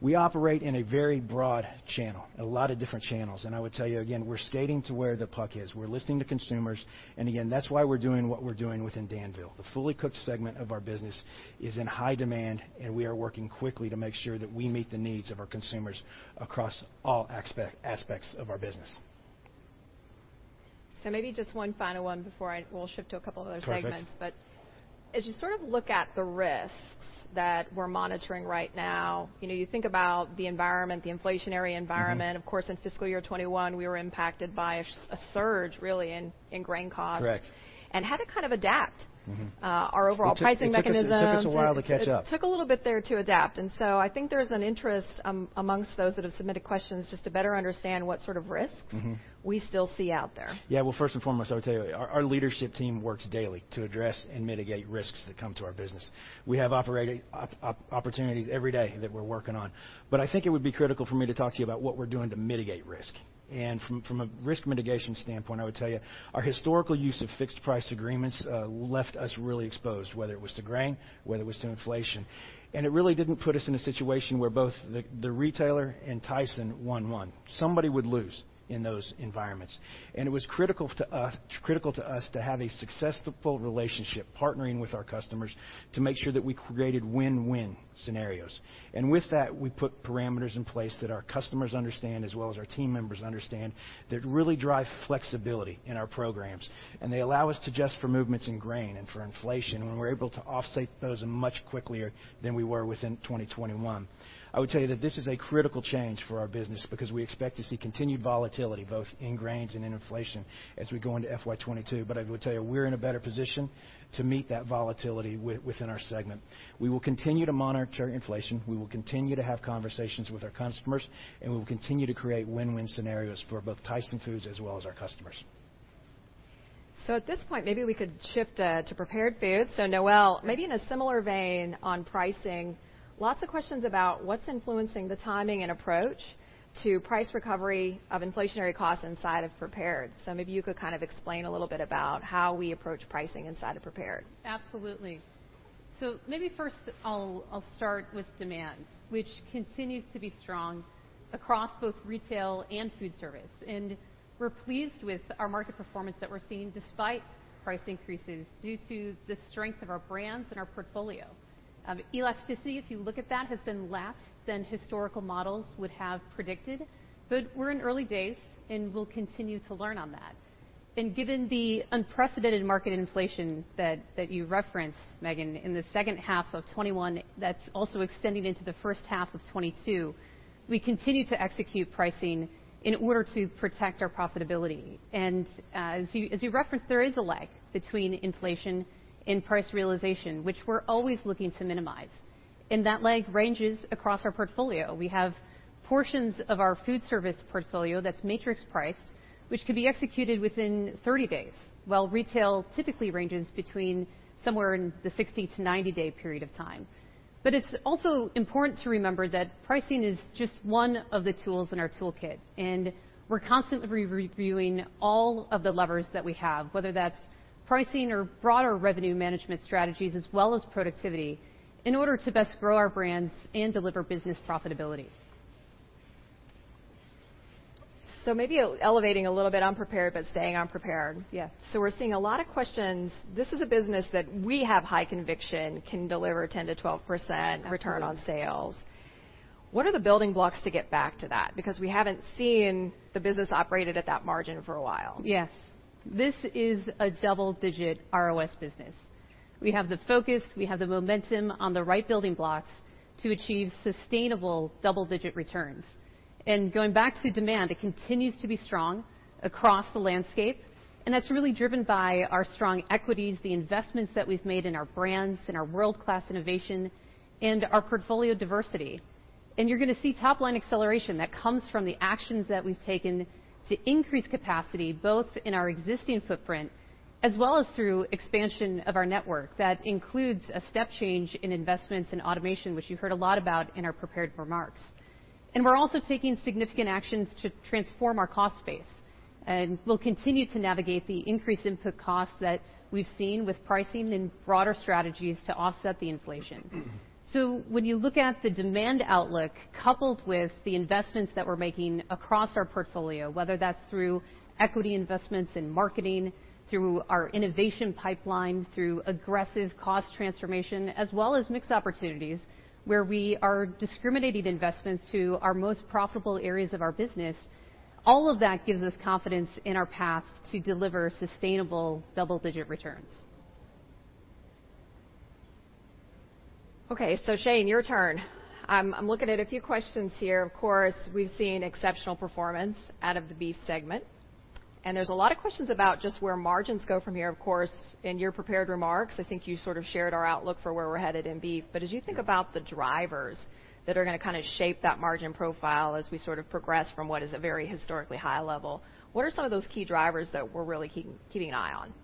We operate in a very broad channel, a lot of different channels. I would tell you again, we're skating to where the puck is. We're listening to consumers. Again, that's why we're doing what we're doing within Danville. The fully cooked segment of our business is in high demand, and we are working quickly to make sure that we meet the needs of our consumers across all aspects of our business. Maybe just one final one before we'll shift to a couple other segments. Perfect. As you sort of look at the risks that we're monitoring right now, you know, you think about the environment, the inflationary environment. Mm-hmm. Of course, in fiscal year 2021, we were impacted by a surge, really, in grain costs. Correct. had to kind of adapt Mm-hmm. Our overall pricing mechanism. It took us a while to catch up. It took a little bit there to adapt. I think there's an interest amongst those that have submitted questions just to better understand what sort of risks- Mm-hmm. We still see out there. Yeah. Well, first and foremost, I would tell you, our leadership team works daily to address and mitigate risks that come to our business. We have opportunities every day that we're working on. I think it would be critical for me to talk to you about what we're doing to mitigate risk. From a risk mitigation standpoint, I would tell you, our historical use of fixed price agreements left us really exposed, whether it was to grain, whether it was to inflation. It really didn't put us in a situation where both the retailer and Tyson won. Somebody would lose in those environments. It was critical to us to have a successful relationship partnering with our customers to make sure that we created win-win scenarios. With that, we put parameters in place that our customers understand as well as our team members understand that really drive flexibility in our programs. They allow us to adjust for movements in grain and for inflation, and we're able to offset those much more quickly than we were within 2021. I would tell you that this is a critical change for our business because we expect to see continued volatility both in grains and in inflation as we go into FY 2022. I would tell you, we're in a better position to meet that volatility within our segment. We will continue to monitor inflation, we will continue to have conversations with our customers, and we will continue to create win-win scenarios for both Tyson Foods as well as our customers. At this point, maybe we could shift to Prepared Foods. Noelle, maybe in a similar vein on pricing, lots of questions about what's influencing the timing and approach to price recovery of inflationary costs inside of Prepared Foods. Maybe you could kind of explain a little bit about how we approach pricing inside of Prepared Foods. Absolutely. Maybe first I'll start with demand, which continues to be strong across both retail and food service. We're pleased with our market performance that we're seeing despite price increases due to the strength of our brands and our portfolio. Elasticity, if you look at that, has been less than historical models would have predicted, but we're in early days, and we'll continue to learn on that. Given the unprecedented market inflation that you referenced, Megan, in the second half of 2021, that's also extending into the first half of 2022, we continue to execute pricing in order to protect our profitability. As you referenced, there is a lag between inflation and price realization, which we're always looking to minimize. That lag ranges across our portfolio. We have portions of our food service portfolio that's matrix priced, which could be executed within 30 days, while retail typically ranges between somewhere in the 60- to 90-day period of time. It's also important to remember that pricing is just one of the tools in our toolkit, and we're constantly reviewing all of the levers that we have, whether that's pricing or broader revenue management strategies as well as productivity, in order to best grow our brands and deliver business profitability. Maybe elevating a little bit on Prepared but staying on Prepared. Yeah. We're seeing a lot of questions. This is a business that we have high conviction can deliver 10%-12%- Absolutely. Return on sales. What are the building blocks to get back to that? Because we haven't seen the business operated at that margin for a while. Yes. This is a double-digit ROS business. We have the focus, we have the momentum on the right building blocks to achieve sustainable double-digit returns. Going back to demand, it continues to be strong across the landscape, and that's really driven by our strong equities, the investments that we've made in our brands and our world-class innovation and our portfolio diversity. You're gonna see top line acceleration that comes from the actions that we've taken to increase capacity, both in our existing footprint as well as through expansion of our network. That includes a step change in investments in automation, which you heard a lot about in our prepared remarks. We're also taking significant actions to transform our cost base. We'll continue to navigate the increased input costs that we've seen with pricing and broader strategies to offset the inflation. When you look at the demand outlook coupled with the investments that we're making across our portfolio, whether that's through equity investments in marketing, through our innovation pipeline, through aggressive cost transformation, as well as mix opportunities, where we are discriminating investments to our most profitable areas of our business, all of that gives us confidence in our path to deliver sustainable double-digit returns. Okay. Shane, your turn. I'm looking at a few questions here. Of course, we've seen exceptional performance out of the Beef segment, and there's a lot of questions about just where margins go from here. Of course, in your prepared remarks, I think you sort of shared our outlook for where we're headed in Beef. But as you think about the drivers that are gonna kinda shape that margin profile as we sort of progress from what is a very historically high level, what are some of those key drivers that we're really keeping an eye on?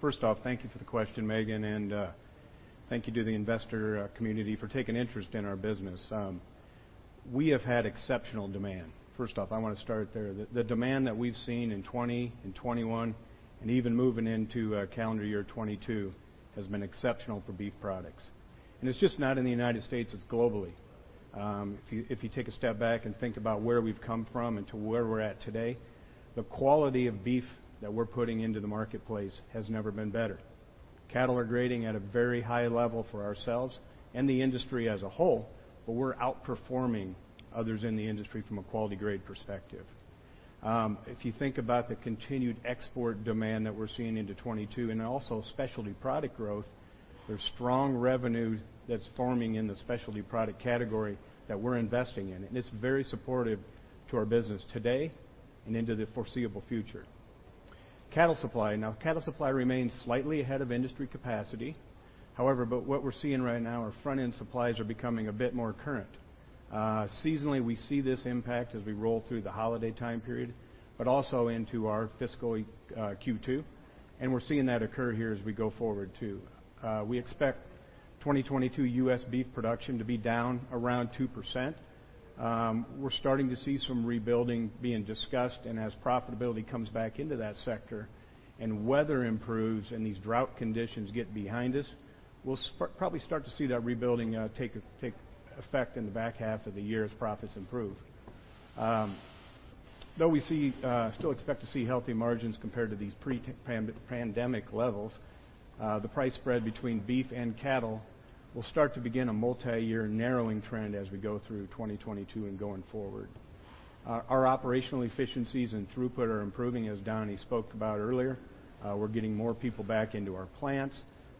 First off, thank you for the question, Megan, and thank you to the investor community for taking interest in our business. We have had exceptional demand. First off, I wanna start there. The demand that we've seen in 2020 and 2021 and even moving into calendar year 2022 has been exceptional for Beef Products. It's just not in the United States, it's globally. If you take a step back and think about where we've come from and to where we're at today, the quality of beef that we're putting into the marketplace has never been better. Cattle are grading at a very high level for ourselves and the industry as a whole, but we're outperforming others in the industry from a quality grade perspective. If you think about the continued export demand that we're seeing into 2022 and also specialty product growth, there's strong revenue that's forming in the specialty product category that we're investing in. It's very supportive to our business today and into the foreseeable future. Cattle supply. Now, cattle supply remains slightly ahead of industry capacity. However, what we're seeing right now are front-end supplies are becoming a bit more current. Seasonally, we see this impact as we roll through the holiday time period, but also into our fiscal Q2, and we're seeing that occur here as we go forward too. We expect 2022 U.S. beef production to be down around 2%. We're starting to see some rebuilding being discussed, and as profitability comes back into that sector and weather improves and these drought conditions get behind us, we'll probably start to see that rebuilding take effect in the back half of the year as profits improve. Though we still expect to see healthy margins compared to these pre-pandemic levels, the price spread between beef and cattle will start to begin a multi-year narrowing trend as we go through 2022 and going forward. Our operational efficiencies and throughput are improving, as Donnie spoke about earlier. We're getting more people back into our plants.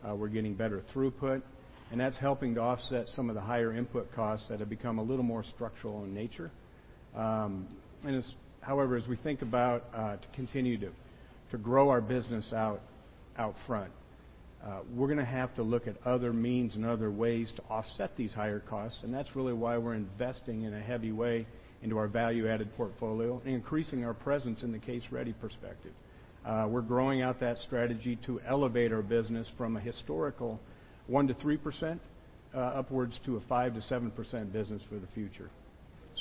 We're getting better throughput, and that's helping to offset some of the higher input costs that have become a little more structural in nature. As we think about to continue to grow our business out front, we're gonna have to look at other means and other ways to offset these higher costs, and that's really why we're investing in a heavy way into our value-added portfolio and increasing our presence in the case-ready perspective. We're growing out that strategy to elevate our business from a historical 1%-3% upwards to a 5%-7% business for the future.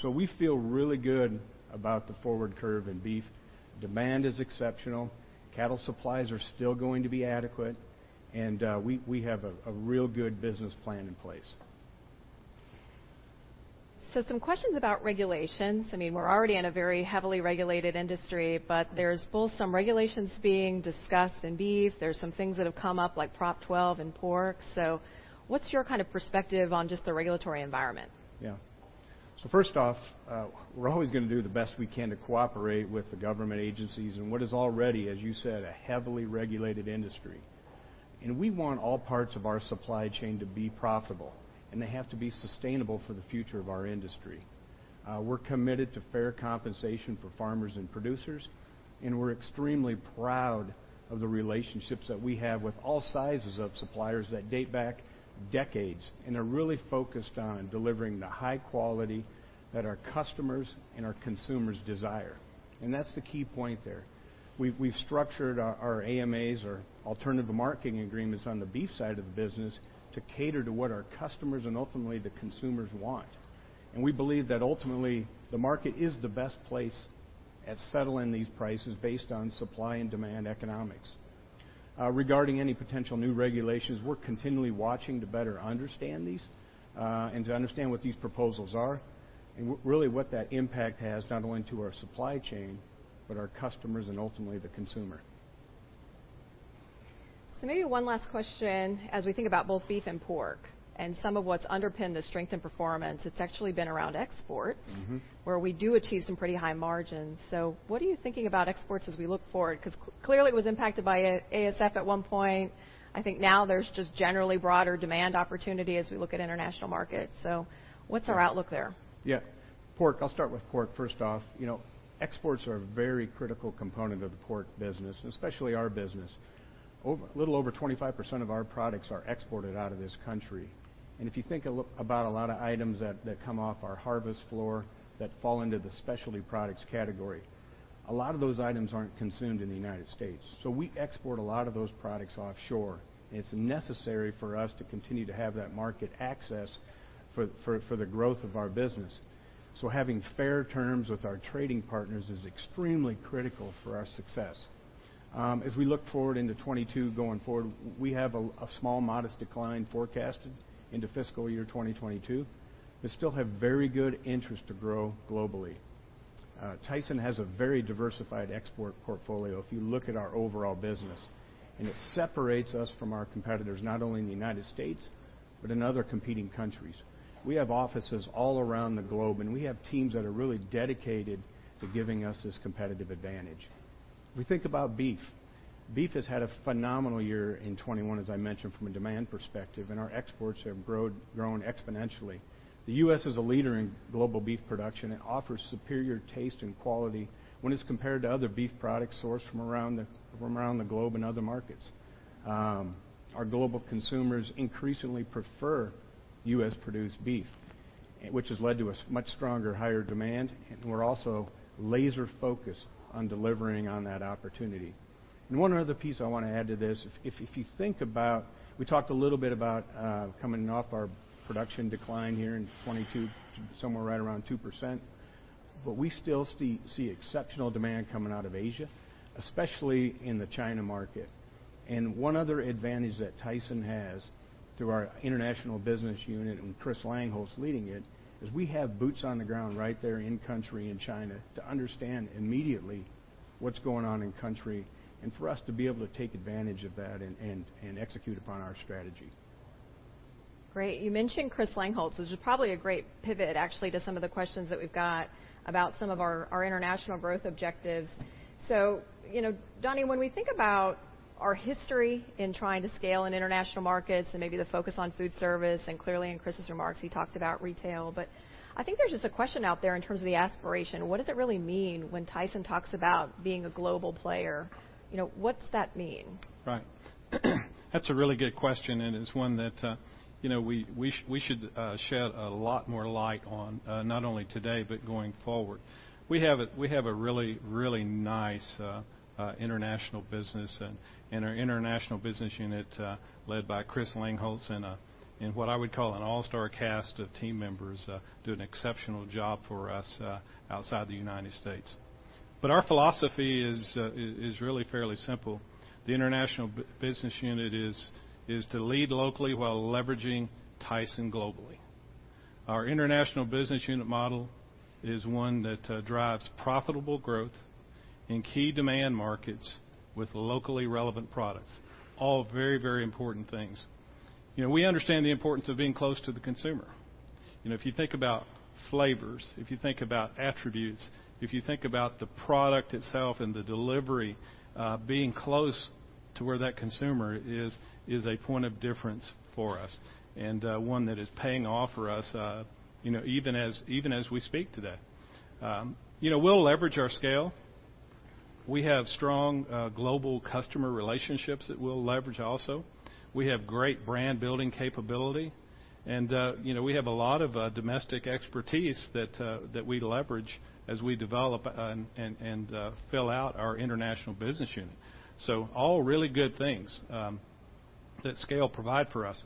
We feel really good about the forward curve in beef. Demand is exceptional. Cattle supplies are still going to be adequate, and we have a real good business plan in place. Some questions about regulations. I mean, we're already in a very heavily regulated industry, but there's both some regulations being discussed in beef. There's some things that have come up like Prop 12 in pork. What's your kind of perspective on just the regulatory environment? Yeah. First off, we're always gonna do the best we can to cooperate with the government agencies in what is already, as you said, a heavily regulated industry. We want all parts of our supply chain to be profitable, and they have to be sustainable for the future of our industry. We're committed to fair compensation for farmers and producers, and we're extremely proud of the relationships that we have with all sizes of suppliers that date back decades and are really focused on delivering the high quality that our customers and our consumers desire. That's the key point there. We've structured our AMAs or alternative marketing agreements on the beef side of the business to cater to what our customers and ultimately the consumers want. We believe that ultimately the market is the best place for settling these prices based on supply and demand economics. Regarding any potential new regulations, we're continually watching to better understand these, and to understand what these proposals are and really what that impact has, not only to our supply chain, but our customers and ultimately the consumer. Maybe one last question as we think about both beef and pork and some of what's underpinned the strength in performance, it's actually been around export- Mm-hmm. where we do achieve some pretty high margins. What are you thinking about exports as we look forward? 'Cause clearly it was impacted by ASF at one point. I think now there's just generally broader demand opportunity as we look at international markets. What's our outlook there? Yeah. Pork, I'll start with pork first off. You know, exports are a very critical component of the pork business, and especially our business. A little over 25% of our products are exported out of this country. If you think about a lot of items that come off our harvest floor that fall into the specialty products category, a lot of those items aren't consumed in the United States, so we export a lot of those products offshore. It's necessary for us to continue to have that market access for the growth of our business. Having fair terms with our trading partners is extremely critical for our success. As we look forward into 2022 going forward, we have a small modest decline forecasted into fiscal year 2022, but still have very good interest to grow globally. Tyson has a very diversified export portfolio if you look at our overall business, and it separates us from our competitors, not only in the United States, but in other competing countries. We have offices all around the globe, and we have teams that are really dedicated to giving us this competitive advantage. If we think about beef has had a phenomenal year in 2021, as I mentioned, from a demand perspective, and our exports have grown exponentially. The U.S. is a leader in global beef production. It offers superior taste and quality when it's compared to other beef products sourced from around the globe and other markets. Our global consumers increasingly prefer U.S.-produced beef, which has led to much stronger, higher demand, and we're also laser-focused on delivering on that opportunity. One other piece I wanna add to this. If you think about, we talked a little bit about coming off our production decline here in 2022, somewhere right around 2%, but we still see exceptional demand coming out of Asia, especially in the China market. One other advantage that Tyson has through our international business unit, and Chris Langholz leading it, is we have boots on the ground right there in country in China to understand immediately what's going on in country and for us to be able to take advantage of that and execute upon our strategy. Great. You mentioned Chris Langholz, which is probably a great pivot actually to some of the questions that we've got about some of our international growth objectives. You know, Donnie, when we think about our history in trying to scale in international markets and maybe the focus on food service, and clearly in Chris's remarks, he talked about retail, but I think there's just a question out there in terms of the aspiration. What does it really mean when Tyson talks about being a global player? You know, what's that mean? Right. That's a really good question, and it's one that, you know, we should shed a lot more light on, not only today, but going forward. We have a really nice international business and our international business unit, led by Chris Langholz and what I would call an all-star cast of team members, do an exceptional job for us outside the United States. Our philosophy is really fairly simple. The international business unit is to lead locally while leveraging Tyson globally. Our international business unit model is one that drives profitable growth in key demand markets with locally relevant products, all very important things. You know, we understand the importance of being close to the consumer. You know, if you think about flavors, if you think about attributes, if you think about the product itself and the delivery being close to where that consumer is a point of difference for us and one that is paying off for us, you know, even as we speak today. You know, we'll leverage our scale. We have strong global customer relationships that we'll leverage also. We have great brand-building capability, and you know, we have a lot of domestic expertise that we leverage as we develop and fill out our international business unit. All really good things that scale provide for us.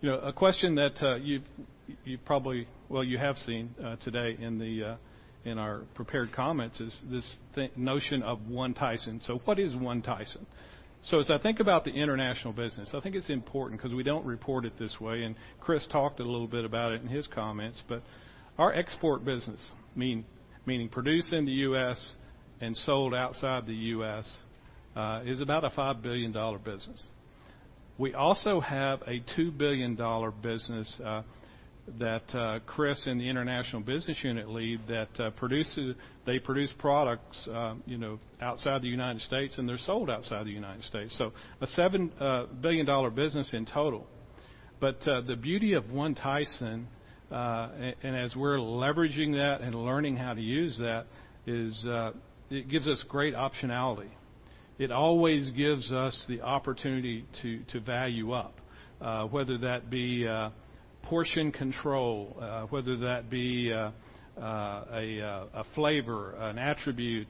You know, a question that you've probably seen today in our prepared comments is this notion of One Tyson. What is One Tyson? As I think about the international business, I think it's important 'cause we don't report it this way, and Chris talked a little bit about it in his comments. Our export business, meaning produced in the U.S. and sold outside the U.S., is about a $5 billion business. We also have a $2 billion business that Chris in the international business unit leads. They produce products, you know, outside the United States, and they're sold outside the United States. So a $7 billion business in total. The beauty of One Tyson, and as we're leveraging that and learning how to use that, is it gives us great optionality. It always gives us the opportunity to value up, whether that be portion control, whether that be a flavor, an attribute,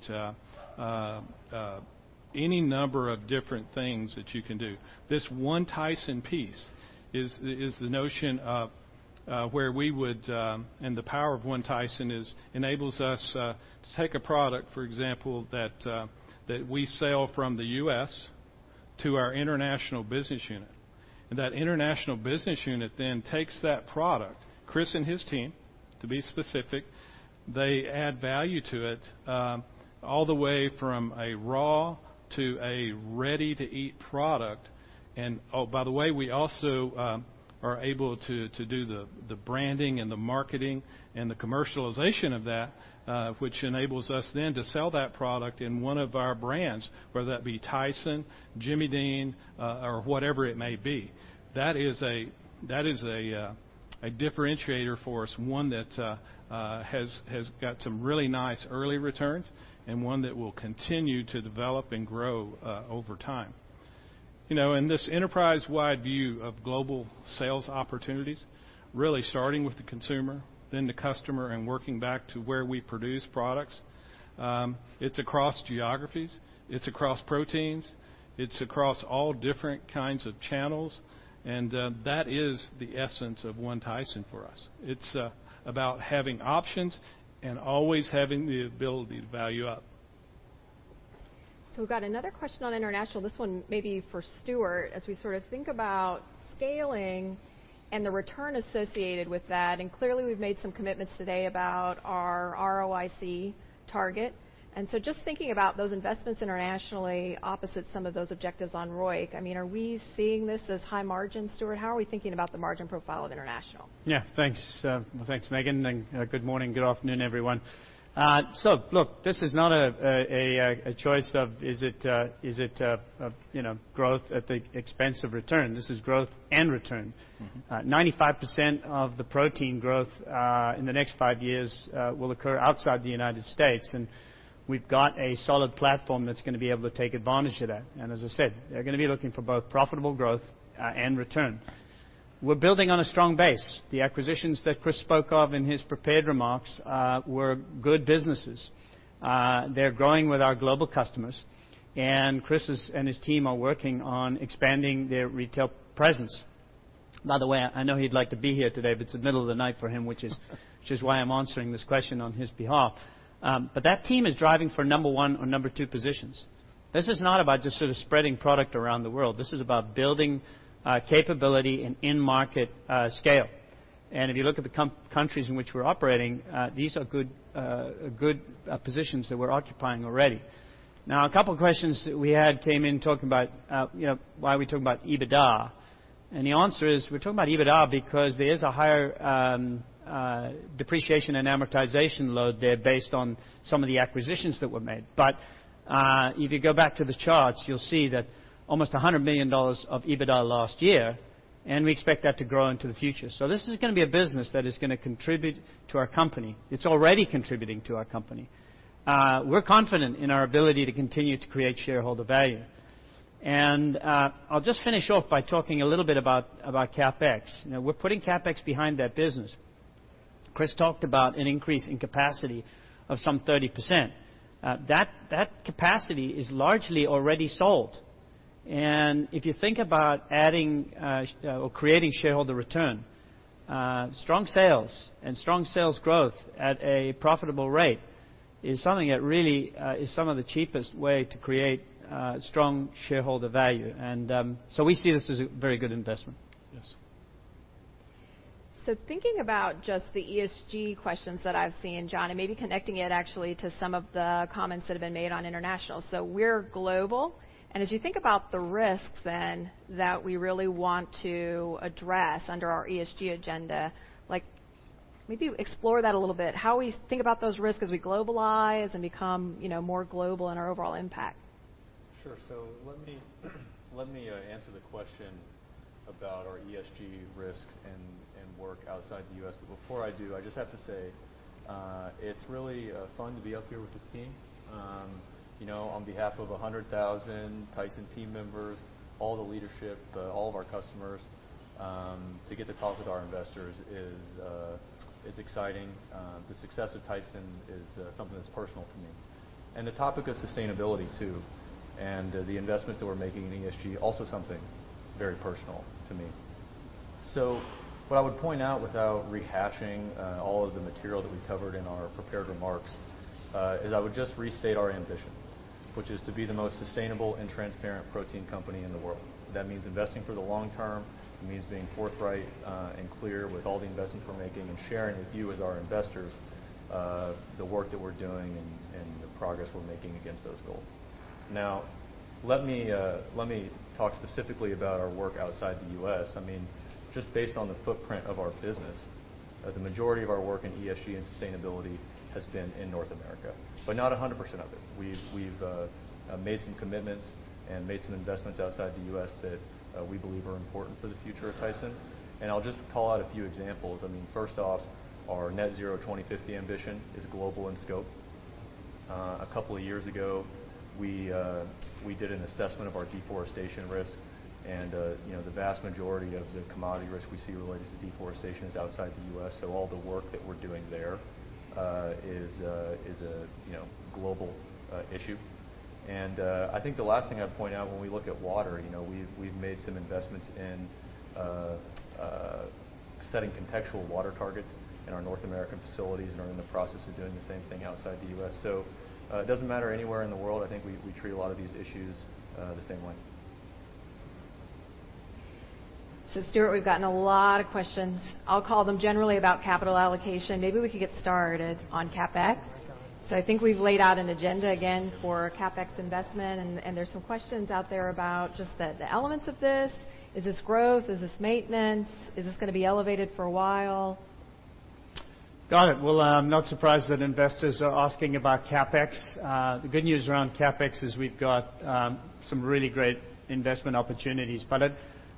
any number of different things that you can do. This One Tyson piece is the notion of where we would and the power of One Tyson enables us to take a product, for example, that we sell from the U.S. to our international business unit. That international business unit then takes that product. Chris and his team, to be specific, they add value to it all the way from a raw to a ready-to-eat product. Oh, by the way, we also are able to do the branding and the marketing and the commercialization of that which enables us then to sell that product in one of our brands, whether that be Tyson, Jimmy Dean, or whatever it may be. That is a differentiator for us, one that has got some really nice early returns and one that will continue to develop and grow over time. You know, this enterprise-wide view of global sales opportunities, really starting with the consumer, then the customer, and working back to where we produce products, it's across geographies, it's across proteins, it's across all different kinds of channels, and that is the essence of One Tyson for us. It's about having options and always having the ability to value up. We've got another question on international, this one maybe for Stewart. As we sort of think about scaling and the return associated with that, and clearly, we've made some commitments today about our ROIC target. Just thinking about those investments internationally opposite some of those objectives on ROIC, I mean, are we seeing this as high margin, Stewart? How are we thinking about the margin profile of international? Yeah. Thanks, well, thanks, Megan. Good morning, good afternoon, everyone. Look, this is not a choice of, you know, growth at the expense of return. This is growth and return. Mm-hmm. 95% of the protein growth in the next 5 years will occur outside the United States, and we've got a solid platform that's gonna be able to take advantage of that. As I said, they're gonna be looking for both profitable growth and return. We're building on a strong base. The acquisitions that Chris spoke of in his prepared remarks were good businesses. They're growing with our global customers, and his team are working on expanding their retail presence. By the way, I know he'd like to be here today, but it's the middle of the night for him, which is why I'm answering this question on his behalf. That team is driving for number one or number two positions. This is not about just sort of spreading product around the world. This is about building capability and in-market scale. If you look at the countries in which we're operating, these are good positions that we're occupying already. Now, a couple of questions that we had came in talking about, you know, why are we talking about EBITDA? The answer is we're talking about EBITDA because there's a higher depreciation and amortization load there based on some of the acquisitions that were made. If you go back to the charts, you'll see that almost $100 million of EBITDA last year, and we expect that to grow into the future. This is gonna be a business that is gonna contribute to our company. It's already contributing to our company. We're confident in our ability to continue to create shareholder value. I'll just finish off by talking a little bit about CapEx. You know, we're putting CapEx behind that business. Chris talked about an increase in capacity of some 30%. That capacity is largely already sold. If you think about adding or creating shareholder return, strong sales growth at a profitable rate is something that really is one of the cheapest ways to create strong shareholder value. We see this as a very good investment. Yes. Thinking about just the ESG questions that I've seen, John, and maybe connecting it actually to some of the comments that have been made on international. We're global, and as you think about the risks then that we really want to address under our ESG agenda, like maybe explore that a little bit, how we think about those risks as we globalize and become, you know, more global in our overall impact. Sure. Let me answer the question about our ESG risks and work outside the US. But before I do, I just have to say it's really fun to be up here with this team. You know, on behalf of 100,000 Tyson team members, all the leadership, all of our customers, to get to talk with our investors is exciting. The success of Tyson is something that's personal to me. The topic of sustainability too, the investments that we're making in ESG, also something very personal to me. What I would point out without rehashing all of the material that we covered in our prepared remarks is I would just restate our ambition, which is to be the most sustainable and transparent protein company in the world. That means investing for the long term. It means being forthright and clear with all the investments we're making and sharing with you as our investors the work that we're doing and the progress we're making against those goals. Now, let me talk specifically about our work outside the U.S. I mean, just based on the footprint of our business the majority of our work in ESG and sustainability has been in North America, but not 100% of it. We've made some commitments and made some investments outside the U.S. that we believe are important for the future of Tyson. I'll just call out a few examples. I mean, first off, our net zero 2050 ambition is global in scope. A couple of years ago, we did an assessment of our deforestation risk. You know, the vast majority of the commodity risk we see related to deforestation is outside the U.S. All the work that we're doing there is a, you know, global issue. I think the last thing I'd point out when we look at water, you know, we've made some investments in setting contextual water targets in our North American facilities and are in the process of doing the same thing outside the U.S. It doesn't matter anywhere in the world, I think we treat a lot of these issues the same way. Stewart, we've gotten a lot of questions. I'll call them generally about capital allocation. Maybe we could get started on CapEx. I think we've laid out an agenda again for CapEx investment, and there's some questions out there about just the elements of this. Is this growth? Is this maintenance? Is this gonna be elevated for a while? Got it. Well, I'm not surprised that investors are asking about CapEx. The good news around CapEx is we've got some really great investment opportunities.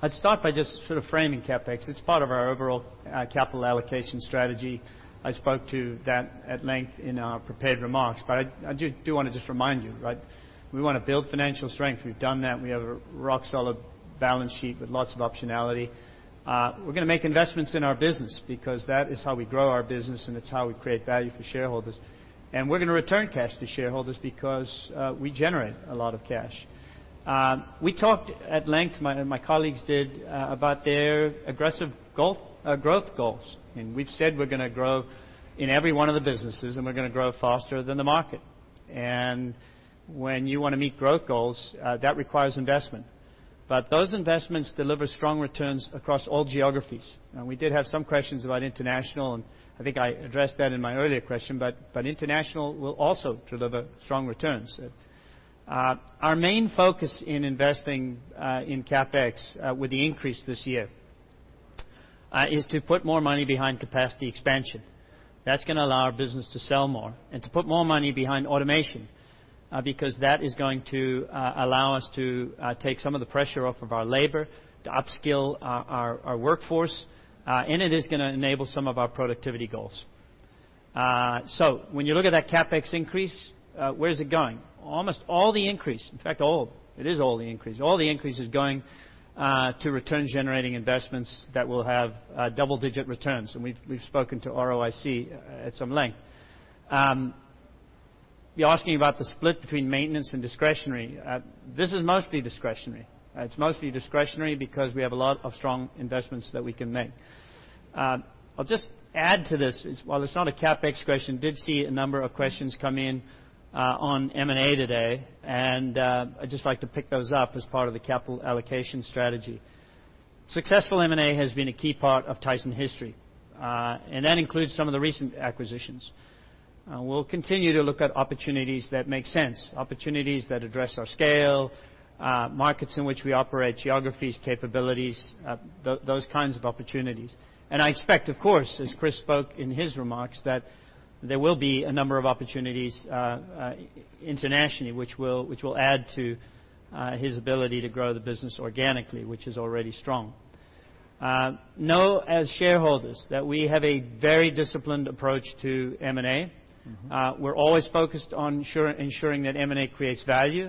I'd start by just sort of framing CapEx. It's part of our overall capital allocation strategy. I spoke to that at length in our prepared remarks. I do wanna just remind you, right? We wanna build financial strength. We've done that. We have a rock solid balance sheet with lots of optionality. We're gonna make investments in our business because that is how we grow our business, and it's how we create value for shareholders. We're gonna return cash to shareholders because we generate a lot of cash. We talked at length, my colleagues did, about their aggressive growth goals. We've said we're gonna grow in every one of the businesses, and we're gonna grow faster than the market. When you wanna meet growth goals, that requires investment. Those investments deliver strong returns across all geographies. We did have some questions about international, and I think I addressed that in my earlier question, but international will also deliver strong returns. Our main focus in investing in CapEx with the increase this year is to put more money behind capacity expansion. That's gonna allow our business to sell more and to put more money behind automation because that is going to allow us to take some of the pressure off of our labor, to upskill our workforce, and it is gonna enable some of our productivity goals. When you look at that CapEx increase, where is it going? All the increase is going to return-generating investments that will have double-digit returns. We've spoken to ROIC at some length. You're asking about the split between maintenance and discretionary. This is mostly discretionary. It's mostly discretionary because we have a lot of strong investments that we can make. I'll just add to this. While it's not a CapEx question, we did see a number of questions come in on M&A today, and I'd just like to pick those up as part of the capital allocation strategy. Successful M&A has been a key part of Tyson history, and that includes some of the recent acquisitions. We'll continue to look at opportunities that make sense, opportunities that address our scale, markets in which we operate, geographies, capabilities, those kinds of opportunities. I expect, of course, as Chris spoke in his remarks, that there will be a number of opportunities internationally which will add to his ability to grow the business organically, which is already strong. You know, as shareholders that we have a very disciplined approach to M&A. Mm-hmm. We're always focused on ensuring that M&A creates value,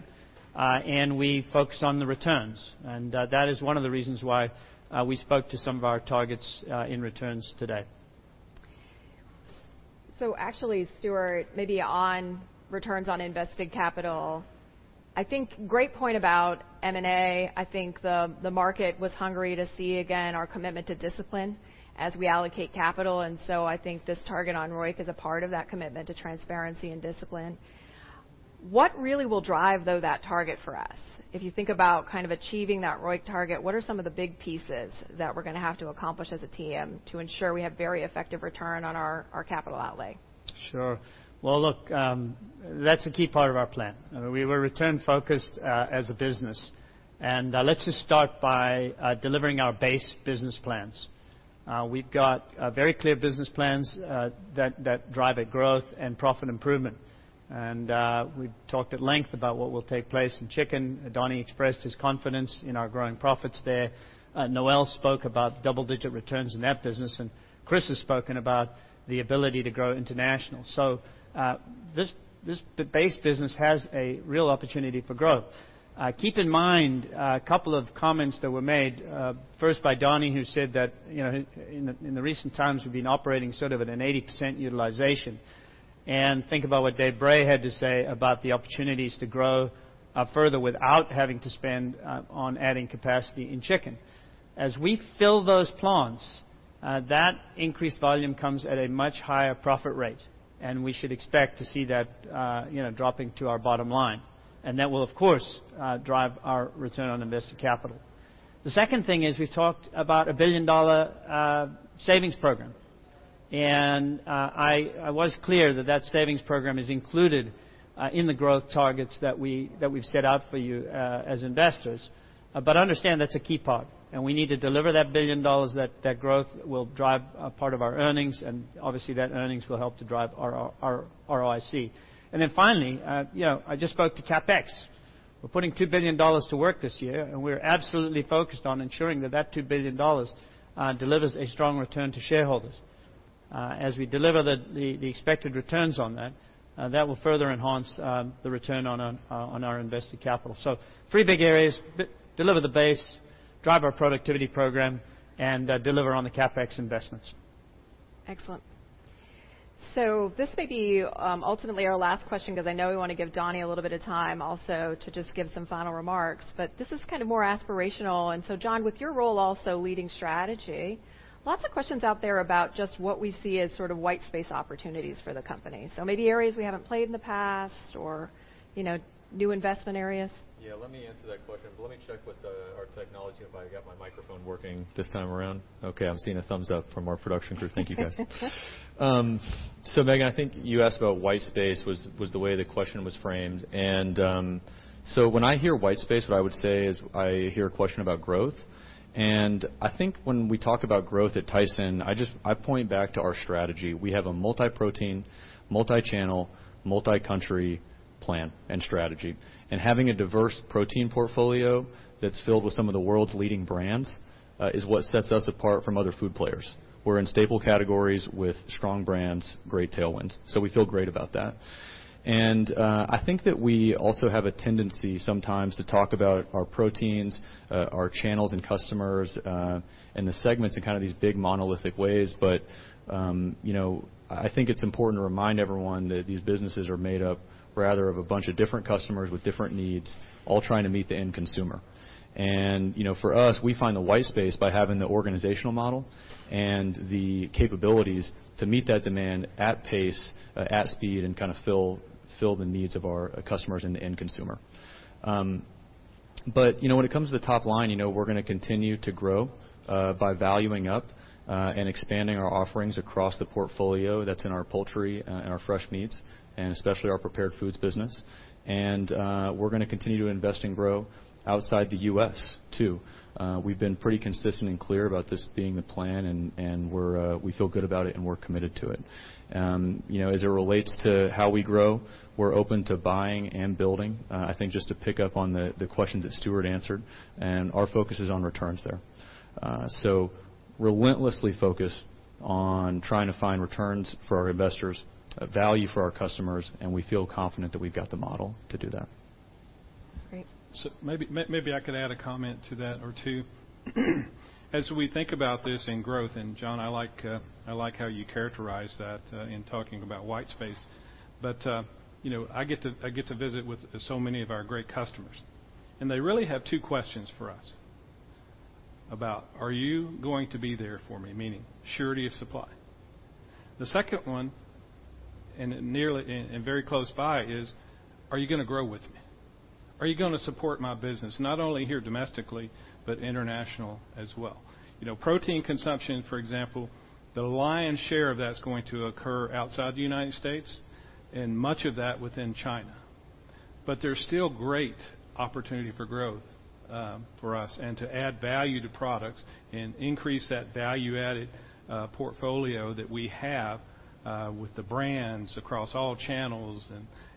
and we focus on the returns. That is one of the reasons why we spoke to some of our targets and returns today. Actually, Stewart, maybe on returns on invested capital, I think great point about M&A. I think the market was hungry to see again our commitment to discipline as we allocate capital. I think this target on ROIC is a part of that commitment to transparency and discipline. What really will drive though that target for us? If you think about kind of achieving that ROIC target, what are some of the big pieces that we're gonna have to accomplish as a team to ensure we have very effective return on our capital outlay? Sure. Well, look, that's a key part of our plan. I mean, we were return-focused as a business. Let's just start by delivering our base business plans. We've got very clear business plans that drive at growth and profit improvement. We've talked at length about what will take place in chicken. Donnie expressed his confidence in our growing profits there. Noelle spoke about double-digit returns in that business, and Chris has spoken about the ability to grow international. This base business has a real opportunity for growth. Keep in mind a couple of comments that were made first by Donnie, who said that, you know, in the recent times, we've been operating sort of at an 80% utilization. Think about what David Bray had to say about the opportunities to grow further without having to spend on adding capacity in chicken. As we fill those plants, that increased volume comes at a much higher profit rate, and we should expect to see that you know dropping to our bottom line. That will, of course, drive our return on invested capital. The second thing is we've talked about a $1 billion savings program. I was clear that that savings program is included in the growth targets that we've set out for you as investors. Understand that's a key part, and we need to deliver that $1 billion. That growth will drive a part of our earnings, and obviously, that earnings will help to drive our ROIC. Finally, you know, I just spoke to CapEx. We're putting $2 billion to work this year, and we're absolutely focused on ensuring that $2 billion delivers a strong return to shareholders. As we deliver the expected returns on that will further enhance the return on our invested capital. Three big areas, deliver the base, drive our productivity program, and deliver on the CapEx investments. Excellent. This may be ultimately our last question, 'cause I know we wanna give Donnie a little bit of time also to just give some final remarks. This is kind of more aspirational. John, with your role also leading strategy, lots of questions out there about just what we see as sort of white space opportunities for the company. Maybe areas we haven't played in the past or, you know, new investment areas. Yeah, let me answer that question, but let me check with our technology if I got my microphone working this time around. Okay, I'm seeing a thumbs up from our production crew. Thank you, guys. Megan, I think you asked about white space was the way the question was framed. When I hear white space, what I would say is I hear a question about growth. I think when we talk about growth at Tyson, I just I point back to our strategy. We have a multi-protein, multi-channel, multi-country plan and strategy. Having a diverse protein portfolio that's filled with some of the world's leading brands is what sets us apart from other food players. We're in staple categories with strong brands, great tailwinds, so we feel great about that. I think that we also have a tendency sometimes to talk about our proteins, our channels and customers, and the segments in kind of these big monolithic ways. You know, I think it's important to remind everyone that these businesses are made up rather of a bunch of different customers with different needs, all trying to meet the end consumer. You know, for us, we find the white space by having the organizational model and the capabilities to meet that demand at pace, at speed, and kind of fill the needs of our customers and the end consumer. You know, when it comes to the top line, you know, we're gonna continue to grow by valuing up and expanding our offerings across the portfolio that's in our Poultry and our Fresh Meats, and especially our Prepared Foods business. We're gonna continue to invest and grow outside the U.S. too. We've been pretty consistent and clear about this being the plan, and we're, we feel good about it, and we're committed to it. You know, as it relates to how we grow, we're open to buying and building, I think just to pick up on the questions that Stewart answered, and our focus is on returns there. So relentlessly focused on trying to find returns for our investors, value for our customers, and we feel confident that we've got the model to do that. Great. Maybe I could add a comment to that or two. As we think about this in growth, and John, I like how you characterize that in talking about white space. You know, I get to visit with so many of our great customers, and they really have two questions for us about, "Are you going to be there for me?" Meaning surety of supply. The second one, and nearly very close by, is, "Are you gonna grow with me? Are you gonna support my business, not only here domestically, but international as well?" You know, protein consumption, for example, the lion's share of that's going to occur outside the United States and much of that within China. There's still great opportunity for growth, for us and to add value to products and increase that value-added portfolio that we have with the brands across all channels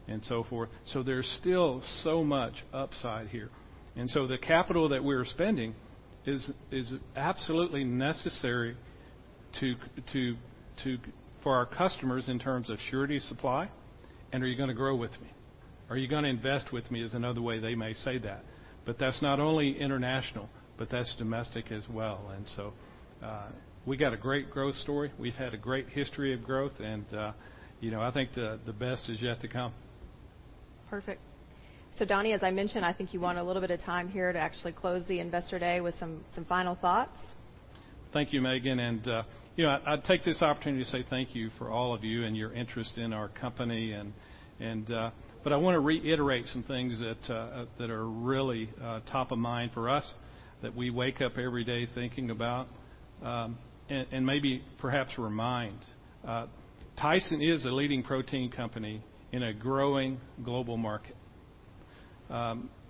and so forth. There's still so much upside here. The capital that we're spending is absolutely necessary to for our customers in terms of surety of supply, and are you gonna grow with me? Are you gonna invest with me, is another way they may say that. That's not only international, but that's domestic as well. We got a great growth story. We've had a great history of growth and, you know, I think the best is yet to come. Perfect. Donnie, as I mentioned, I think you want a little bit of time here to actually close the Investor Day with some final thoughts. Thank you, Megan. You know, I'd take this opportunity to say thank you for all of you and your interest in our company, but I wanna reiterate some things that are really top of mind for us, that we wake up every day thinking about, and maybe perhaps remind. Tyson is a leading protein company in a growing global market.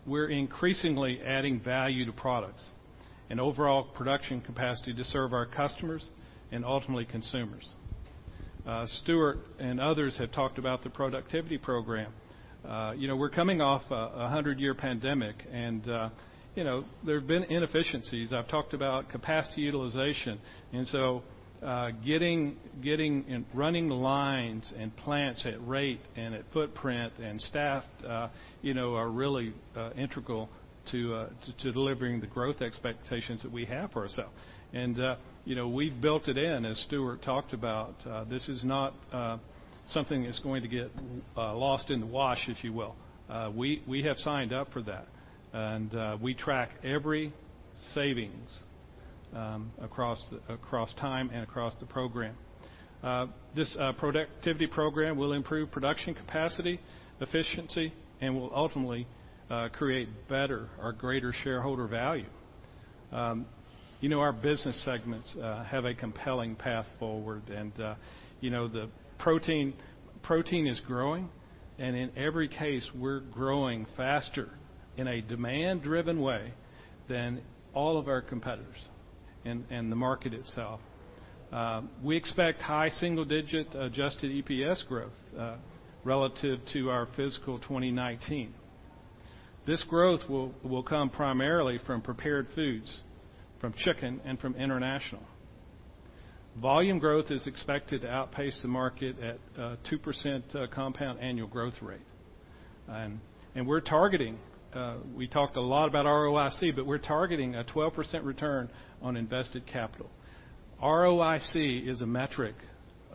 We're increasingly adding value to products and overall production capacity to serve our customers and ultimately consumers. Stewart and others have talked about the productivity program. You know, we're coming off a hundred-year pandemic, and you know, there have been inefficiencies. I've talked about capacity utilization. Getting and running lines and plants at rate and at footprint and staffed, you know, are really integral to delivering the growth expectations that we have for ourselves. You know, we've built it in, as Stewart talked about. This is not something that's going to get lost in the wash, if you will. We have signed up for that. We track every savings across time and across the program. This productivity program will improve production capacity, efficiency, and will ultimately create better or greater shareholder value. You know, our business segments have a compelling path forward. You know, the protein is growing. In every case, we're growing faster in a demand-driven way than all of our competitors and the market itself. We expect high single-digit adjusted EPS growth relative to our fiscal 2019. This growth will come primarily from Prepared Foods, from Chicken, and from International. Volume growth is expected to outpace the market at 2% compound annual growth rate. We're targeting a 12% return on invested capital. ROIC is a metric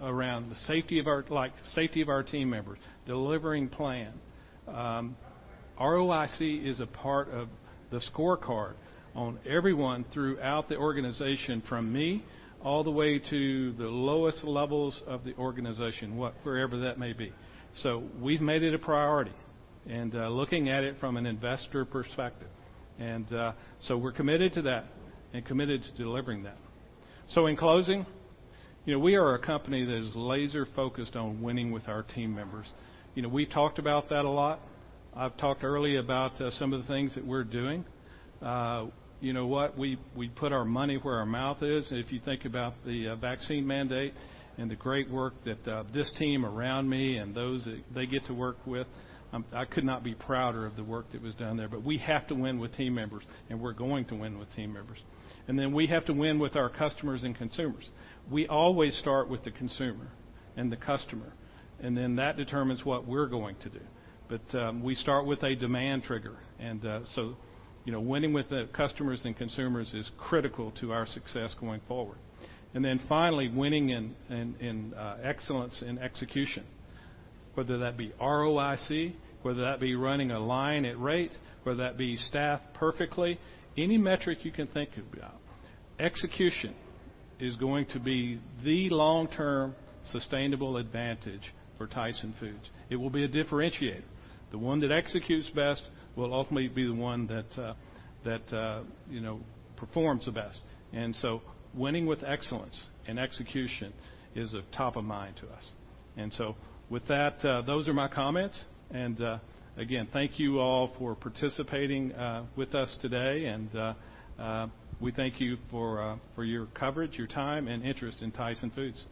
around the safety of our—like safety of our team members, delivering plan. ROIC is a part of the scorecard on everyone throughout the organization from me all the way to the lowest levels of the organization, whatever that may be. We've made it a priority and looking at it from an investor perspective. We're committed to that and committed to delivering that. In closing, you know, we are a company that is laser-focused on winning with our team members. You know, we've talked about that a lot. I've talked earlier about some of the things that we're doing. You know what? We put our money where our mouth is. If you think about the vaccine mandate and the great work that this team around me and those that they get to work with, I could not be prouder of the work that was done there. We have to win with team members, and we're going to win with team members. We have to win with our customers and consumers. We always start with the consumer and the customer, and then that determines what we're going to do. We start with a demand trigger. So, you know, winning with the customers and consumers is critical to our success going forward. Finally, winning in excellence in execution, whether that be ROIC, whether that be running a line at rate, whether that be staffed perfectly. Any metric you can think of. Execution is going to be the long-term sustainable advantage for Tyson Foods. It will be a differentiator. The one that executes best will ultimately be the one that, you know, performs the best. Winning with excellence and execution is a top of mind to us. With that, those are my comments. Again, thank you all for participating with us today. We thank you for your coverage, your time, and interest in Tyson Foods.